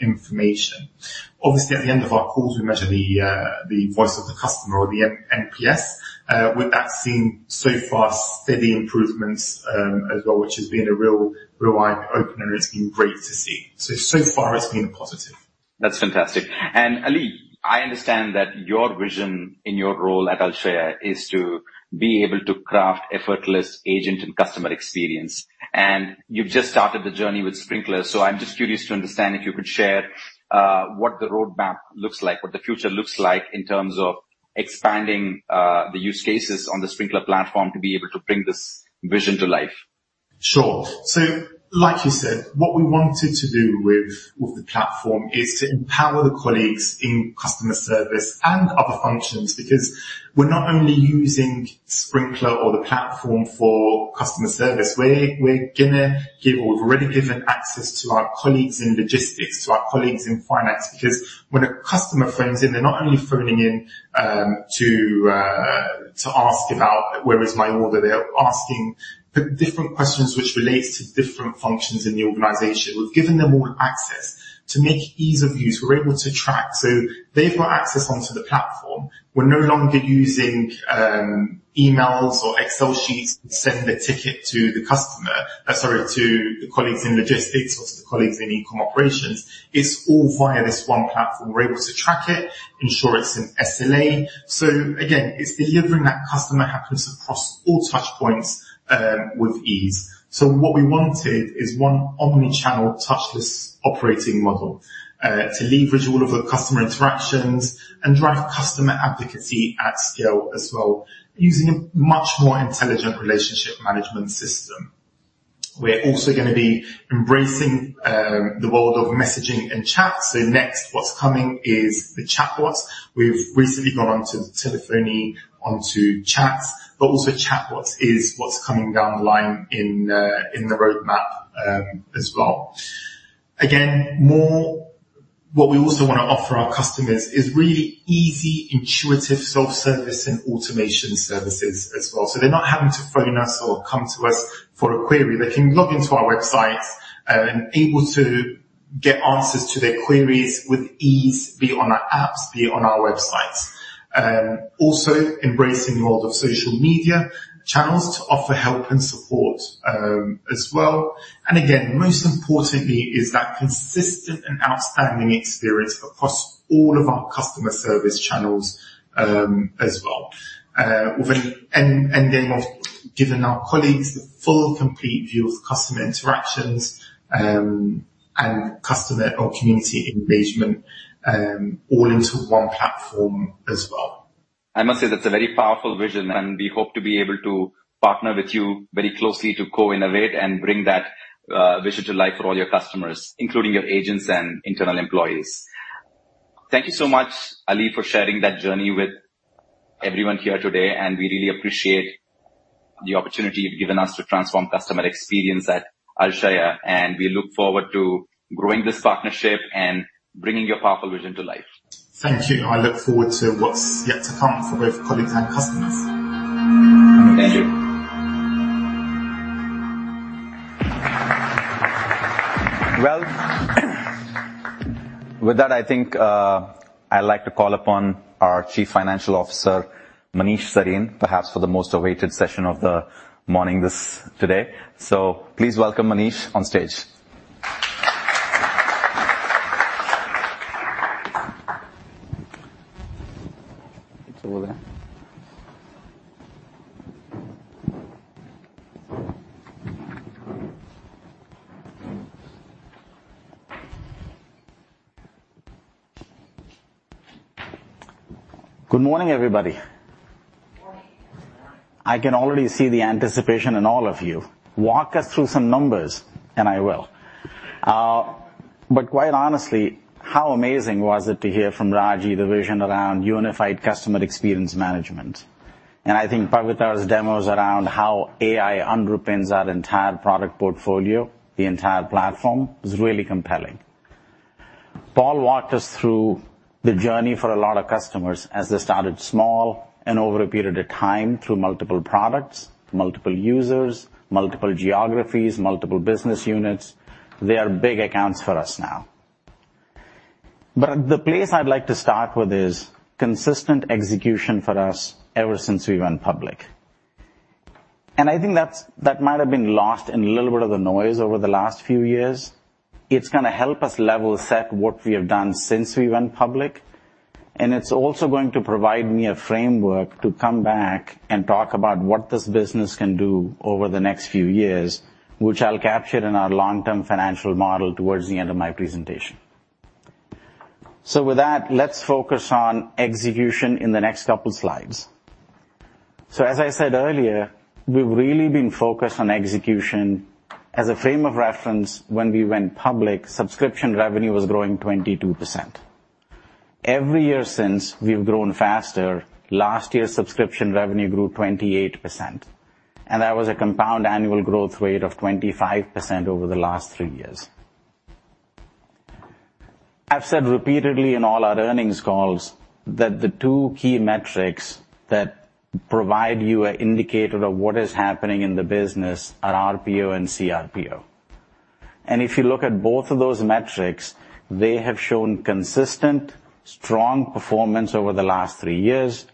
information. Obviously, at the end of our calls, we measure the voice of the customer or the NPS. With that, seen so far, steady improvements, as well, which has been a real eye-opener, and it's been great to see. So far it's been a positive. That's fantastic. Ali, I understand that your vision in your role at Alshaya is to be able to craft effortless agent and customer experience, and you've just started the journey with Sprinklr. I'm just curious to understand if you could share what the roadmap looks like, what the future looks like in terms of expanding, the use cases on the Sprinklr platform to be able to bring this vision to life. Sure. like you said, what we wanted to do with the platform is to empower the colleagues in customer service and other functions, because we're not only using Sprinklr or the platform for customer service. We've already given access to our colleagues in logistics, to our colleagues in finance, because when a customer phones in, they're not only phoning in to ask about, "Where is my order?" They are asking the different questions which relates to different functions in the organization. We've given them all access to make ease of use. We're able to track. They've got access onto the platform. We're no longer using emails or Excel sheets to send the ticket to the customer, sorry, to the colleagues in logistics or to the colleagues in e-commerce operations. It's all via this one platform. We're able to track it, ensure it's in SLA. Again, it's delivering that customer happiness across all touch points with ease. What we wanted is one omni-channel, touchless operating model to leverage all of the customer interactions and drive customer advocacy at scale as well, using a much more intelligent relationship management system. We're also gonna be embracing the world of messaging and chat. Next, what's coming is the chatbots. We've recently gone on to telephony, onto chats, but also chatbots is what's coming down the line in the roadmap as well. Again, what we also wanna offer our customers is really easy, intuitive self-service and automation services as well. They're not having to phone us or come to us for a query. They can log into our website and able to get answers to their queries with ease, be on our apps, be on our websites. Also embracing the world of social media channels to offer help and support as well. Again, most importantly is that consistent and outstanding experience across all of our customer service channels as well. Then of giving our colleagues the full, complete view of customer interactions and customer or community engagement all into one platform as well. I must say, that's a very powerful vision, and we hope to be able to partner with you very closely to co-innovate and bring that vision to life for all your customers, including your agents and internal employees. Thank you so much, Ali, for sharing that journey with everyone here today, and we really appreciate the opportunity you've given us to transform customer experience at Alshaya, and we look forward to growing this partnership and bringing your powerful vision to life. Thank you. I look forward to what's yet to come for both colleagues and customers. Thank you. Well, with that, I think, I'd like to call upon our Chief Financial Officer, Manish Sarin, perhaps for the most awaited session of the morning this today. Please welcome Manish on stage. It's over there. Good morning, everybody. Good morning. I can already see the anticipation in all of you. Walk us through some numbers, and I will. Quite honestly, how amazing was it to hear from Ragy, the vision around unified CXM? I think Pavitar's demos around how AI underpins our entire product portfolio, the entire platform, is really compelling. Paul walked us through the journey for a lot of customers as they started small, and over a period of time, through multiple products, multiple users, multiple geographies, multiple business units. They are big accounts for us now. The place I'd like to start with is consistent execution for us ever since we went public. I think that might have been lost in a little bit of the noise over the last few years. It's gonna help us level set what we have done since we went public, and it's also going to provide me a framework to come back and talk about what this business can do over the next few years, which I'll capture in our long-term financial model towards the end of my presentation. With that, let's focus on execution in the next couple slides. As I said earlier, we've really been focused on execution. As a frame of reference, when we went public, subscription revenue was growing 22%. Every year since, we've grown faster. Last year's subscription revenue grew 28%, and that was a compound annual growth rate of 25% over the last three years. I've said repeatedly in all our earnings calls that the two key metrics that provide you an indicator of what is happening in the business are RPO and CRPO. If you look at both of those metrics, they have shown consistent, strong performance over the last three years.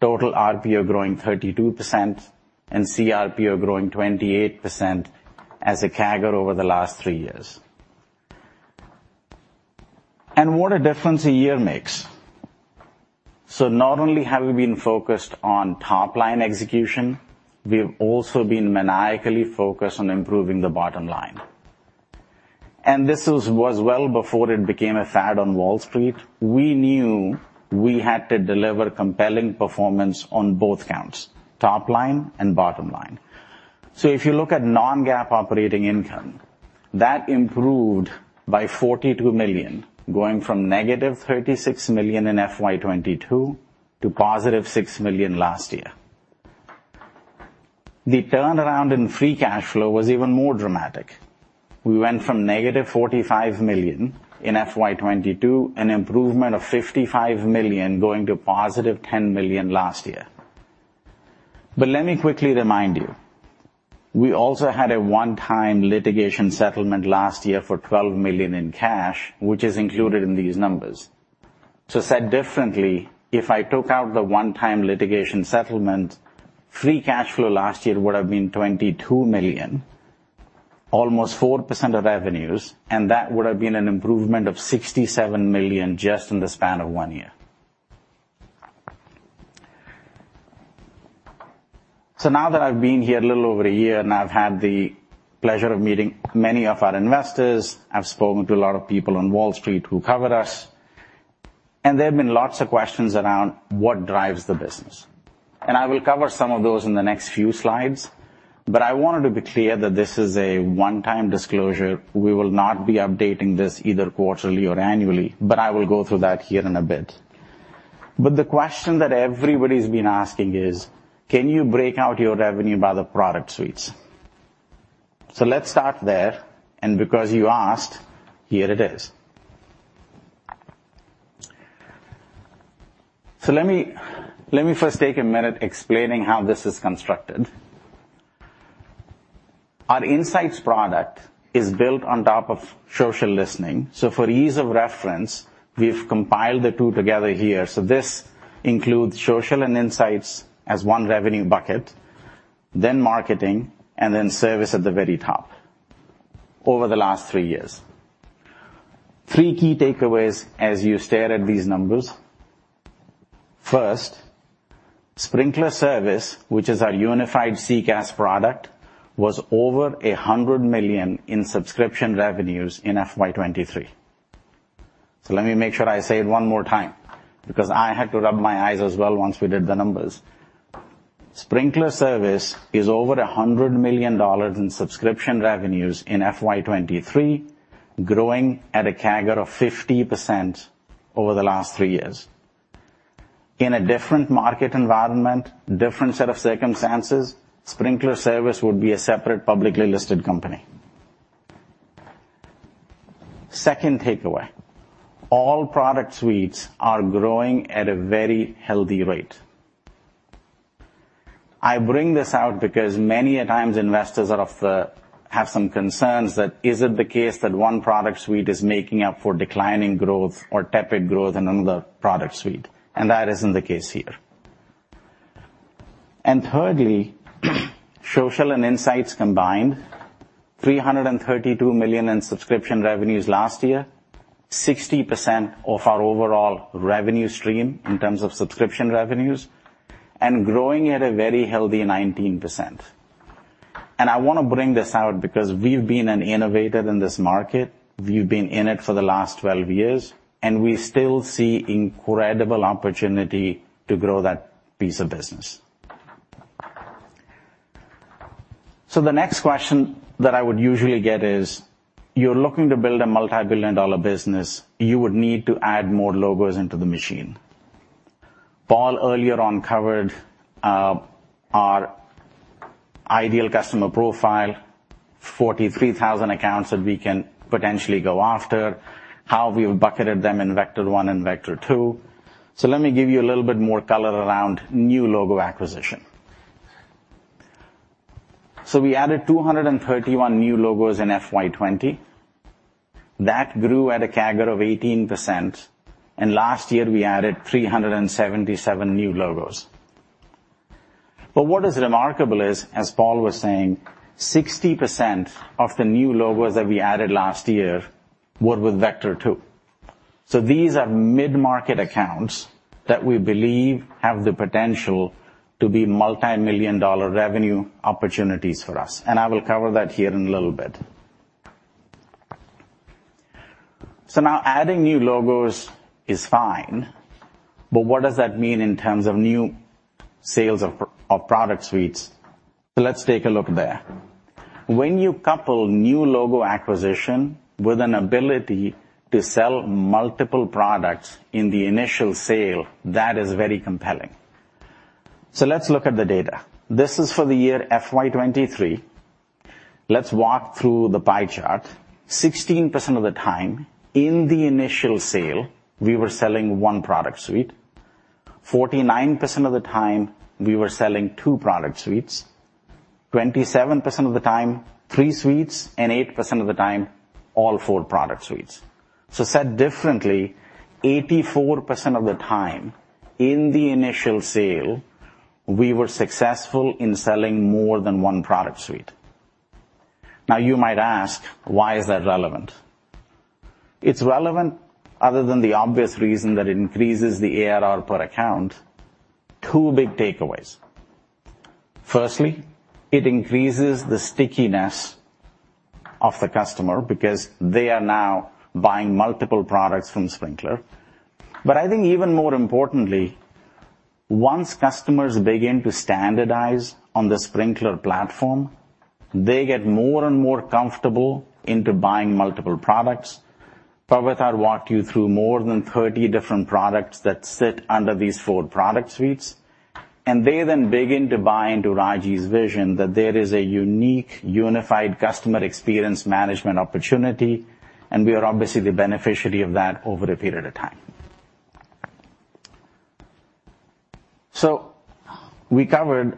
Total RPO growing 32% and CRPO growing 28% as a CAGR over the last three years. What a difference a year makes! Not only have we been focused on top-line execution, we have also been maniacally focused on improving the bottom line. This was well before it became a fad on Wall Street. We knew we had to deliver compelling performance on both counts, top line and bottom line. If you look at non-GAAP operating income, that improved by $42 million, going from negative $36 million in FY 2022 to positive $6 million last year. The turnaround in free cash flow was even more dramatic. We went from negative $45 million in FY 2022, an improvement of $55 million, going to +$10 million last year. Let me quickly remind you, we also had a one-time litigation settlement last year for $12 million in cash, which is included in these numbers. Said differently, if I took out the one-time litigation settlement, free cash flow last year would have been $22 million, almost 4% of revenues, and that would have been an improvement of $67 million just in the span of 1 year. Now that I've been here a little over 1 year and I've had the pleasure of meeting many of our investors, I've spoken to a lot of people on Wall Street who covered us, and there have been lots of questions around what drives the business. I will cover some of those in the next few slides, but I wanted to be clear that this is a one-time disclosure. We will not be updating this either quarterly or annually, I will go through that here in a bit. The question that everybody's been asking is: Can you break out your revenue by the product suites? Let's start there, and because you asked, here it is. Let me first take a minute explaining how this is constructed. Our insights product is built on top of social listening, so for ease of reference, we've compiled the two together here. This includes social and insights as one revenue bucket, then marketing, and then service at the very top over the last three years. Three key takeaways as you stare at these numbers. First, Sprinklr Service, which is our unified CCaaS product, was over $100 million in subscription revenues in FY23. Let me make sure I say it one more time, because I had to rub my eyes as well once we did the numbers. Sprinklr Service is over $100 million in subscription revenues in FY23, growing at a CAGR of 50% over the last three years. In a different market environment, different set of circumstances, Sprinklr Service would be a separate, publicly listed company. Second takeaway, all product suites are growing at a very healthy rate. I bring this out because many a times, investors have some concerns that is it the case that one product suite is making up for declining growth or tepid growth in another product suite? That isn't the case here. Thirdly, Social and Insights combined, $332 million in subscription revenues last year, 60% of our overall revenue stream in terms of subscription revenues, and growing at a very healthy 19%. I wanna bring this out because we've been an innovator in this market. We've been in it for the last 12 years, and we still see incredible opportunity to grow that piece of business. The next question that I would usually get is, you're looking to build a multi-billion dollar business, you would need to add more logos into the machine. Paul, earlier on, covered our ideal customer profile, 43,000 accounts that we can potentially go after, how we've bucketed them in Vector One and Vector Two. Let me give you a little bit more color around new logo acquisition. We added 231 new logos in FY 20. That grew at a CAGR of 18%, and last year, we added 377 new logos. What is remarkable is, as Paul was saying, 60% of the new logos that we added last year were with Vector Two. These are mid-market accounts that we believe have the potential to be multimillion-dollar revenue opportunities for us, and I will cover that here in a little bit. Now, adding new logos is fine, but what does that mean in terms of new sales of product suites? Let's take a look there. When you couple new logo acquisition with an ability to sell multiple products in the initial sale, that is very compelling. Let's look at the data. This is for the year FY 23. Let's walk through the pie chart. 16% of the time, in the initial sale, we were selling one product suite. 49% of the time, we were selling two product suites. 27% of the time, three suites, and 8% of the time, all four product suites. Said differently, 84% of the time, in the initial sale, we were successful in selling more than one product suite. You might ask, Why is that relevant? It's relevant, other than the obvious reason that it increases the ARR per account, two big takeaways. Firstly, it increases the stickiness of the customer because they are now buying multiple products from Sprinklr. I think even more importantly, once customers begin to standardize on the Sprinklr platform, they get more and more comfortable into buying multiple products. Pavitar walked you through more than 30 different products that sit under these 4 product suites, and they then begin to buy into Ragy's vision, that there is a unique, unified customer experience management opportunity, and we are obviously the beneficiary of that over a period of time. We covered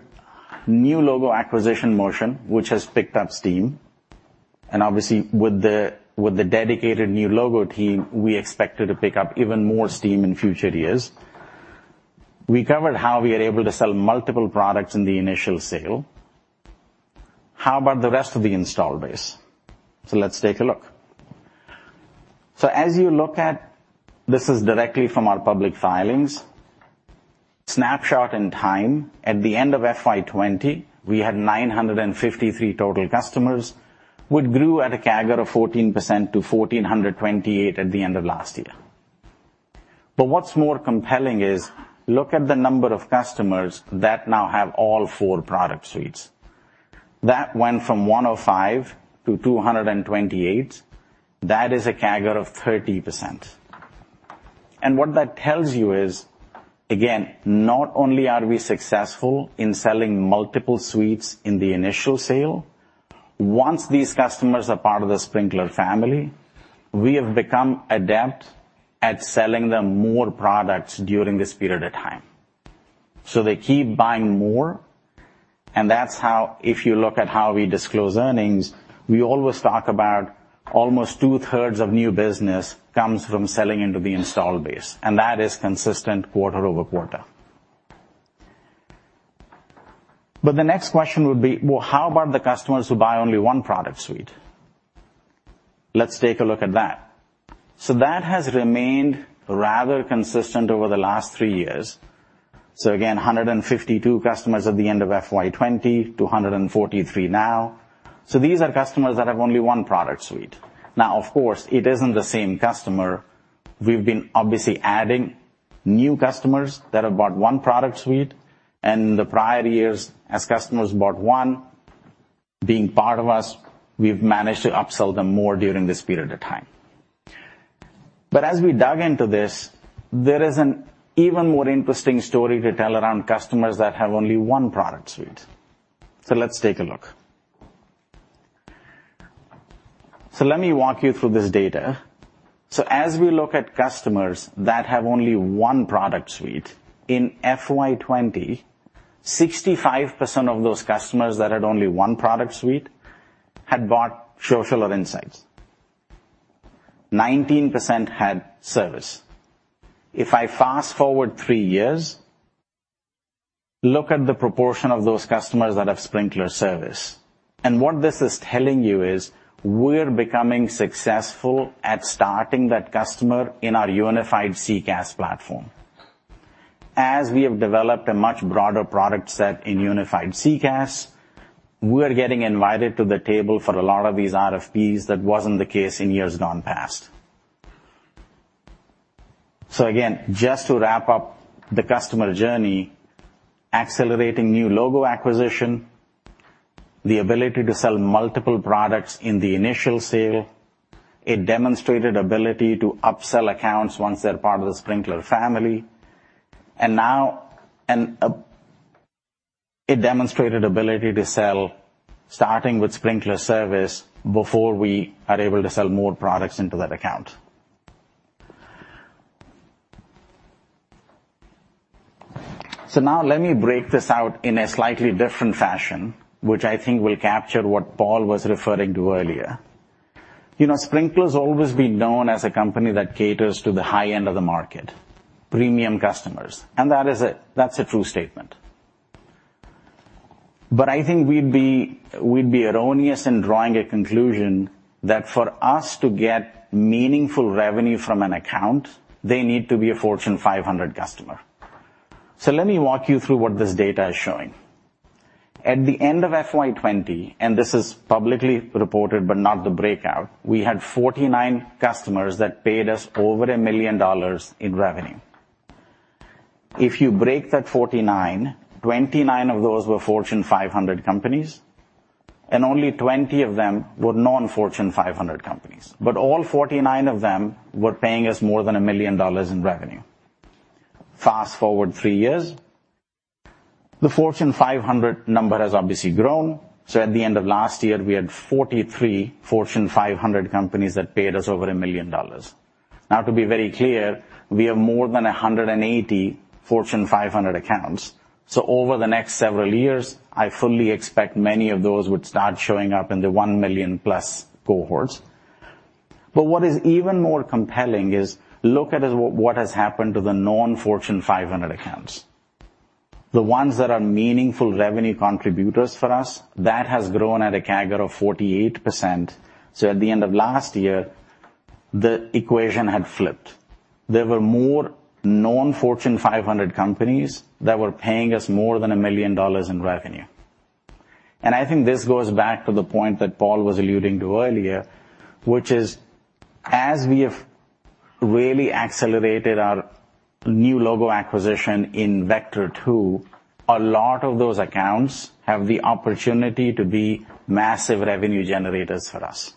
new logo acquisition motion, which has picked up steam, and obviously, with the dedicated new logo team, we expect it to pick up even more steam in future years. We covered how we are able to sell multiple products in the initial sale. How about the rest of the installed base? Let's take a look. As you look at... This is directly from our public filings. Snapshot in time, at the end of FY 20, we had 953 total customers, which grew at a CAGR of 14% to 1,428 at the end of last year. What's more compelling is, look at the number of customers that now have all four product suites. That went from 105 to 228. That is a CAGR of 30%. What that tells you is, again, not only are we successful in selling multiple suites in the initial sale, once these customers are part of the Sprinklr family, we have become adept at selling them more products during this period of time. They keep buying more, and that's how... If you look at how we disclose earnings, we always talk about almost two-thirds of new business comes from selling into the installed base, and that is consistent quarter-over-quarter. The next question would be, Well, how about the customers who buy only one product suite? Let's take a look at that. That has remained rather consistent over the last three years. Again, 152 customers at the end of FY 2020, 243 now. These are customers that have only one product suite. Now, of course, it isn't the same customer. We've been obviously adding new customers that have bought one product suite, and in the prior years, as customers bought one, being part of us, we've managed to upsell them more during this period of time. As we dug into this, there is an even more interesting story to tell around customers that have only one product suite. Let's take a look. Let me walk you through this data. As we look at customers that have only one product suite, in FY 20, 65% of those customers that had only one product suite had bought Sprinklr Social or Sprinklr Insights. 19% had Sprinklr Service. If I fast-forward three years, look at the proportion of those customers that have Sprinklr Service. What this is telling you is, we're becoming successful at starting that customer in our unified CCaaS platform. As we have developed a much broader product set in unified CCaaS, we're getting invited to the table for a lot of these RFPs. That wasn't the case in years gone past. Again, just to wrap up the customer journey, accelerating new logo acquisition, the ability to sell multiple products in the initial sale, a demonstrated ability to upsell accounts once they're part of the Sprinklr family, and now a demonstrated ability to sell, starting with Sprinklr Service, before we are able to sell more products into that account. Now let me break this out in a slightly different fashion, which I think will capture what Paul was referring to earlier. You know, Sprinklr's always been known as a company that caters to the high end of the market, premium customers, and that is a true statement. I think we'd be erroneous in drawing a conclusion that for us to get meaningful revenue from an account, they need to be a Fortune 500 customer. Let me walk you through what this data is showing. At the end of FY 20, and this is publicly reported, but not the breakout, we had 49 customers that paid us over $1 million in revenue. If you break that 49, 29 of those were Fortune 500 companies, and only 20 of them were non-Fortune 500 companies, but all 49 of them were paying us more than $1 million in revenue. Fast-forward 3 years, the Fortune 500 number has obviously grown, so at the end of last year, we had 43 Fortune 500 companies that paid us over $1 million. Now, to be very clear, we have more than 180 Fortune 500 accounts, so over the next several years, I fully expect many of those would start showing up in the $1 million-plus cohorts. What is even more compelling is what has happened to the non-Fortune 500 accounts. The ones that are meaningful revenue contributors for us, that has grown at a CAGR of 48%. At the end of last year, the equation had flipped. There were more non-Fortune 500 companies that were paying us more than $1 million in revenue. I think this goes back to the point that Paul was alluding to earlier, which is, as we have really accelerated our new logo acquisition in Vector Two, a lot of those accounts have the opportunity to be massive revenue generators for us.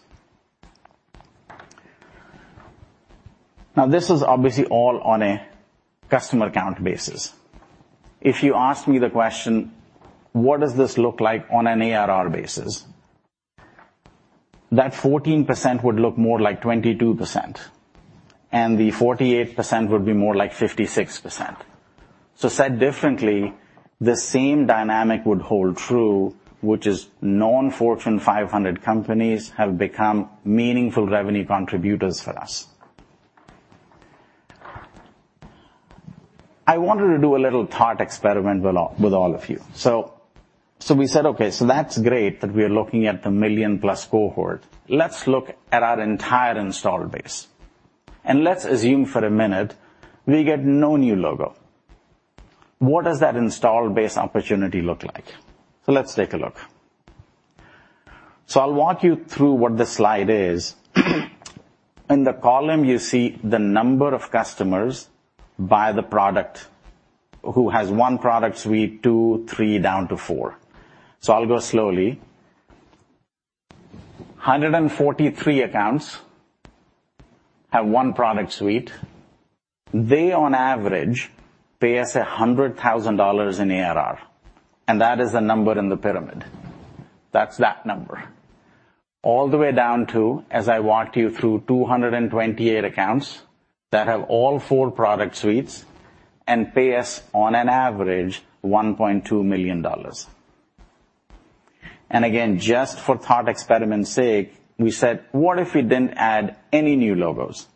This is obviously all on a customer account basis. If you ask me the question: What does this look like on an ARR basis? That 14% would look more like 22%, and the 48% would be more like 56%. Said differently, the same dynamic would hold true, which is non-Fortune 500 companies have become meaningful revenue contributors for us. I wanted to do a little thought experiment with all of you. We said, "Okay, so that's great that we are looking at the million-plus cohort." Let's look at our entire installed base, and let's assume for a minute we get no new logo. What does that installed base opportunity look like? Let's take a look. I'll walk you through what this slide is. In the column, you see the number of customers by the product, who has 1 product suite, 2, 3, down to 4. I'll go slowly. 143 accounts have 1 product suite. They, on average, pay us $100,000 in ARR. That is the number in the pyramid. That's that number. All the way down to, as I walked you through, 228 accounts that have all four product suites and pay us, on an average, $1.2 million. Again, just for thought experiment's sake, we said, "What if we didn't add any new logos?"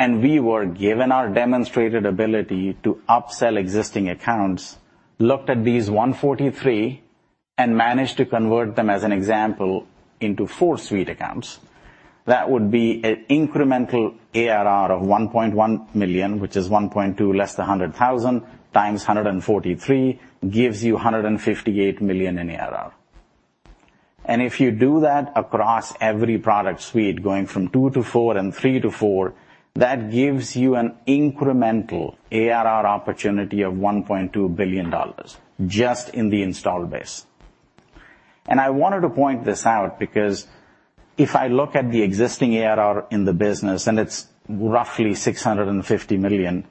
We were given our demonstrated ability to upsell existing accounts, looked at these 143 and managed to convert them, as an example, into four-suite accounts. That would be an incremental ARR of $1.1 million, which is $1.2 less than $100,000 times 143, gives you $158 million in ARR. If you do that across every product suite, going from 2 to 4 and 3 to 4, that gives you an incremental ARR opportunity of $1.2 billion just in the installed base. I wanted to point this out because if I look at the existing ARR in the business, and it's roughly $650 million.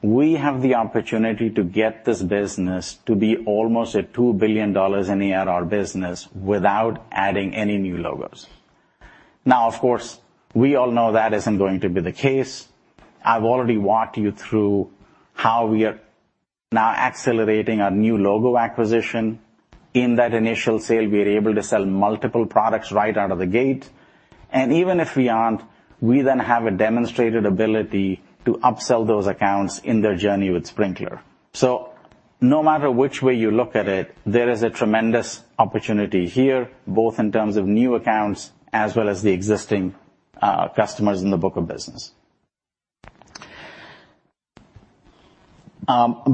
We have the opportunity to get this business to be almost a $2 billion in ARR business without adding any new logos. Now, of course, we all know that isn't going to be the case. I've already walked you through how we are now accelerating our new logo acquisition. In that initial sale, we are able to sell multiple products right out of the gate, and even if we aren't, we then have a demonstrated ability to upsell those accounts in their journey with Sprinklr. No matter which way you look at it, there is a tremendous opportunity here, both in terms of new accounts as well as the existing customers in the book of business.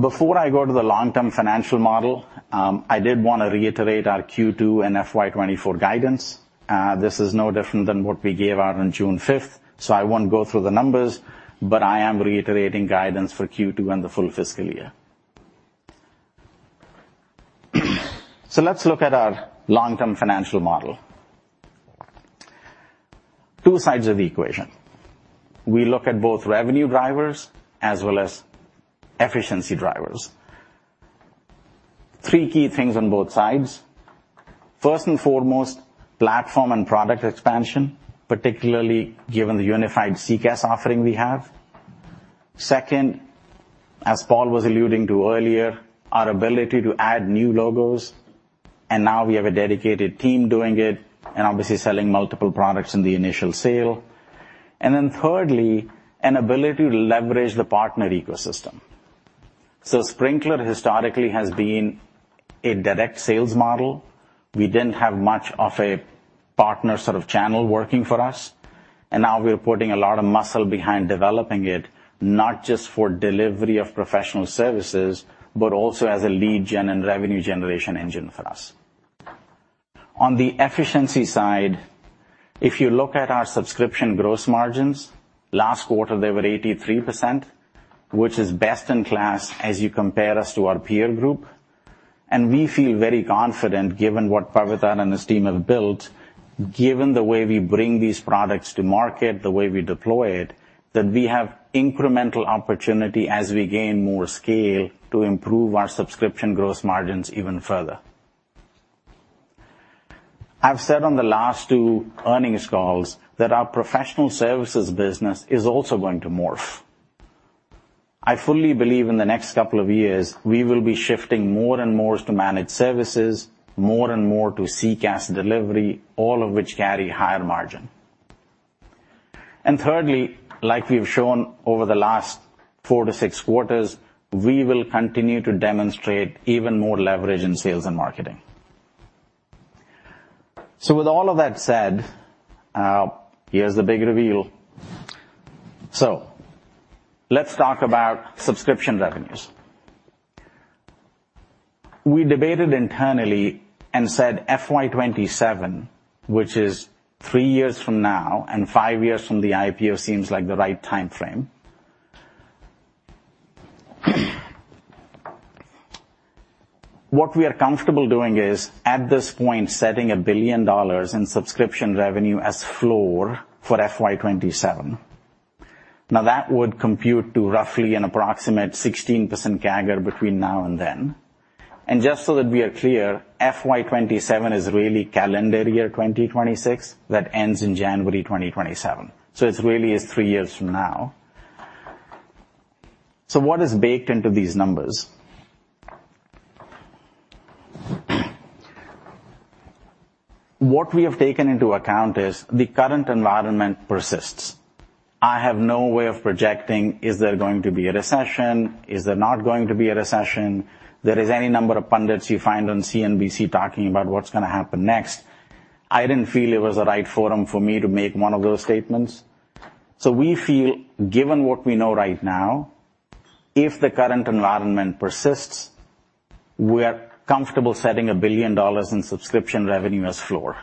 Before I go to the long-term financial model, I did want to reiterate our Q2 and FY 2024 guidance. This is no different than what we gave out on June 5th, so I won't go through the numbers, but I am reiterating guidance for Q2 and the full fiscal year. Let's look at our long-term financial model. 2 sides of the equation. We look at both revenue drivers as well as efficiency drivers. 3 key things on both sides. First and foremost, platform and product expansion, particularly given the unified CCaaS offering we have. Second, as Paul was alluding to earlier, our ability to add new logos, and now we have a dedicated team doing it, and obviously selling multiple products in the initial sale. Thirdly, an ability to leverage the partner ecosystem. Sprinklr historically has been a direct sales model. We didn't have much of a partner sort of channel working for us, and now we're putting a lot of muscle behind developing it, not just for delivery of professional services, but also as a lead gen and revenue generation engine for us. On the efficiency side, if you look at our subscription gross margins, last quarter, they were 83%, which is best in class as you compare us to our peer group. We feel very confident, given what Pavitar and his team have built, given the way we bring these products to market, the way we deploy it, that we have incremental opportunity as we gain more scale to improve our subscription gross margins even further. I've said on the last two earnings calls that our professional services business is also going to morph. I fully believe in the next couple of years, we will be shifting more and more to managed services, more and more to CCaaS delivery, all of which carry higher margin. Thirdly, like we've shown over the last 4-6 quarters, we will continue to demonstrate even more leverage in sales and marketing. With all of that said, here's the big reveal. Let's talk about subscription revenues. We debated internally and said FY 2027, which is three years from now and five years from the IPO, seems like the right time frame. What we are comfortable doing is, at this point, setting $1 billion in subscription revenue as floor for FY 2027. That would compute to roughly an approximate 16% CAGR between now and then. Just so that we are clear, FY 2027 is really calendar year 2026, that ends in January 2027, so it's really is three years from now. What is baked into these numbers? What we have taken into account is the current environment persists. I have no way of projecting, is there going to be a recession? Is there not going to be a recession? There is any number of pundits you find on CNBC talking about what's gonna happen next. I didn't feel it was the right forum for me to make one of those statements. We feel, given what we know right now, if the current environment persists, we are comfortable setting $1 billion in subscription revenue as floor.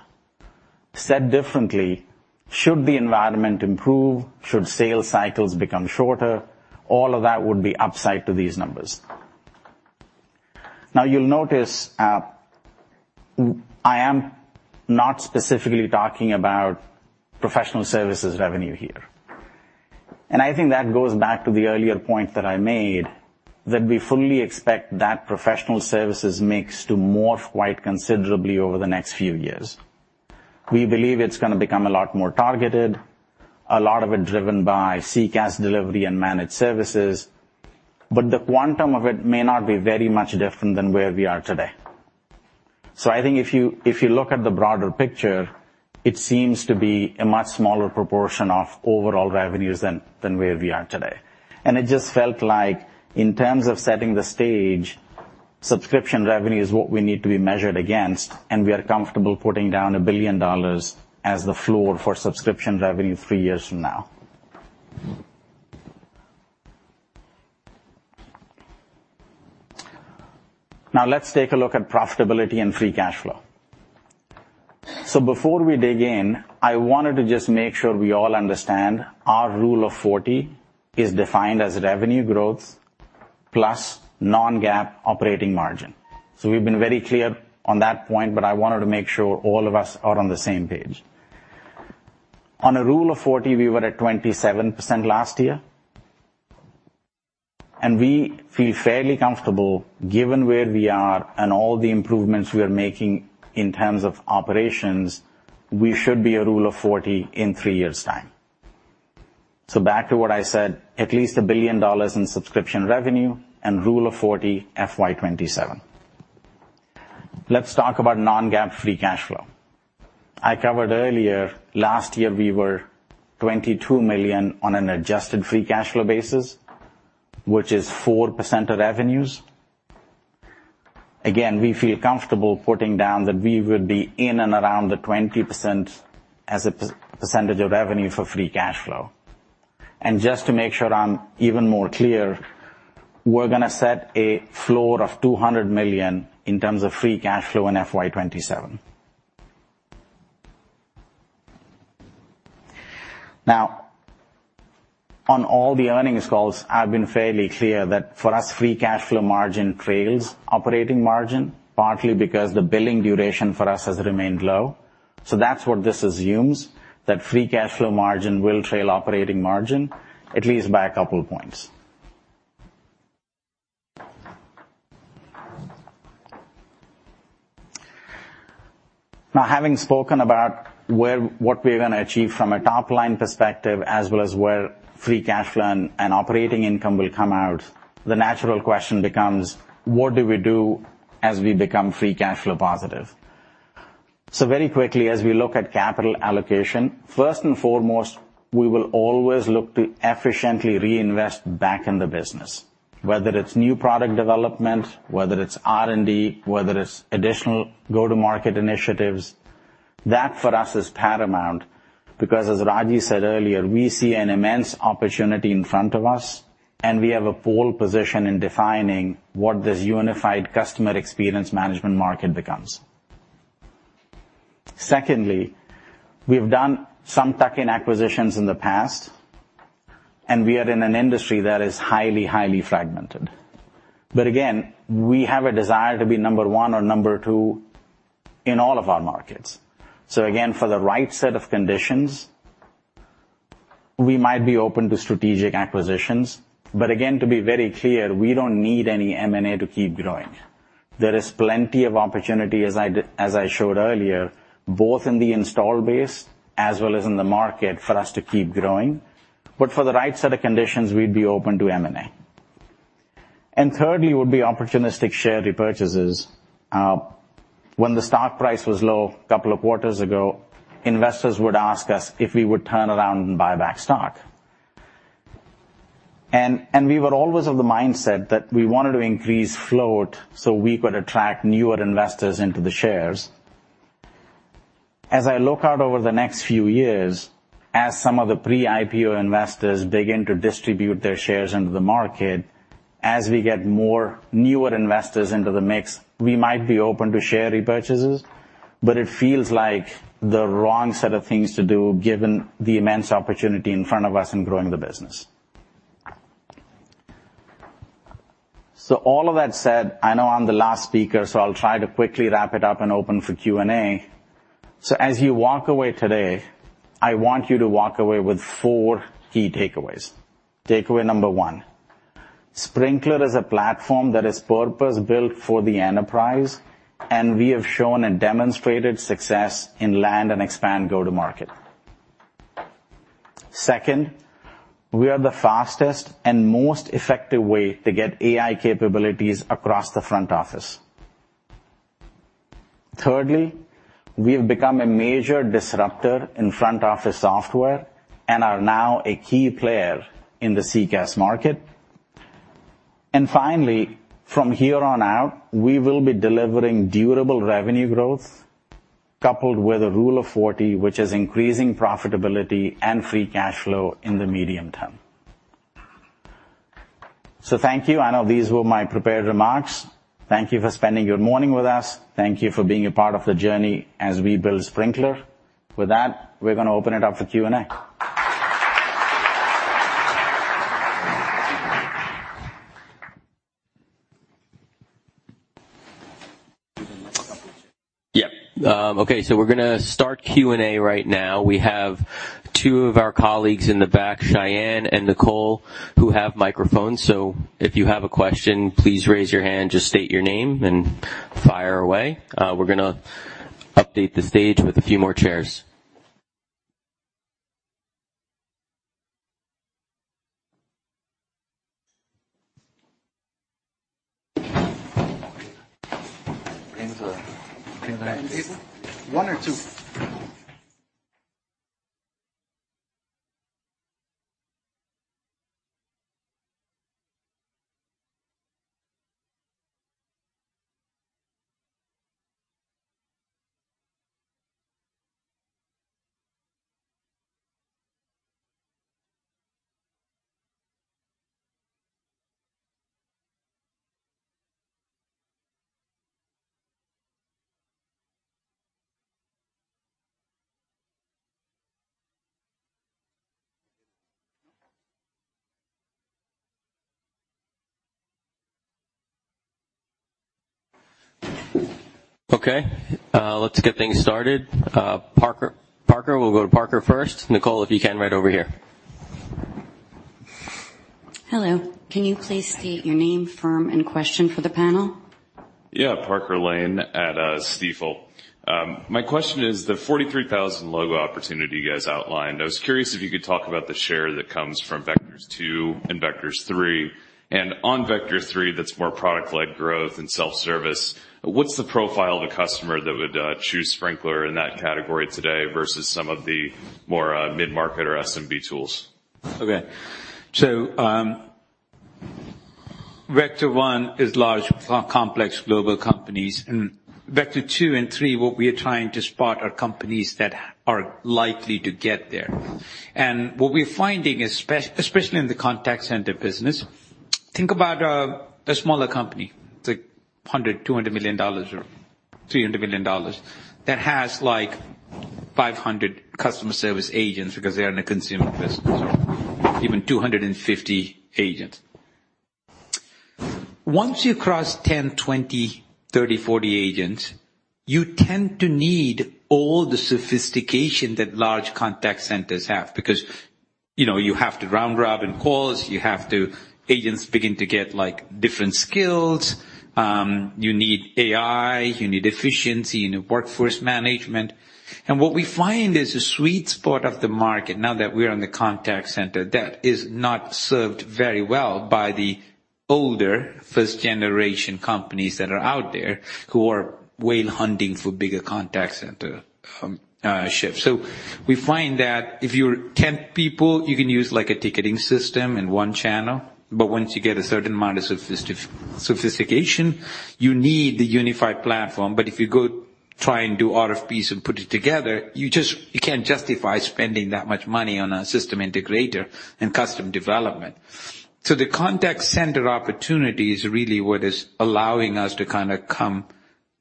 Said differently, should the environment improve, should sales cycles become shorter, all of that would be upside to these numbers. You'll notice, I am not specifically talking about professional services revenue here, and I think that goes back to the earlier point that I made, that we fully expect that professional services mix to morph quite considerably over the next few years. We believe it's gonna become a lot more targeted, a lot of it driven by CCaaS delivery and managed services, but the quantum of it may not be very much different than where we are today. I think if you, if you look at the broader picture, it seems to be a much smaller proportion of overall revenues than where we are today. It just felt like, in terms of setting the stage, subscription revenue is what we need to be measured against, and we are comfortable putting down $1 billion as the floor for subscription revenue three years from now. Let's take a look at profitability and free cash flow. Before we dig in, I wanted to just make sure we all understand our Rule of 40 is defined as revenue growth plus non-GAAP operating margin. We've been very clear on that point, but I wanted to make sure all of us are on the same page. On a Rule of 40, we were at 27% last year. We feel fairly comfortable, given where we are and all the improvements we are making in terms of operations, we should be a Rule of 40 in three years' time. Back to what I said, at least $1 billion in subscription revenue and Rule of 40, FY 2027. Let's talk about non-GAAP free cash flow. I covered earlier, last year, we were $22 million on an adjusted free cash flow basis, which is 4% of revenues. We feel comfortable putting down that we would be in and around the 20% as a per-percentage of revenue for free cash flow. Just to make sure I'm even more clear, we're going to set a floor of $200 million in terms of free cash flow in FY 2027. On all the earnings calls, I've been fairly clear that for us, free cash flow margin trails operating margin, partly because the billing duration for us has remained low. That's what this assumes, that free cash flow margin will trail operating margin at least by 2 points. Having spoken about what we're going to achieve from a top-line perspective, as well as where free cash flow and operating income will come out, the natural question becomes: What do we do as we become free cash flow positive? Very quickly, as we look at capital allocation, first and foremost, we will always look to efficiently reinvest back in the business, whether it's new product development, whether it's R&D, whether it's additional go-to-market initiatives. That, for us, is paramount because as Ragy said earlier, we see an immense opportunity in front of us, and we have a pole position in defining what this unified customer experience management market becomes. Secondly, we've done some tuck-in acquisitions in the past, and we are in an industry that is highly fragmented. Again, we have a desire to be number one or number two in all of our markets. Again, for the right set of conditions, we might be open to strategic acquisitions. Again, to be very clear, we don't need any M&A to keep growing. There is plenty of opportunity, as I showed earlier, both in the install base as well as in the market, for us to keep growing. For the right set of conditions, we'd be open to M&A. Thirdly, would be opportunistic share repurchases. When the stock price was low a couple of quarters ago, investors would ask us if we would turn around and buy back stock. We were always of the mindset that we wanted to increase float so we could attract newer investors into the shares. As I look out over the next few years, as some of the pre-IPO investors begin to distribute their shares into the market, as we get more newer investors into the mix, we might be open to share repurchases, but it feels like the wrong set of things to do, given the immense opportunity in front of us in growing the business. All of that said, I know I'm the last speaker, so I'll try to quickly wrap it up and open for Q&A. As you walk away today, I want you to walk away with 4 key takeaways. Takeaway number one: Sprinklr is a platform that is purpose-built for the enterprise, and we have shown a demonstrated success in land and expand go-to-market. Second, we are the fastest and most effective way to get AI capabilities across the front office. Thirdly, we have become a major disruptor in front-office software and are now a key player in the CCaaS market. Finally, from here on out, we will be delivering durable revenue growth, coupled with a rule of 40, which is increasing profitability and free cash flow in the medium term. Thank you. I know these were my prepared remarks. Thank you for spending your morning with us. Thank you for being a part of the journey as we build Sprinklr. With that, we're going to open it up for Q&A. Yeah. Okay, we're gonna start Q&A right now. We have two of our colleagues in the back, Cheyenne and Nicole, who have microphones. If you have a question, please raise your hand, just state your name and fire away. We're gonna update the stage with a few more chairs. Bring the... One or two? Okay, let's get things started. Parker, we'll go to Parker first. Nicole, if you can, right over here. Hello. Can you please state your name, firm, and question for the panel? Yeah, Parker Lane at Stifel. My question is the 43,000 logo opportunity you guys outlined, I was curious if you could talk about the share that comes from Vector Two and Vector Three. On Vector Three, that's more product-led growth and self-service, what's the profile of the customer that would choose Sprinklr in that category today versus some of the more mid-market or SMB tools? Okay. Vector One is large, complex, global companies. Vector Two and Three, what we are trying to spot are companies that are likely to get there. What we're finding, especially in the contact center business, think about a smaller company, it's like $100 million, $200 million or $300 million, that has, like, 500 customer service agents because they are in a consumer business, or even 250 agents. Once you cross 10, 20, 30, 40 agents, you tend to need all the sophistication that large contact centers have because, you know, you have to round robin calls. Agents begin to get, like, different skills, you need AI, you need efficiency, you need workforce management. What we find is a sweet spot of the market, now that we're on the contact center, that is not served very well by the older first generation companies that are out there, who are whale hunting for bigger contact center ships. We find that if you're 10 people, you can use, like, a ticketing system in one channel, but once you get a certain amount of sophistication, you need the unified platform. If you go try and do RFPs and put it together, you can't justify spending that much money on a system integrator and custom development. The contact center opportunity is really what is allowing us to kind of come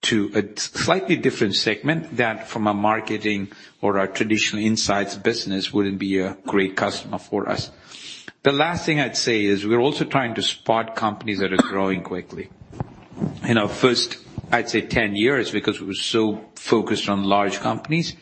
to a slightly different segment than from a marketing or our traditional insights business wouldn't be a great customer for us. The last thing I'd say is we're also trying to spot companies that are growing quickly. In our first, I'd say 10 years, because we were so focused on large companies,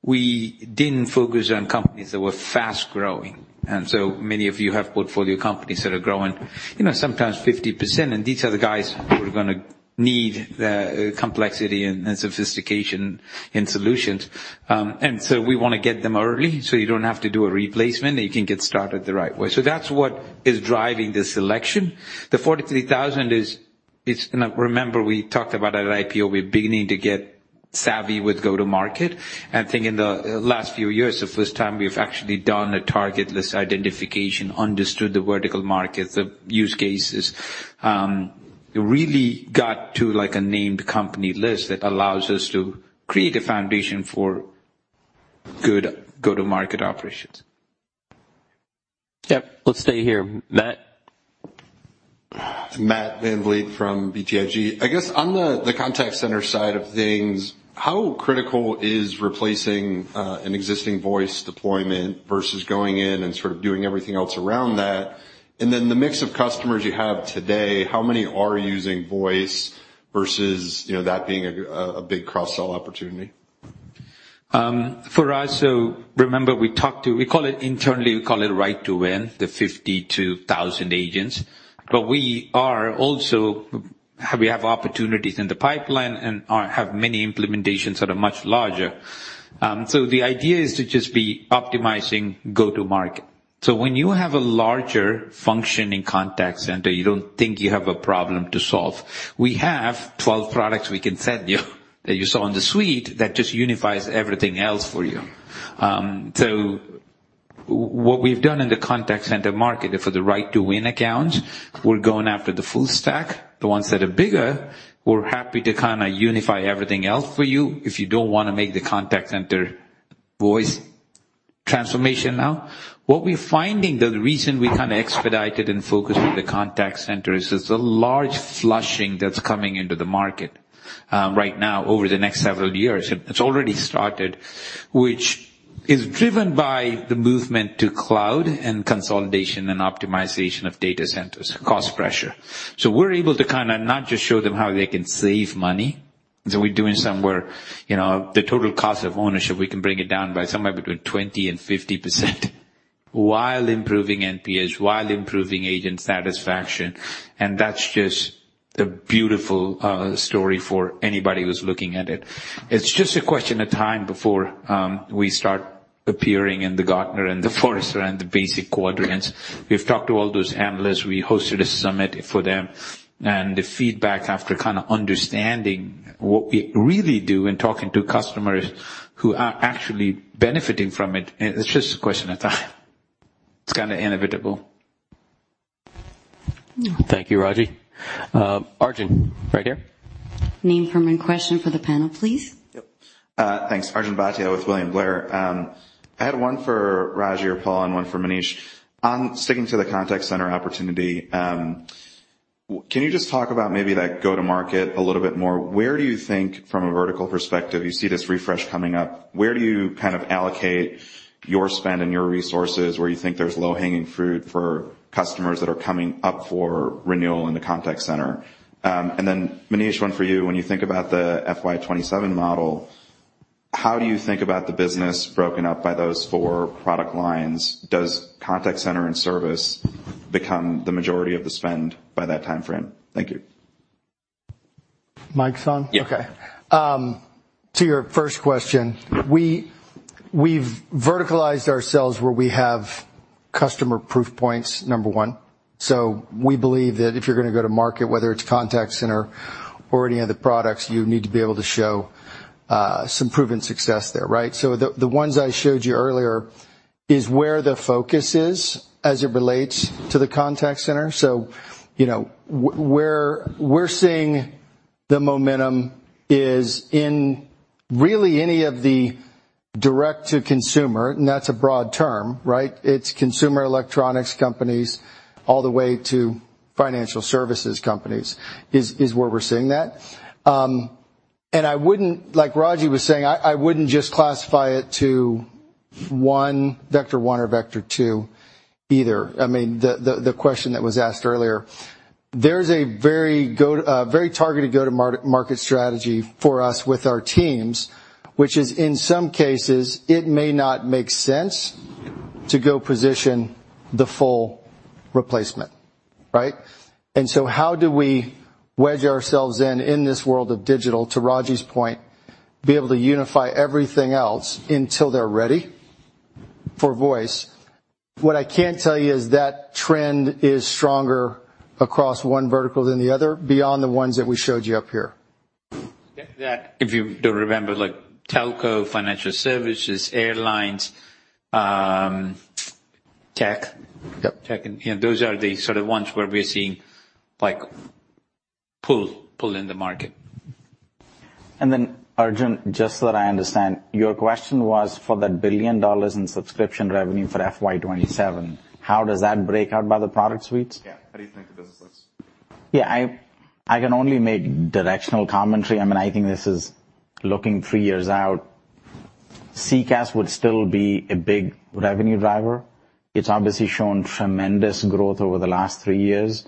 we didn't focus on companies that were fast-growing. Many of you have portfolio companies that are growing, you know, sometimes 50%, and these are the guys who are gonna need the complexity and sophistication in solutions. We want to get them early, so you don't have to do a replacement, and you can get started the right way. That's what is driving the selection. The 43,000 is, it's. Now, remember, we talked about at IPO, we're beginning to get savvy with go-to-market. I think in the last few years, the first time we've actually done a target list identification, understood the vertical market, the use cases, really got to, like, a named company list that allows us to create a foundation for good go-to-market operations. Yep. Let's stay here. Matt? Matt VanVliet from BTIG. I guess on the contact center side of things, how critical is replacing an existing voice deployment versus going in and sort of doing everything else around that? The mix of customers you have today, how many are using voice versus, you know, that being a big cross-sell opportunity? For us, remember, we call it internally, we call it Right to Win, the 52,000 agents. We are also, we have opportunities in the pipeline and have many implementations that are much larger. The idea is to just be optimizing go-to-market. When you have a larger functioning contact center, you don't think you have a problem to solve. We have 12 products we can send you, that you saw in the suite, that just unifies everything else for you. What we've done in the contact center market for the Right to Win accounts, we're going after the full stack. The ones that are bigger, we're happy to kinda unify everything else for you if you don't want to make the contact center voice transformation now. What we're finding, the reason we kind of expedited and focused on the contact center, is there's a large flushing that's coming into the market, right now, over the next several years. It's already started, which is driven by the movement to cloud and consolidation and optimization of data centers, cost pressure. We're able to kinda not just show them how they can save money, so we're doing somewhere, you know, the total cost of ownership, we can bring it down by somewhere between 20% and 50%, while improving NPH, while improving agent satisfaction. That's just a beautiful story for anybody who's looking at it. It's just a question of time before we start appearing in the Gartner and the Forrester and the Magic Quadrant. We've talked to all those analysts. We hosted a summit for them, and the feedback, after kind of understanding what we really do and talking to customers who are actually benefiting from it's just a question of time. It's kind of inevitable. Thank you, Ragy. Arjun, right here. Name, firm, and question for the panel, please. Yep. Thanks. Arjun Bhatia with William Blair. I had one for Ragy or Paul and one for Manish. Sticking to the contact center opportunity, can you just talk about maybe, like, go-to-market a little bit more? Where do you think, from a vertical perspective, you see this refresh coming up, where do you kind of allocate your spend and your resources, where you think there's low-hanging fruit for customers that are coming up for renewal in the contact center? Manish, one for you. When you think about the FY 2027 model, how do you think about the business broken up by those four product lines? Does contact center and Service become the majority of the spend by that time frame? Thank you. Mic's on? Yeah. Okay. To your first question, we've verticalized ourselves where we have customer proof points, number one. We believe that if you're gonna go to market, whether it's contact center or any other products, you need to be able to show some proven success there, right? The ones I showed you earlier is where the focus is as it relates to the contact center. You know, where we're seeing the momentum is in really any of the direct-to-consumer, and that's a broad term, right? It's consumer electronics companies, all the way to financial services companies, is where we're seeing that. I wouldn't, like Ragy was saying, I wouldn't just classify it to one, Vector One or Vector Two either. I mean, the question that was asked earlier. There's a very targeted go-to-market strategy for us with our teams, which is, in some cases, it may not make sense to go position the full replacement, right? How do we wedge ourselves in this world of digital, to Ragy's point, be able to unify everything else until they're ready for voice? What I can tell you is that trend is stronger across one vertical than the other, beyond the ones that we showed you up here. if you don't remember, like telco, financial services, airlines, tech. Yep. Tech, and, you know, those are the sort of ones where we are seeing like pull in the market. Arjun, just so that I understand, your question was for that $1 billion in subscription revenue for FY 2027, how does that break out by the product suites? Yeah. How do you think the business is? I can only make directional commentary. I mean, I think this is looking 3 years out. CCaaS would still be a big revenue driver. It's obviously shown tremendous growth over the last 3 years,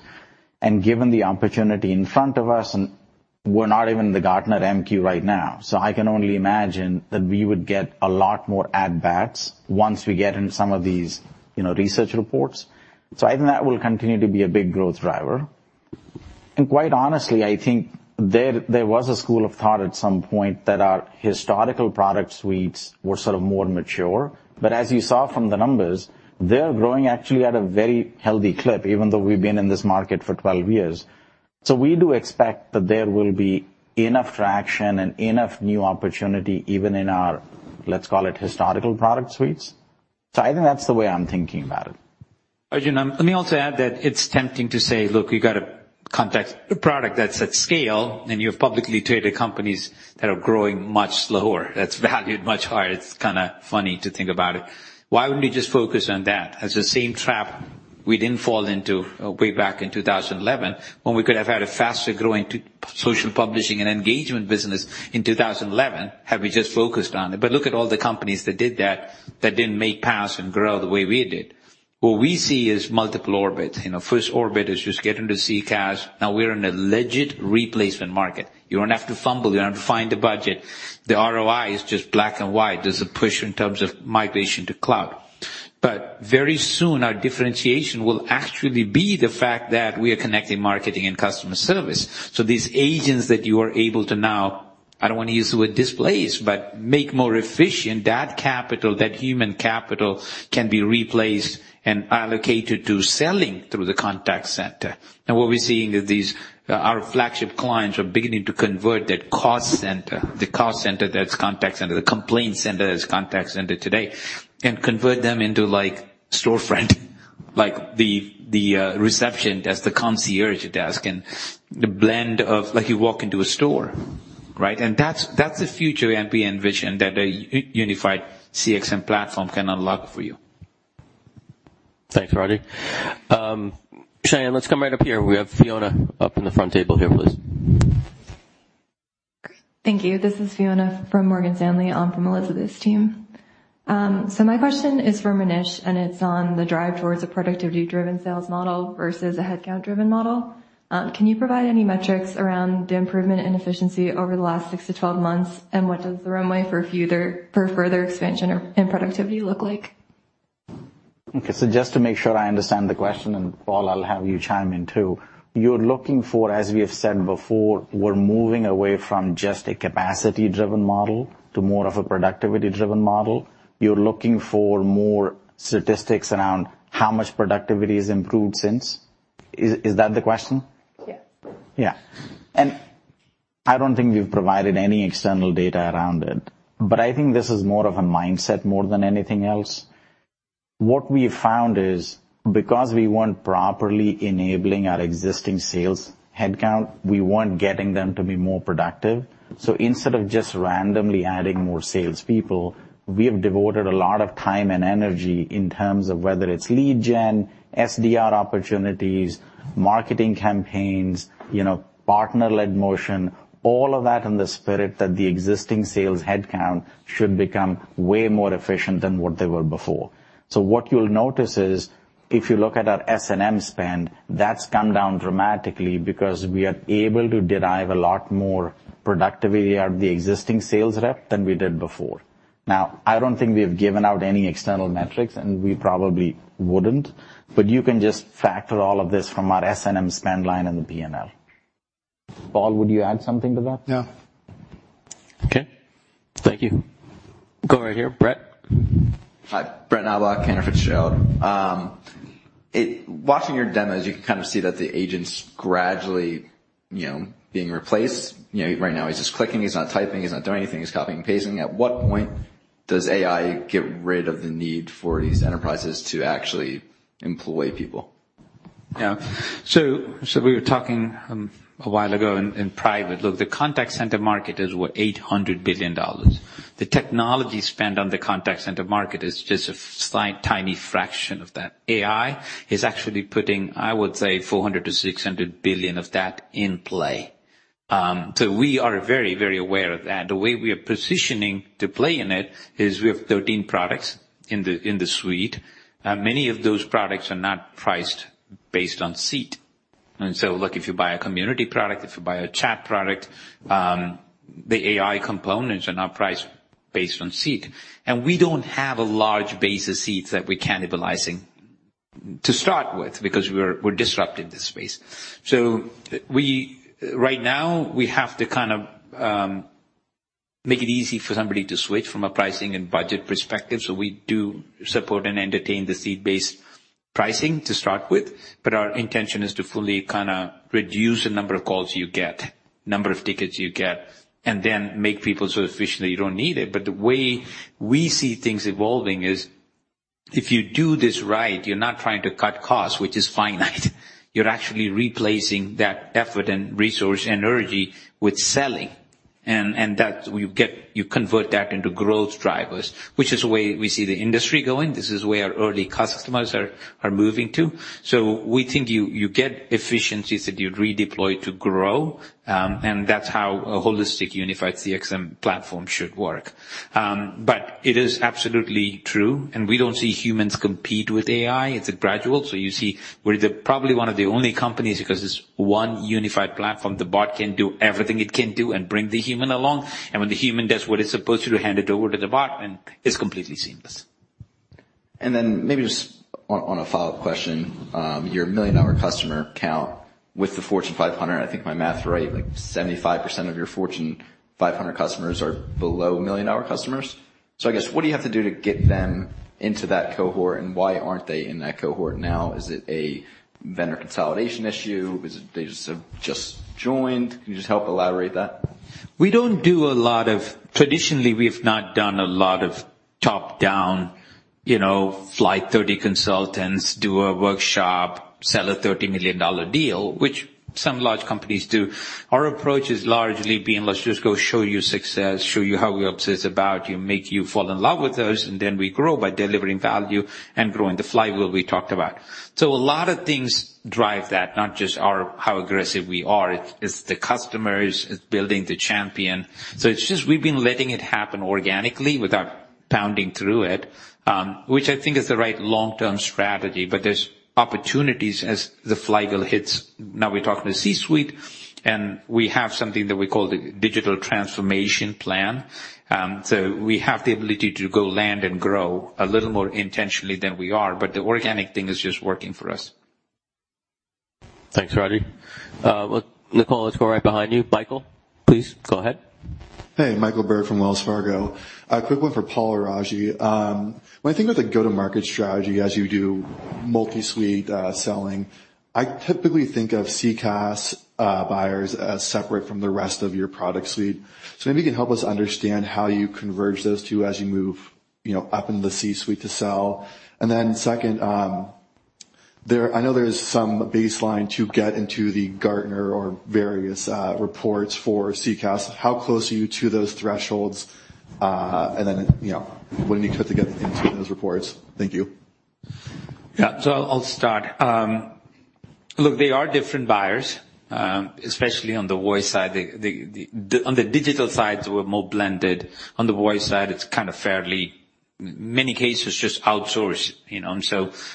and given the opportunity in front of us, and we're not even in the Gartner MQ right now, so I can only imagine that we would get a lot more ad backs once we get in some of these, you know, research reports. I think that will continue to be a big growth driver. Quite honestly, I think there was a school of thought at some point that our historical product suites were sort of more mature, but as you saw from the numbers, they're growing actually at a very healthy clip, even though we've been in this market for 12 years. We do expect that there will be enough traction and enough new opportunity, even in our, let's call it, historical product suites. I think that's the way I'm thinking about it. Arjun, let me also add that it's tempting to say, "Look, you got a product that's at scale, and you have publicly traded companies that are growing much slower, that's valued much higher." It's kind of funny to think about it. Why wouldn't you just focus on that? That's the same trap we didn't fall into way back in 2011, when we could have had a faster-growing social publishing and engagement business in 2011, had we just focused on it. Look at all the companies that did that didn't make pass and grow the way we did. What we see is multiple orbits. You know, first orbit is just getting to CCaaS. Now we're in a legit replacement market. You don't have to fumble, you don't have to find the budget. The ROI is just black and white. There's a push in terms of migration to cloud. Very soon, our differentiation will actually be the fact that we are connecting marketing and customer service. These agents that you are able to now, I don't want to use the word displace, but make more efficient, that capital, that human capital, can be replaced and allocated to selling through the contact center. What we're seeing is these, our flagship clients are beginning to convert that cost center, the cost center that's contact center, the complaint center that's contact center today, and convert them into, like, storefront, like the reception that's the concierge desk and the blend of... like you walk into a store, right? That's, that's the future, and we envision that a unified CXM platform can unlock for you. Thanks, Ragy. Cheyenne, let's come right up here. We have Fiona up in the front table here, please. Thank you. This is Fiona from Morgan Stanley, I'm from Elizabeth's team. My question is for Manish, and it's on the drive towards a productivity-driven sales model versus a headcount-driven model. Can you provide any metrics around the improvement in efficiency over the last 6-12 months, and what does the runway for further expansion and productivity look like? Just to make sure I understand the question, and, Paul, I'll have you chime in, too. You're looking for, as we have said before, we're moving away from just a capacity-driven model to more of a productivity-driven model. You're looking for more statistics around how much productivity has improved since. Is that the question? Yes. Yeah. I don't think we've provided any external data around it, but I think this is more of a mindset more than anything else. What we found is, because we weren't properly enabling our existing sales headcount, we weren't getting them to be more productive. Instead of just randomly adding more salespeople, we have devoted a lot of time and energy in terms of whether it's lead gen, SDR opportunities, marketing campaigns, you know, partner-led motion, all of that in the spirit that the existing sales headcount should become way more efficient than what they were before. What you'll notice is... If you look at our S&M spend, that's come down dramatically because we are able to derive a lot more productivity out of the existing sales rep than we did before. I don't think we have given out any external metrics, and we probably wouldn't, but you can just factor all of this from our S&M spend line in the P&L. Paul, would you add something to that? Yeah. Okay, thank you. Go right here, Brett. Hi, Brett Knoblauch, Cantor Fitzgerald. Watching your demos, you can kind of see that the agent's gradually, you know, being replaced. You know, right now, he's just clicking, he's not typing, he's not doing anything, he's copying and pasting. At what point does AI get rid of the need for these enterprises to actually employ people? Yeah. We were talking a while ago in private. Look, the contact center market is worth $800 billion. The technology spend on the contact center market is just a slight, tiny fraction of that. AI is actually putting, I would say, $400 billion-$600 billion of that in play. We are very, very aware of that. The way we are positioning to play in it is we have 13 products in the suite. Many of those products are not priced based on seat. Look, if you buy a community product, if you buy a chat product, the AI components are not priced based on seat. We don't have a large base of seats that we're cannibalizing to start with, because we're disrupting this space. Right now, we have to kind of make it easy for somebody to switch from a pricing and budget perspective. We do support and entertain the seat-based pricing to start with, our intention is to fully kinda reduce the number of calls you get, number of tickets you get, and then make people so efficient that you don't need it. The way we see things evolving is, if you do this right, you're not trying to cut costs, which is finite. You're actually replacing that effort and resource and energy with selling, and that you get. You convert that into growth drivers, which is the way we see the industry going. This is where our early customers are moving to. We think you get efficiencies that you redeploy to grow, and that's how a holistic, unified CXM platform should work. It is absolutely true, and we don't see humans compete with AI. It's a gradual. You see we're the probably one of the only companies, because it's one unified platform, the bot can do everything it can do and bring the human along. When the human does what it's supposed to do, hand it over to the bot, and it's completely seamless. Maybe just on a follow-up question. Your $1 million customer count with the Fortune 500, I think my math is right, like, 75% of your Fortune 500 customers are below $1 million customers. I guess, what do you have to do to get them into that cohort, and why aren't they in that cohort now? Is it a vendor consolidation issue? Is it they just joined? Can you just help elaborate that? Traditionally, we've not done a lot of top-down, you know, fly 30 consultants, do a workshop, sell a $30 million deal, which some large companies do. Our approach has largely been, "Let's just go show you success, show you how we obsess about you, make you fall in love with us," we grow by delivering value and growing the flywheel we talked about. A lot of things drive that, not just how aggressive we are. It's the customers, it's building the champion. It's just we've been letting it happen organically without pounding through it, which I think is the right long-term strategy, there's opportunities as the flywheel hits. Now we're talking to C-suite, we have something that we call the digital transformation plan. We have the ability to go land and grow a little more intentionally than we are, but the organic thing is just working for us. Thanks, Raji. Nicole, let's go right behind you. Michael, please go ahead. Hey, Michael Turrin from Wells Fargo. A quick one for Paul and Raji. When I think about the go-to-market strategy as you do multi-suite selling, I typically think of CCaaS buyers as separate from the rest of your product suite. Maybe you can help us understand how you converge those two as you move, you know, up into the C-suite to sell. Second, I know there is some baseline to get into the Gartner or various reports for CCaaS. How close are you to those thresholds? You know, when you cut together things in those reports. Thank you. Yeah. I'll start. Look, they are different buyers, especially on the voice side. On the digital sides, we're more blended. On the voice side, it's kind of fairly, many cases, just outsourced, you know,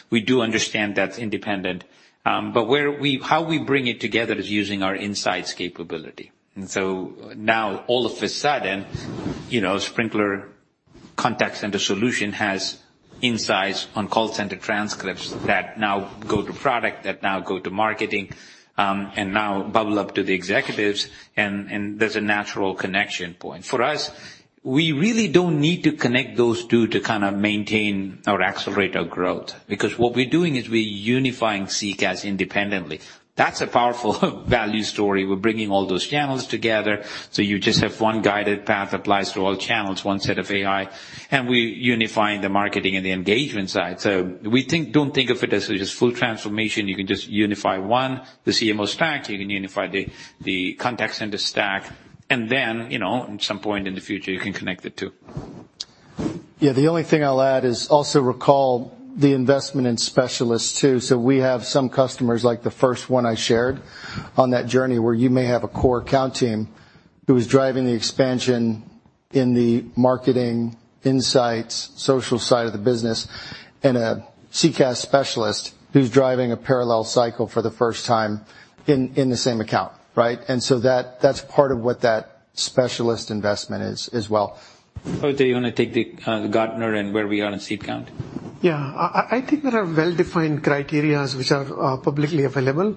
we do understand that's independent. How we bring it together is using our insights capability. Now, all of a sudden, you know, Sprinklr contact center solution has insights on call center transcripts that now go to product, that now go to marketing, and now bubble up to the executives, and there's a natural connection point. For us, we really don't need to connect those two to kind of maintain or accelerate our growth, because what we're doing is we're unifying CCaaS independently. That's a powerful value story. We're bringing all those channels together, so you just have one guided path applies to all channels, one set of AI, and we're unifying the marketing and the engagement side. Don't think of it as just full transformation. You can just unify the CMO stack, you can unify the contact center stack, and then, you know, at some point in the future, you can connect the two. The only thing I'll add is also recall the investment in specialists, too. We have some customers, like the first one I shared, on that journey, where you may have a core account team who is driving the expansion in the marketing, insights, social side of the business, and a CCaaS specialist who's driving a parallel cycle for the first time in the same account, right? That's part of what that specialist investment is, as well. Oh, do you wanna take the Gartner and where we are on seat count? Yeah. I think there are well-defined criteria which are publicly available.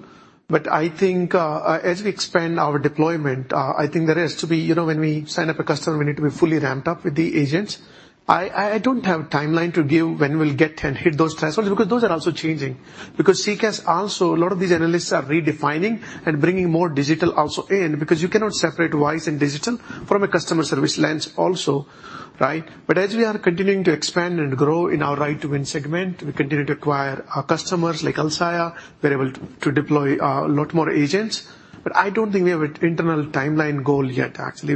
I think, as we expand our deployment, You know, when we sign up a customer, we need to be fully ramped up with the agents. I don't have a timeline to give when we'll get and hit those thresholds, because those are also changing. CCaaS also, a lot of these analysts are redefining and bringing more digital also in, because you cannot separate voice and digital from a customer service lens also, right? As we are continuing to expand and grow in our Right to Win segment, we continue to acquire our customers, like Alshaya. We're able to deploy a lot more agents. I don't think we have an internal timeline goal yet, actually.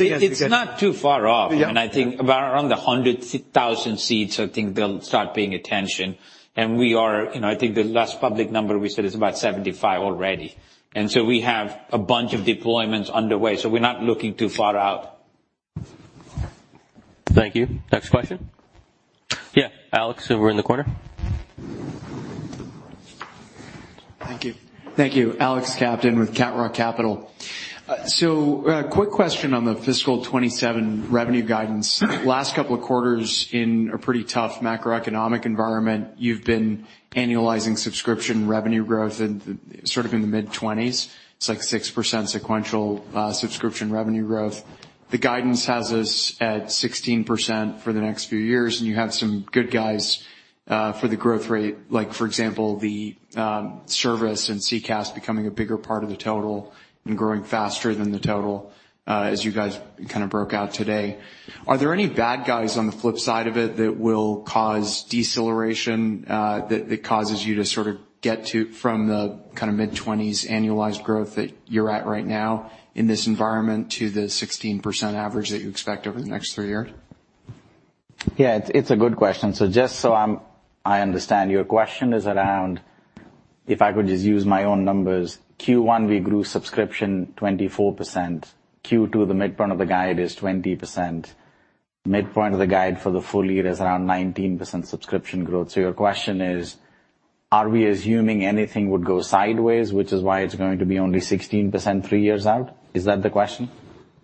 It's not too far off. Yeah. I mean, I think about around 100,000 seats, I think they'll start paying attention. You know, I think the last public number we said is about 75 already. We have a bunch of deployments underway, so we're not looking too far out. Thank you. Next question? Yeah, Alex, over in the corner. Thank you. Thank you. Alex Captain with Cat Rock Capital. A quick question on the fiscal 2027 revenue guidance. Last couple of quarters in a pretty tough macroeconomic environment, you've been annualizing subscription revenue growth in, sort of, in the mid-20s. It's like 6% sequential subscription revenue growth. The guidance has us at 16% for the next few years, and you have some good guys for the growth rate. Like, for example, the service and CCaaS becoming a bigger part of the total and growing faster than the total, as you guys kind of broke out today. Are there any bad guys on the flip side of it that will cause deceleration, that causes you to sort of get to from the kind of mid-20s annualized growth that you're at right now in this environment, to the 16% average that you expect over the next 3 years? Yeah, it's a good question. Just so I understand, your question is around, if I could just use my own numbers, Q1, we grew subscription 24%. Q2, the midpoint of the guide is 20%. Midpoint of the guide for the full year is around 19% subscription growth. Your question is, are we assuming anything would go sideways, which is why it's going to be only 16% three years out? Is that the question?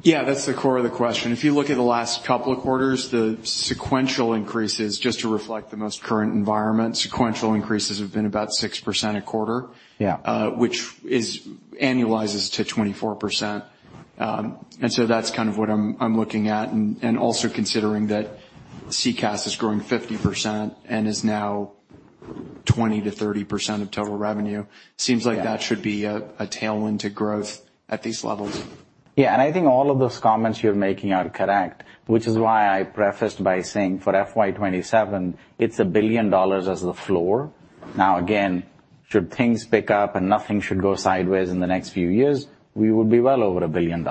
That's the core of the question. If you look at the last couple of quarters, the sequential increases, just to reflect the most current environment, sequential increases have been about 6% a quarter. Yeah... which is, annualizes to 24%. That's kind of what I'm looking at, and also considering that CCaaS is growing 50% and is now 20%-30% of total revenue. Yeah. Seems like that should be a tailwind to growth at these levels. Yeah, I think all of those comments you're making are correct, which is why I prefaced by saying, for FY 2027, it's $1 billion as the floor. Again, should things pick up and nothing should go sideways in the next few years, we would be well over $1 billion.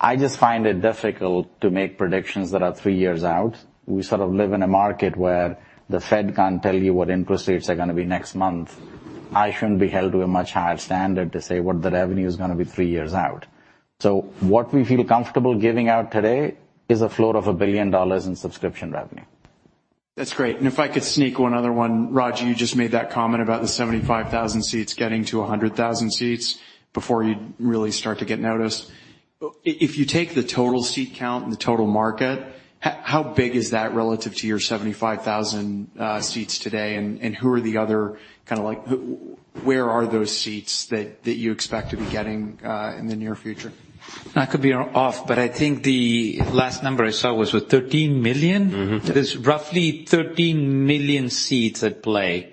I just find it difficult to make predictions that are 3 years out. We sort of live in a market where the Fed can't tell you what interest rates are gonna be next month. I shouldn't be held to a much higher standard to say what the revenue is gonna be 3 years out. What we feel comfortable giving out today is a floor of $1 billion in subscription revenue. That's great. If I could sneak one other one. Ragy, you just made that comment about the 75,000 seats getting to 100,000 seats before you'd really start to get noticed. If you take the total seat count and the total market, how big is that relative to your 75,000 seats today, and who are the other kind of like... Where are those seats that you expect to be getting in the near future? I could be off, but I think the last number I saw was with $13 million. Mm-hmm. There's roughly 13 million seats at play,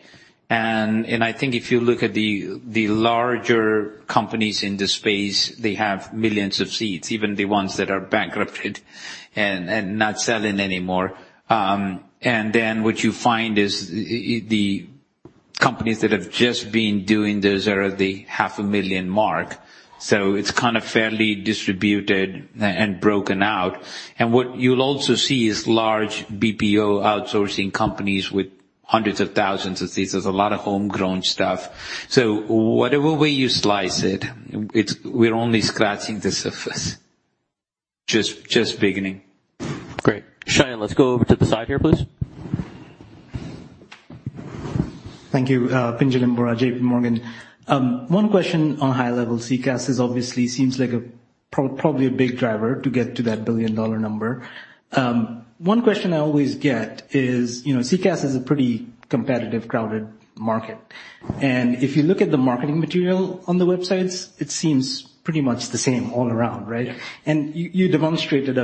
and I think if you look at the larger companies in this space, they have millions of seats, even the ones that are bankrupted and not selling anymore. Then what you find is the companies that have just been doing this are at the half a million mark, so it's kind of fairly distributed and broken out. What you'll also see is large BPO outsourcing companies with hundreds of thousands of seats. There's a lot of homegrown stuff. Whatever way you slice it, we're only scratching the surface. Just beginning. Great. Cheyenne, let's go over to the side here, please. Thank you, Pinjalim Bora, JP Morgan. One question on high-level CCaaS is obviously seems like probably a big driver to get to that $1 billion number. One question I always get is, you know, CCaaS is a pretty competitive, crowded market, and if you look at the marketing material on the websites, it seems pretty much the same all around, right? Yeah. You demonstrated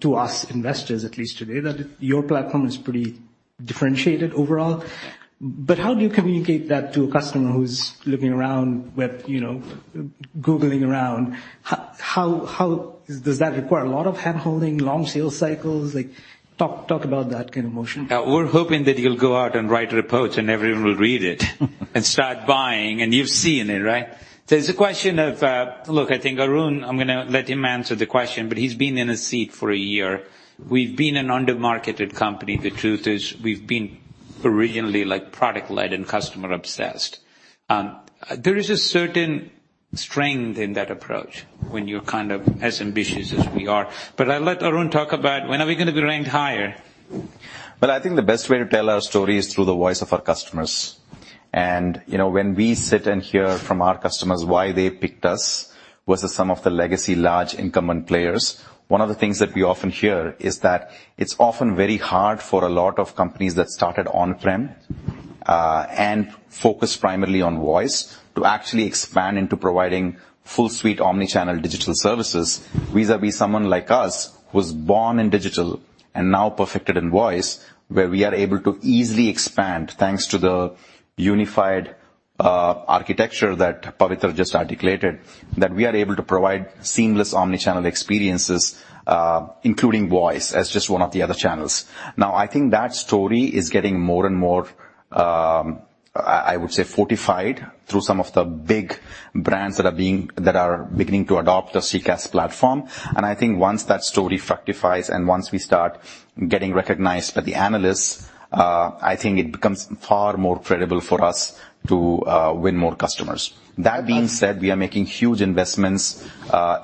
to us investors, at least today, that your platform is pretty differentiated overall. How do you communicate that to a customer who's looking around web, you know, googling around? How does that require a lot of hand-holding, long sales cycles? Like, talk about that kind of motion. We're hoping that you'll go out and write reports, and everyone will read it and start buying. You've seen it, right? There's a question of. Look, I think Arun, I'm gonna let him answer the question, but he's been in his seat for a year. We've been an under-marketed company. The truth is, we've been originally, like product-led and customer obsessed. There is a certain strength in that approach when you're kind of as ambitious as we are. I'll let Arun talk about when are we going to be ranked higher? Well, I think the best way to tell our story is through the voice of our customers. You know, when we sit and hear from our customers why they picked us versus some of the legacy large incumbent players, one of the things that we often hear is that it's often very hard for a lot of companies that started on-prem and focused primarily on voice, to actually expand into providing full suite, omni-channel digital services vis-à-vis someone like us, who was born in digital and now perfected in voice, where we are able to easily expand, thanks to the unified architecture that Pavitar just articulated, that we are able to provide seamless omni-channel experiences, including voice as just one of the other channels. I think that story is getting more and more, I would say, fortified through some of the big brands that are beginning to adopt the CCaaS platform. I think once that story fructifies, and once we start getting recognized by the analysts, I think it becomes far more credible for us to win more customers. That being said, we are making huge investments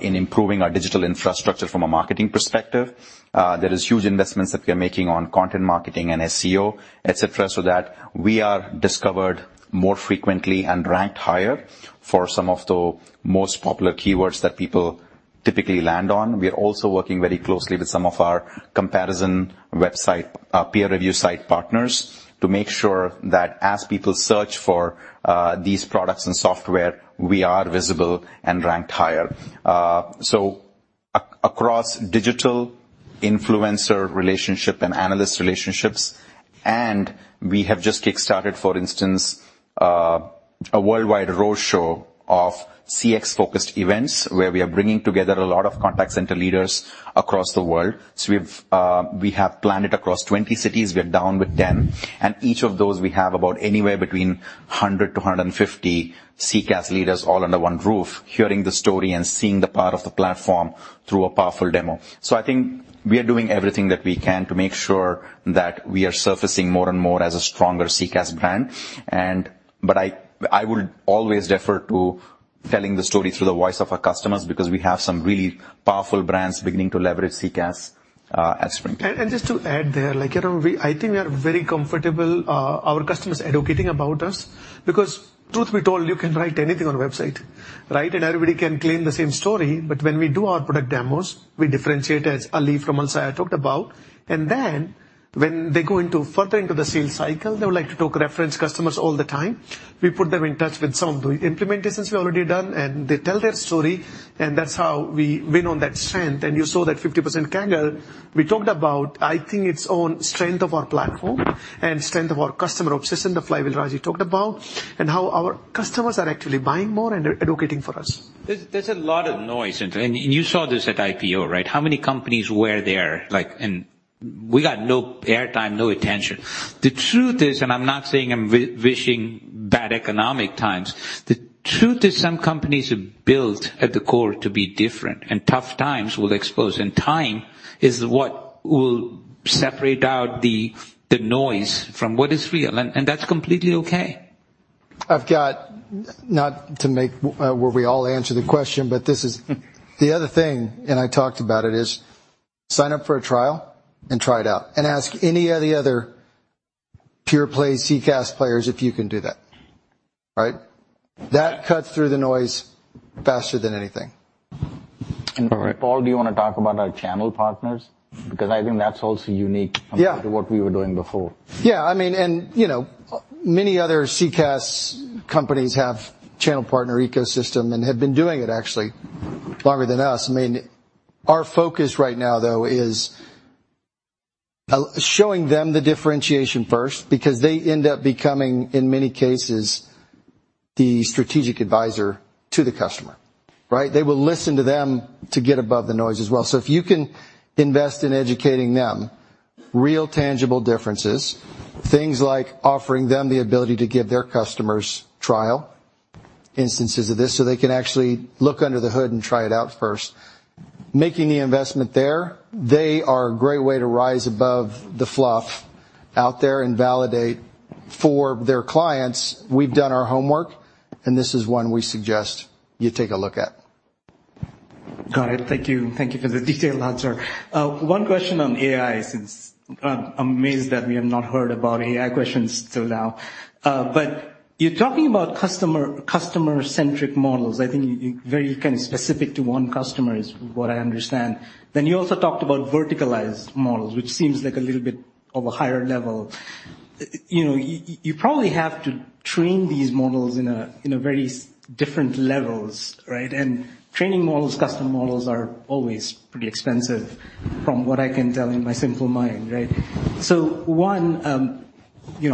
in improving our digital infrastructure from a marketing perspective. There is huge investments that we are making on content marketing and SEO, et cetera, so that we are discovered more frequently and ranked higher for some of the most popular keywords that people typically land on. We are also working very closely with some of our comparison website, peer review site partners, to make sure that as people search for, these products and software, we are visible and ranked higher. Across digital influencer relationship and analyst relationships, and we have just kickstarted, for instance, a worldwide roadshow of CX-focused events, where we are bringing together a lot of contact center leaders across the world. We've, we have planned it across 20 cities. We are down with 10, and each of those we have about anywhere between 100 to 150 CCaaS leaders all under one roof, hearing the story and seeing the power of the platform through a powerful demo. I think we are doing everything that we can to make sure that we are surfacing more and more as a stronger CCaaS brand. I would always defer to telling the story through the voice of our customers, because we have some really powerful brands beginning to leverage CCaaS as T-Mobile. Just to add there, like, you know, I think we are very comfortable, our customers educating about us. Truth be told, you can write anything on a website, right? Everybody can claim the same story, but when we do our product demos, we differentiate, as Ali from Bonsai talked about. Then when they go into further into the sales cycle, they would like to talk reference customers all the time. We put them in touch with some of the implementations we already done, and they tell their story, and that's how we win on that strength. You saw that 50% CAGR we talked about, I think it's on strength of our platform and strength of our customer obsession, the flywheel Ragy Thomas talked about, and how our customers are actually buying more and advocating for us. There's a lot of noise, and you saw this at IPO, right? How many companies were there? Like, and we got no airtime, no attention. The truth is, and I'm not saying I'm wishing bad economic times, the truth is, some companies are built at the core to be different, and tough times will expose, and time is what will separate out the noise from what is real. That's completely okay. Not to make where we all answer the question, but the other thing, and I talked about it, is sign up for a trial and try it out, and ask any of the other pure play CCaaS players if you can do that. All right? That cuts through the noise faster than anything. Paul, do you want to talk about our channel partners? Because I think that's also unique. Yeah compared to what we were doing before. Yeah, I mean, you know, many other CCaaS companies have channel partner ecosystem and have been doing it actually longer than us. I mean, our focus right now, though, is showing them the differentiation first, because they end up becoming, in many cases, the strategic advisor to the customer, right? They will listen to them to get above the noise as well. If you can invest in educating them, real, tangible differences, things like offering them the ability to give their customers trial instances of this, so they can actually look under the hood and try it out first. Making the investment there, they are a great way to rise above the fluff out there and validate for their clients, "We've done our homework, and this is one we suggest you take a look at. Got it. Thank you. Thank you for the detailed answer. One question on AI, since I'm amazed that we have not heard about AI questions till now. You're talking about customer-centric models. I think very kind of specific to one customer is what I understand. You also talked about verticalized models, which seems like a little bit of a higher level. You know, you probably have to train these models in a very different levels, right? And training models, custom models, are always pretty expensive, from what I can tell in my simple mind, right? One, you know,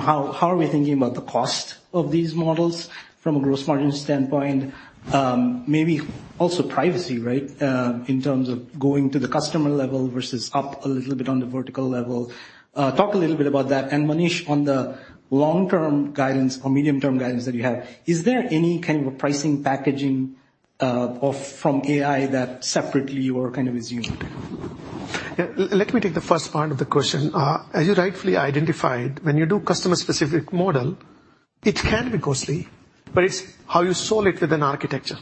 how are we thinking about the cost of these models from a gross margin standpoint? Maybe also privacy, right, in terms of going to the customer level versus up a little bit on the vertical level. Talk a little bit about that. Manish, on the long-term guidance or medium-term guidance that you have, is there any kind of a pricing packaging of from AI that separately you are kind of assuming? Yeah, let me take the first part of the question. As you rightfully identified, when you do customer-specific model, it can be costly, but it's how you solve it with an architecture.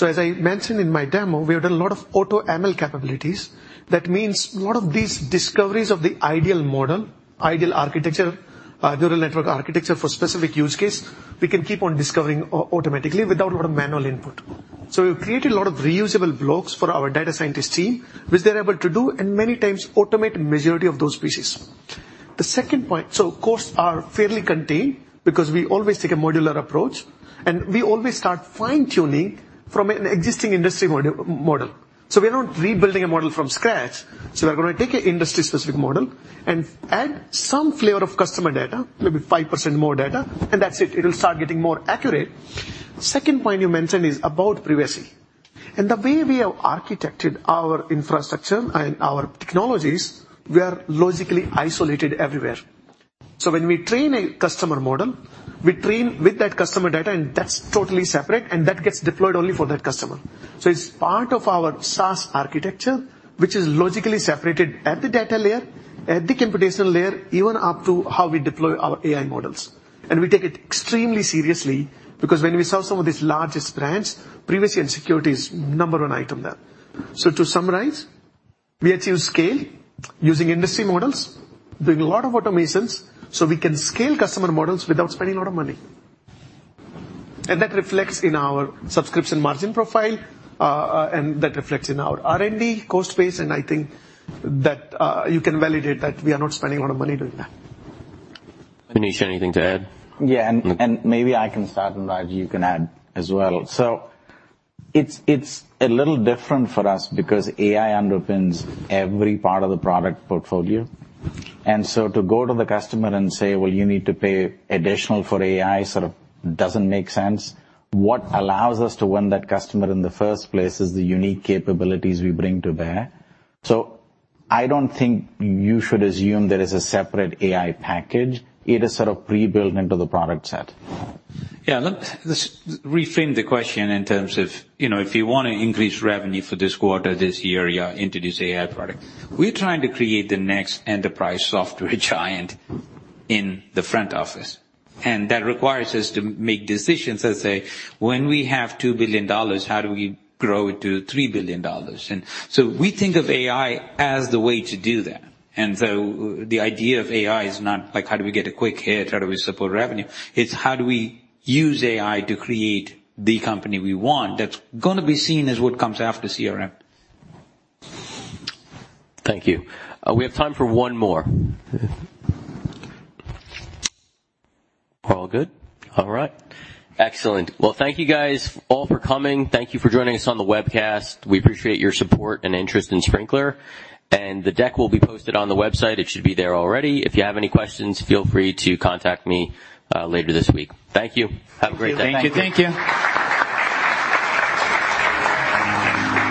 As I mentioned in my demo, we have done a lot of AutoML capabilities. That means a lot of these discoveries of the ideal model, ideal architecture, neural network architecture for specific use case, we can keep on discovering automatically without a lot of manual input. We've created a lot of reusable blocks for our data scientist team, which they're able to do, and many times automate majority of those pieces. The second point, costs are fairly contained because we always take a modular approach, and we always start fine-tuning from an existing industry model. We are not rebuilding a model from scratch. We're gonna take an industry-specific model and add some flavor of customer data, maybe 5% more data, and that's it. It'll start getting more accurate. Second point you mentioned is about privacy. The way we have architected our infrastructure and our technologies, we are logically isolated everywhere. When we train a customer model, we train with that customer data, and that's totally separate, and that gets deployed only for that customer. It's part of our SaaS architecture, which is logically separated at the data layer, at the computational layer, even up to how we deploy our AI models. We take it extremely seriously because when we sell some of these largest brands, privacy and security is number 1 item there. To summarize, we achieve scale using industry models, doing a lot of automations, so we can scale customer models without spending a lot of money. That reflects in our subscription margin profile, and that reflects in our R&D cost base, and I think that, you can validate that we are not spending a lot of money doing that. Manish, anything to add? Maybe I can start, and Ragy, you can add as well. It's a little different for us because AI underpins every part of the product portfolio. To go to the customer and say, "Well, you need to pay additional for AI," sort of doesn't make sense. What allows us to win that customer in the first place is the unique capabilities we bring to bear. I don't think you should assume there is a separate AI package. It is sort of pre-built into the product set. Yeah, let's reframe the question in terms of, you know, if you want to increase revenue for this quarter, this year, you introduce AI product. We're trying to create the next enterprise software giant in the front office. That requires us to make decisions that say, when we have $2 billion, how do we grow it to $3 billion? We think of AI as the way to do that. The idea of AI is not, like, how do we get a quick hit? How do we support revenue? It's how do we use AI to create the company we want that's gonna be seen as what comes after CRM. Thank you. We have time for one more. All good? All right. Excellent. Well, thank you guys all for coming. Thank you for joining us on the webcast. We appreciate your support and interest in Sprinklr, and the deck will be posted on the website. It should be there already. If you have any questions, feel free to contact me, later this week. Thank you. Have a great day. Thank you. Thank you.